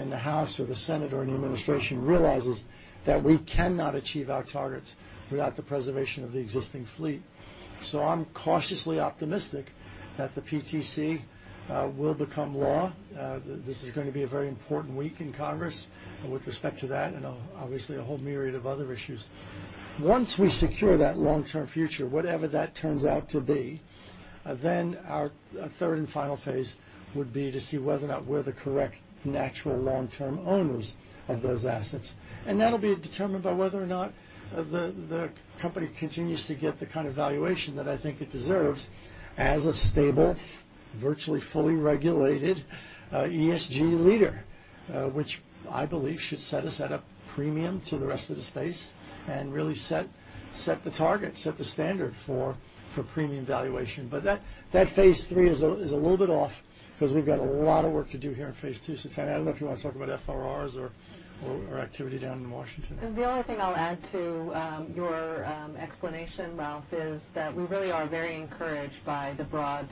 in the House or the Senate or in the administration realizes that we cannot achieve our targets without the preservation of the existing fleet. I'm cautiously optimistic that the PTC will become law. This is going to be a very important week in Congress with respect to that and obviously a whole myriad of other issues. Once we secure that long-term future, whatever that turns out to be, then our third and final phase would be to see whether or not we're the correct natural long-term owners of those assets. That'll be determined by whether or not the company continues to get the kind of valuation that I think it deserves as a stable, virtually fully regulated ESG leader, which I believe should set us at a premium to the rest of the space and really set the target, set the standard for premium valuation. That phase three is a little bit off because we've got a lot of work to do here in phase II. Tammy, I don't know if you want to talk about FRRs or activity down in Washington. The only thing I'll add to your explanation, Ralph, is that we really are very encouraged by the broad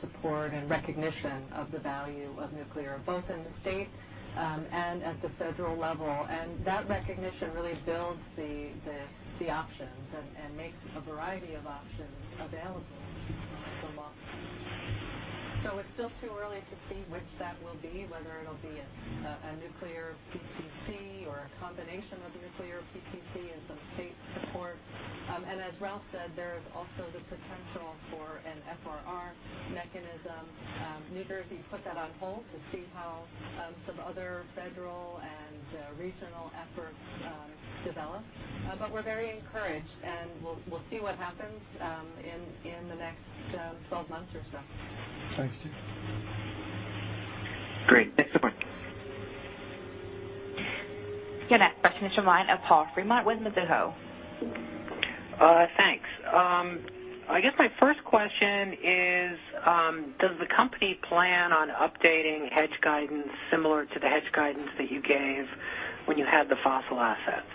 support and recognition of the value of nuclear, both in the state and at the federal level. That recognition really builds the options and makes a variety of options available for long-term. It's still too early to see which that will be, whether it'll be a nuclear PTC or a combination of nuclear PTC and some state support. As Ralph said, there is also the potential for an FRR mechanism. New Jersey put that on hold to see how some other federal and regional efforts develop. We're very encouraged, and we'll see what happens in the next 12 months or so. Thanks, T. Great. Thanks so much. Your next question is your line of Paul Fremont with Mizuho. Thanks. I guess my first question is, does the company plan on updating hedge guidance similar to the hedge guidance that you gave when you had the fossil assets?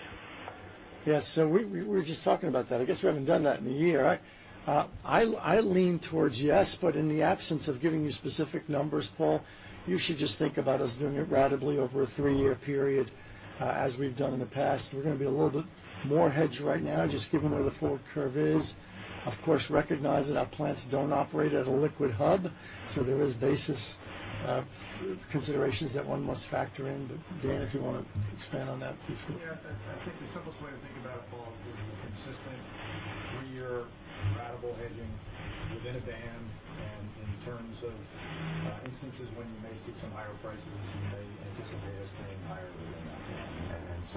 Yes. We were just talking about that. I guess we haven't done that in a year. I lean towards yes, but in the absence of giving you specific numbers, Paul, you should just think about us doing it ratably over a three-year period, as we've done in the past. We're going to be a little bit more hedged right now, just given where the forward curve is. Of course, recognize that our plants don't operate at a liquid hub, so there is basis considerations that one must factor in. Dan, if you want to expand on that, please feel free. I think the simplest way to think about it, Paul, is the consistent three-year ratable hedging within a band. In terms of instances when you may see some higher prices, you may anticipate us paying higher within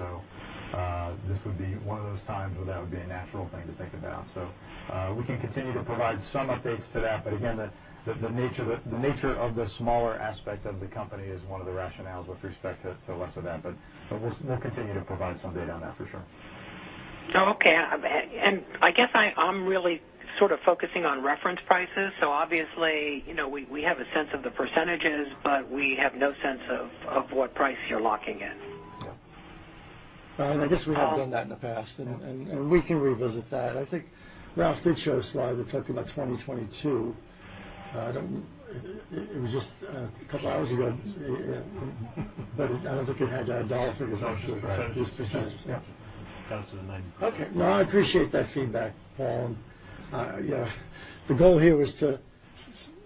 that band. This would be one of those times where that would be a natural thing to think about. We can continue to provide some updates to that. Again, the nature of the smaller aspect of the company is one of the rationales with respect to less of that. We'll continue to provide some data on that for sure. Okay. I guess I'm really sort of focusing on reference prices. Obviously, we have a sense of the %, but we have no sense of what price you're locking in. Yeah. I guess we have done that in the past, and we can revisit that. I think Ralph did show a slide that talked about 2022. It was just a couple hours ago, but I don't think it had dollar figures on it. Just %. Yeah. Okay. No, I appreciate that feedback, Paul. The goal here was to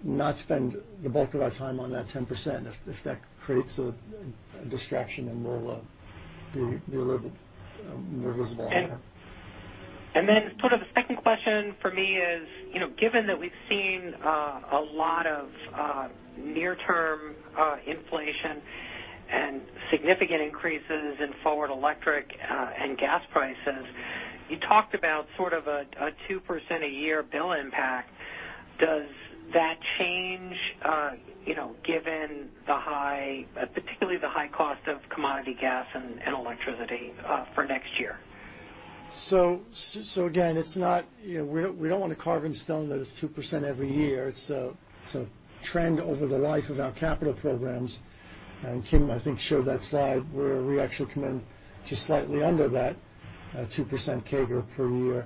not spend the bulk of our time on that 10%. If that creates a distraction, then we'll be a little bit more visible on that. The second question for me is, given that we've seen a lot of near-term inflation and significant increases in forward electric and gas prices, you talked about sort of a 2% a year bill impact. Does that change given particularly the high cost of commodity gas and electricity for next year? Again, we don't want to carve in stone that it's 2% every year. It's a trend over the life of our capital programs. Kim, I think, showed that slide where we actually come in just slightly under that 2% CAGR per year.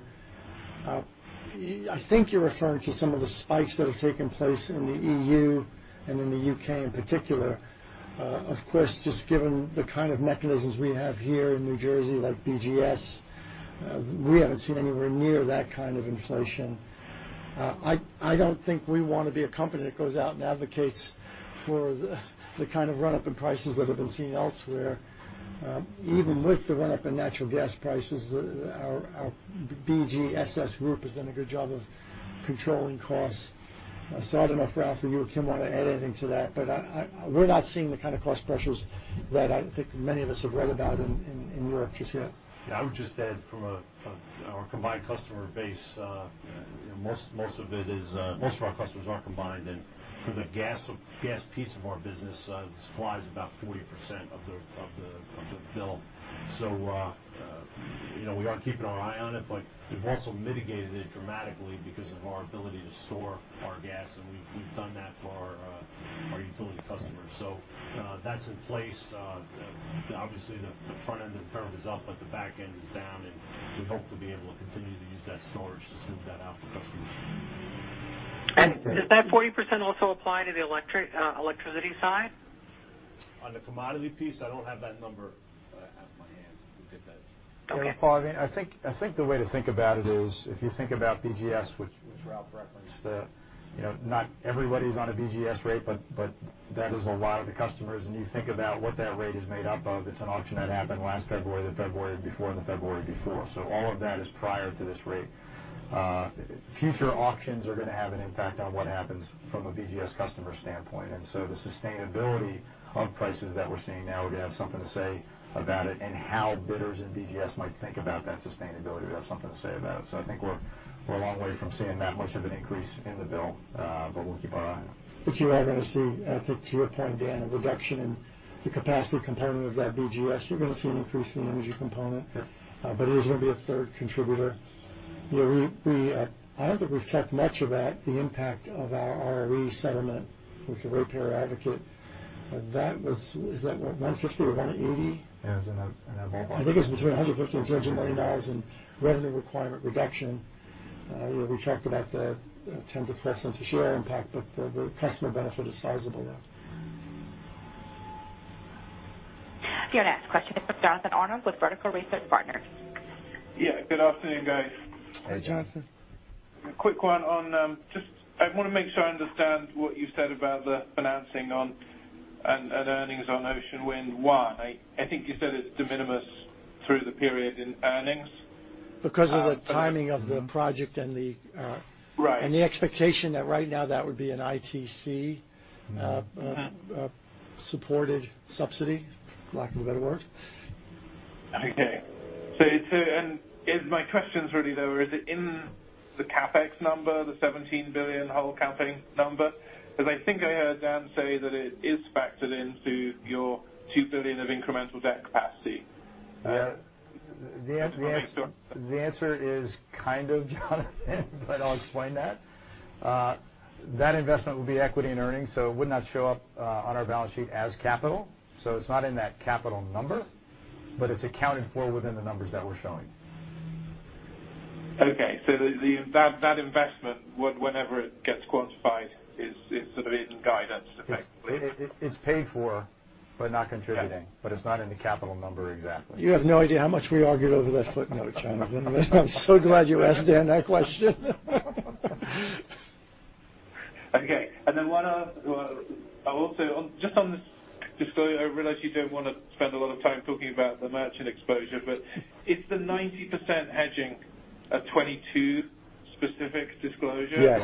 I think you're referring to some of the spikes that have taken place in the EU and in the U.K. in particular. Of course, just given the kind of mechanisms we have here in New Jersey, like BGS, we haven't seen anywhere near that kind of inflation. I don't think we want to be a company that goes out and advocates for the kind of run-up in prices that have been seen elsewhere. Even with the run-up in natural gas prices, our BGSS group has done a good job of controlling costs. I don't know, Ralph, if you or Kim want to add anything to that. We're not seeing the kind of cost pressures that I think many of us have read about in Europe just yet. Yeah, I would just add from our combined customer base, most of our customers are combined. For the gas piece of our business, supply is about 40% of the bill. We are keeping our eye on it, but we've also mitigated it dramatically because of our ability to store our gas, and we've done that for our utility customers. That's in place. Obviously, the front end of the curve is up, but the back end is down, and we hope to be able to continue to use that storage to smooth that out for customers. Does that 40% also apply to the electricity side? On the commodity piece, I don't have that number off my hand. We'll get that. Okay. Paul, I think the way to think about it is, if you think about BGS, which Ralph referenced. Not everybody's on a BGS rate, but that is a lot of the customers, and you think about what that rate is made up of. It's an auction that happened last February, the February before, and the February before. All of that is prior to this rate. Future auctions are going to have an impact on what happens from a BGS customer standpoint. The sustainability of prices that we're seeing now are going to have something to say about it, and how bidders in BGS might think about that sustainability will have something to say about it. I think we're a long way from seeing that much of an increase in the bill. We'll keep our eye on it. You are going to see, I think to your point, Dan, a reduction in the capacity component of that BGS. You're going to see an increase in the energy component. Yeah. It is going to be a third contributor. I don't think we've talked much about the impact of our ROE settlement with the ratepayer advocate. Is that what, $150 or $180? It was in that ballpark. I think it was between $150 and $180 million in revenue requirement reduction. We talked about the $0.10 to $0.13 a share impact, but the customer benefit is sizable though. Your next question is from Jonathan Arnold with Vertical Research Partners. Yeah, good afternoon, guys. Hey, Jonathan. A quick one on just, I want to make sure I understand what you said about the financing on and earnings on Ocean Wind 1. I think you said it's de minimis through the period in earnings. Of the timing of the project and. Right The expectation that right now that would be an ITC supported subsidy, lack of a better word. Okay. My question's really though, is it in the CapEx number, the $17 billion whole CapEx number? Because I think I heard Dan say that it is factored into your $2 billion of incremental debt capacity. The answer is kind of, Jonathan, but I'll explain that. That investment would be equity and earnings, so it would not show up on our balance sheet as capital. It's not in that capital number, but it's accounted for within the numbers that we're showing. Okay. That investment, whenever it gets quantified, is sort of in guidance effectively. It's paid for, but not contributing, but it's not in the capital number exactly. You have no idea how much we argued over this footnote, Jonathan. I'm so glad you asked Dan that question. Okay. One other, just on this disclosure, I realize you don't want to spend a lot of time talking about the merchant exposure, is the 90% hedging a 2022 specific disclosure? Yes.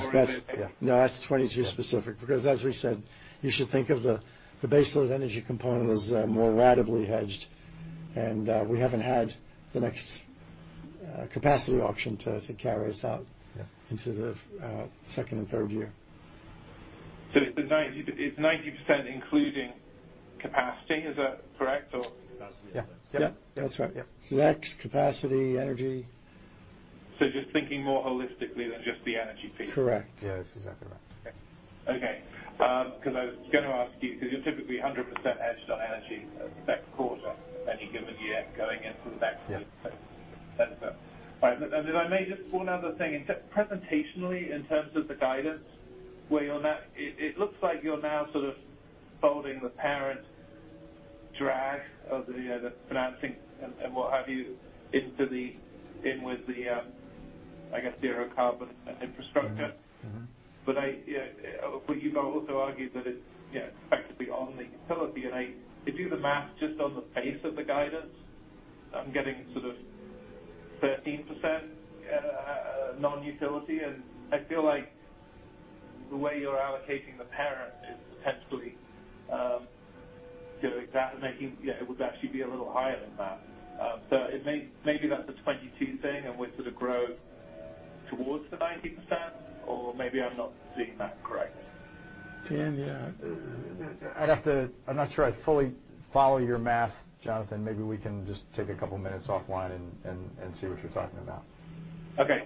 No, that's 2022 specific, because as we said, you should think of the baseload energy component as more ratably hedged, and we haven't had the next capacity auction to carry us out into the second and third year. It's 90% including capacity, is that correct, or? That's correct. Yeah. Yep. That's right. Yep. That's capacity, energy. Just thinking more holistically than just the energy piece. Correct. Yeah, that's exactly right. Okay. Because I was going to ask you, because you're typically 100% hedged on energy second quarter of any given year going into the back. If I may, just one other thing. Presentationally, in terms of the guidance, it looks like you're now sort of folding the parent drag of the financing and what have you in with the, I guess, zero carbon and infrastructure. You've also argued that it's effectively on the utility, and if you do the math just on the face of the guidance, I'm getting sort of 13% non-utility, and I feel like the way you're allocating the parent is potentially dilating that, and I think it would actually be a little higher than that. Maybe that's a 2022 thing, and we sort of grow towards the 90%, or maybe I'm not seeing that correctly. Dan, yeah. I'm not sure I fully follow your math, Jonathan. Maybe we can just take a couple of minutes offline and see what you're talking about. Okay.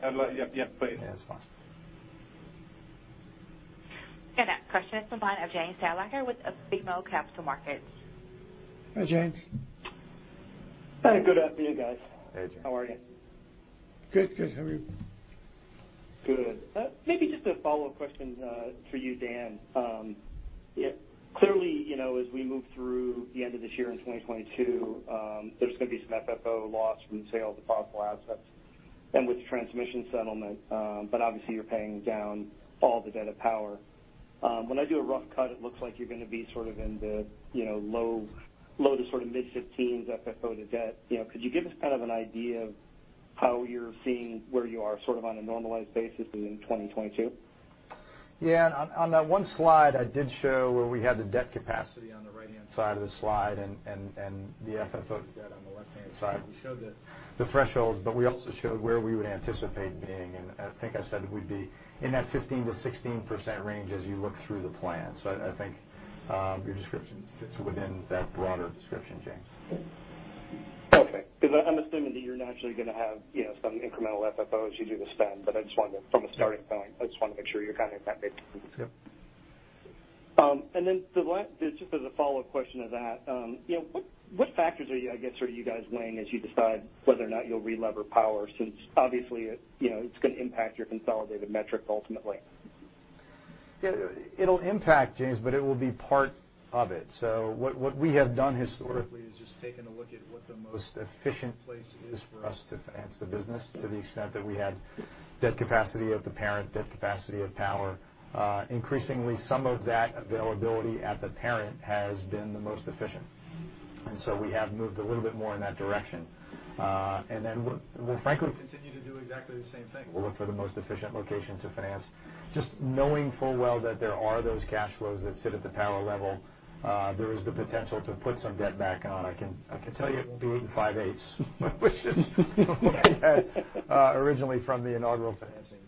Yeah, please. Yeah, that's fine. Our next question is from line of James Thalacker with BMO Capital Markets. Hi, James. Hi. Good afternoon, guys. Hey, James. How are you? Good. How are you? Good. Maybe just a follow-up question for you, Dan. Yeah. Clearly, as we move through the end of this year in 2022, there's going to be some FFO loss from the sale of the fossil assets and with the transmission settlement. Obviously, you're paying down all the debt of PSEG Power. When I do a rough cut, it looks like you're going to be in the low to mid-15s FFO to debt. Could you give us an idea of how you're seeing where you are on a normalized basis in 2022? Yeah. On that one slide, I did show where we had the debt capacity on the right-hand side of the slide and the FFO debt on the left-hand side. We showed the thresholds, but we also showed where we would anticipate being, and I think I said we'd be in that 15%-16% range as you look through the plan. I think, your description fits within that broader description, James. Okay. I'm assuming that you're naturally going to have some incremental FFO as you do the spend, but from a starting point, I just wanted to make sure you're kind of in that. Yeah. Just as a follow-up question to that, what factors are you guys weighing as you decide whether or not you'll relever Power, since obviously, it's going to impact your consolidated metric ultimately? It'll impact, James, but it will be part of it. What we have done historically is just taken a look at what the most efficient place is for us to finance the business to the extent that we had debt capacity of the Parent, debt capacity of Power. Increasingly, some of that availability at the Parent has been the most efficient, and so we have moved a little bit more in that direction. Then we'll frankly continue to do exactly the same thing. We'll look for the most efficient location to finance, just knowing full well that there are those cash flows that sit at the Power level. There is the potential to put some debt back on. I can tell you it won't be in five-eighths which is originally from the inaugural financing.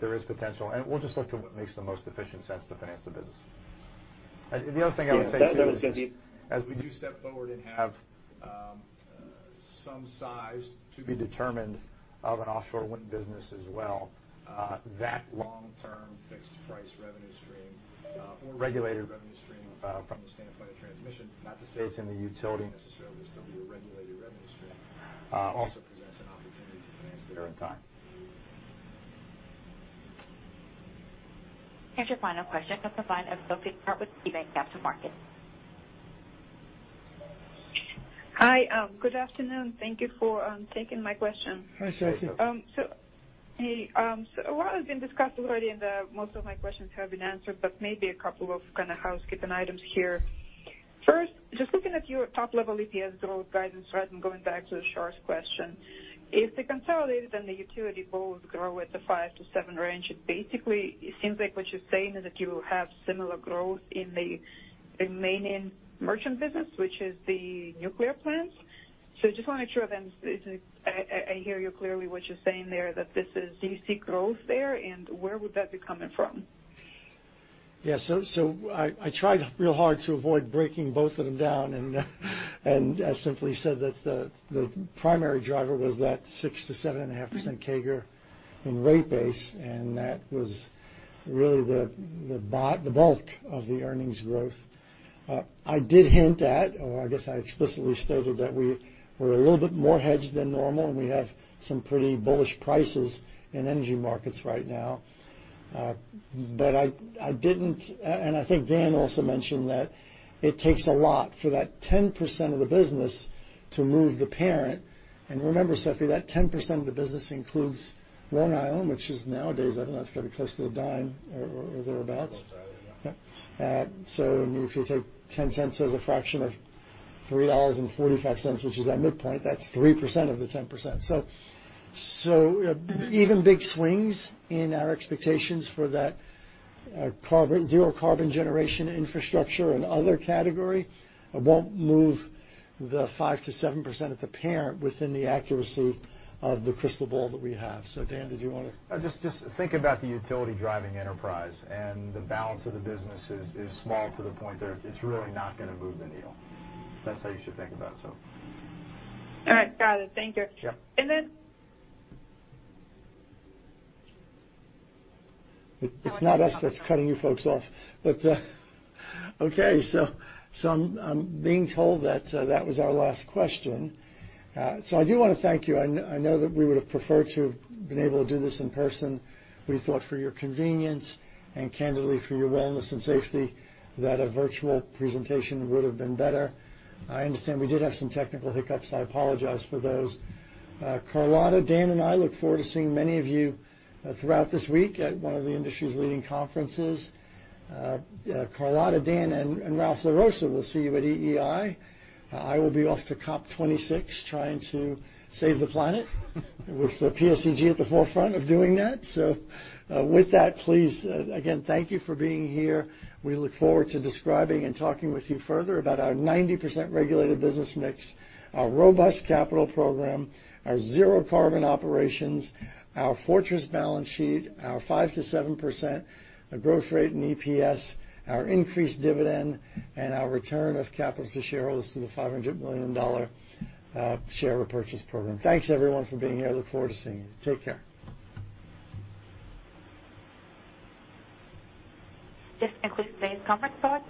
There is potential, and we'll just look to what makes the most efficient sense to finance the business. Yeah. As we do step forward and have some size to be determined of an offshore wind business as well, that long-term fixed-price revenue stream or regulated revenue stream from the standpoint of transmission, not to say it's in the utility necessarily, but it'll still be a regulated revenue stream, also presents an opportunity to finance that over time. Here's your final question from the line of Sophie Karp with KeyBanc Capital Markets. Hi. Good afternoon. Thank you for taking my question. Hi, Sophie. Hey. A lot has been discussed already, and most of my questions have been answered, but maybe a couple of housekeeping items here. First, just looking at your top-level EPS growth guidance, right, and going back to Shar's question. If the consolidated and the utility both grow at the 5%-7% range, it basically seems like what you're saying is that you have similar growth in the remaining merchant business, which is the nuclear plants. I just want to make sure I hear you clearly what you're saying there, do you see growth there, and where would that be coming from? I tried real hard to avoid breaking both of them down, I simply said that the primary driver was that 6%-7.5% CAGR in rate base, that was really the bulk of the earnings growth. I did hint at, or I guess I explicitly stated that we were a little bit more hedged than normal, we have some pretty bullish prices in energy markets right now. I didn't, I think Dan also mentioned that it takes a lot for that 10% of the business to move the parent. Remember, Sophie, that 10% of the business includes PSEG Long Island, which is nowadays, I don't know, it's got to be close to a dime or thereabouts. Close to $0.10, yeah. Yeah. If you take $0.10 as a fraction of $3.45, which is our midpoint, that's 3% of the 10%. Even big swings in our expectations for that zero-carbon generation infrastructure and other category won't move the 5%-7% at the parent within the accuracy of the crystal ball that we have. Dan, did you want to? Just think about the utility driving enterprise, and the balance of the business is small to the point that it's really not going to move the needle. That's how you should think about it, Sophie. All right. Got it. Thank you. Yeah. And then- It's not us that's cutting you folks off. Okay. I'm being told that was our last question. I do want to thank you. I know that we would have preferred to have been able to do this in person. We thought for your convenience and candidly for your wellness and safety, that a virtual presentation would have been better. I understand we did have some technical hiccups. I apologize for those. Carlotta, Dan, and I look forward to seeing many of you throughout this week at one of the industry's leading conferences. Carlotta, Dan, and Ralph LaRossa will see you at EEI. I will be off to COP26 trying to save the planet with PSEG at the forefront of doing that. With that, please, again, thank you for being here. We look forward to describing and talking with you further about our 90% regulated business mix, our robust capital program, our zero-carbon operations, our fortress balance sheet, our 5%-7% growth rate in EPS, our increased dividend, and our return of capital to shareholders through the $500 million share repurchase program. Thanks everyone for being here. Look forward to seeing you. Take care. This concludes today's conference call.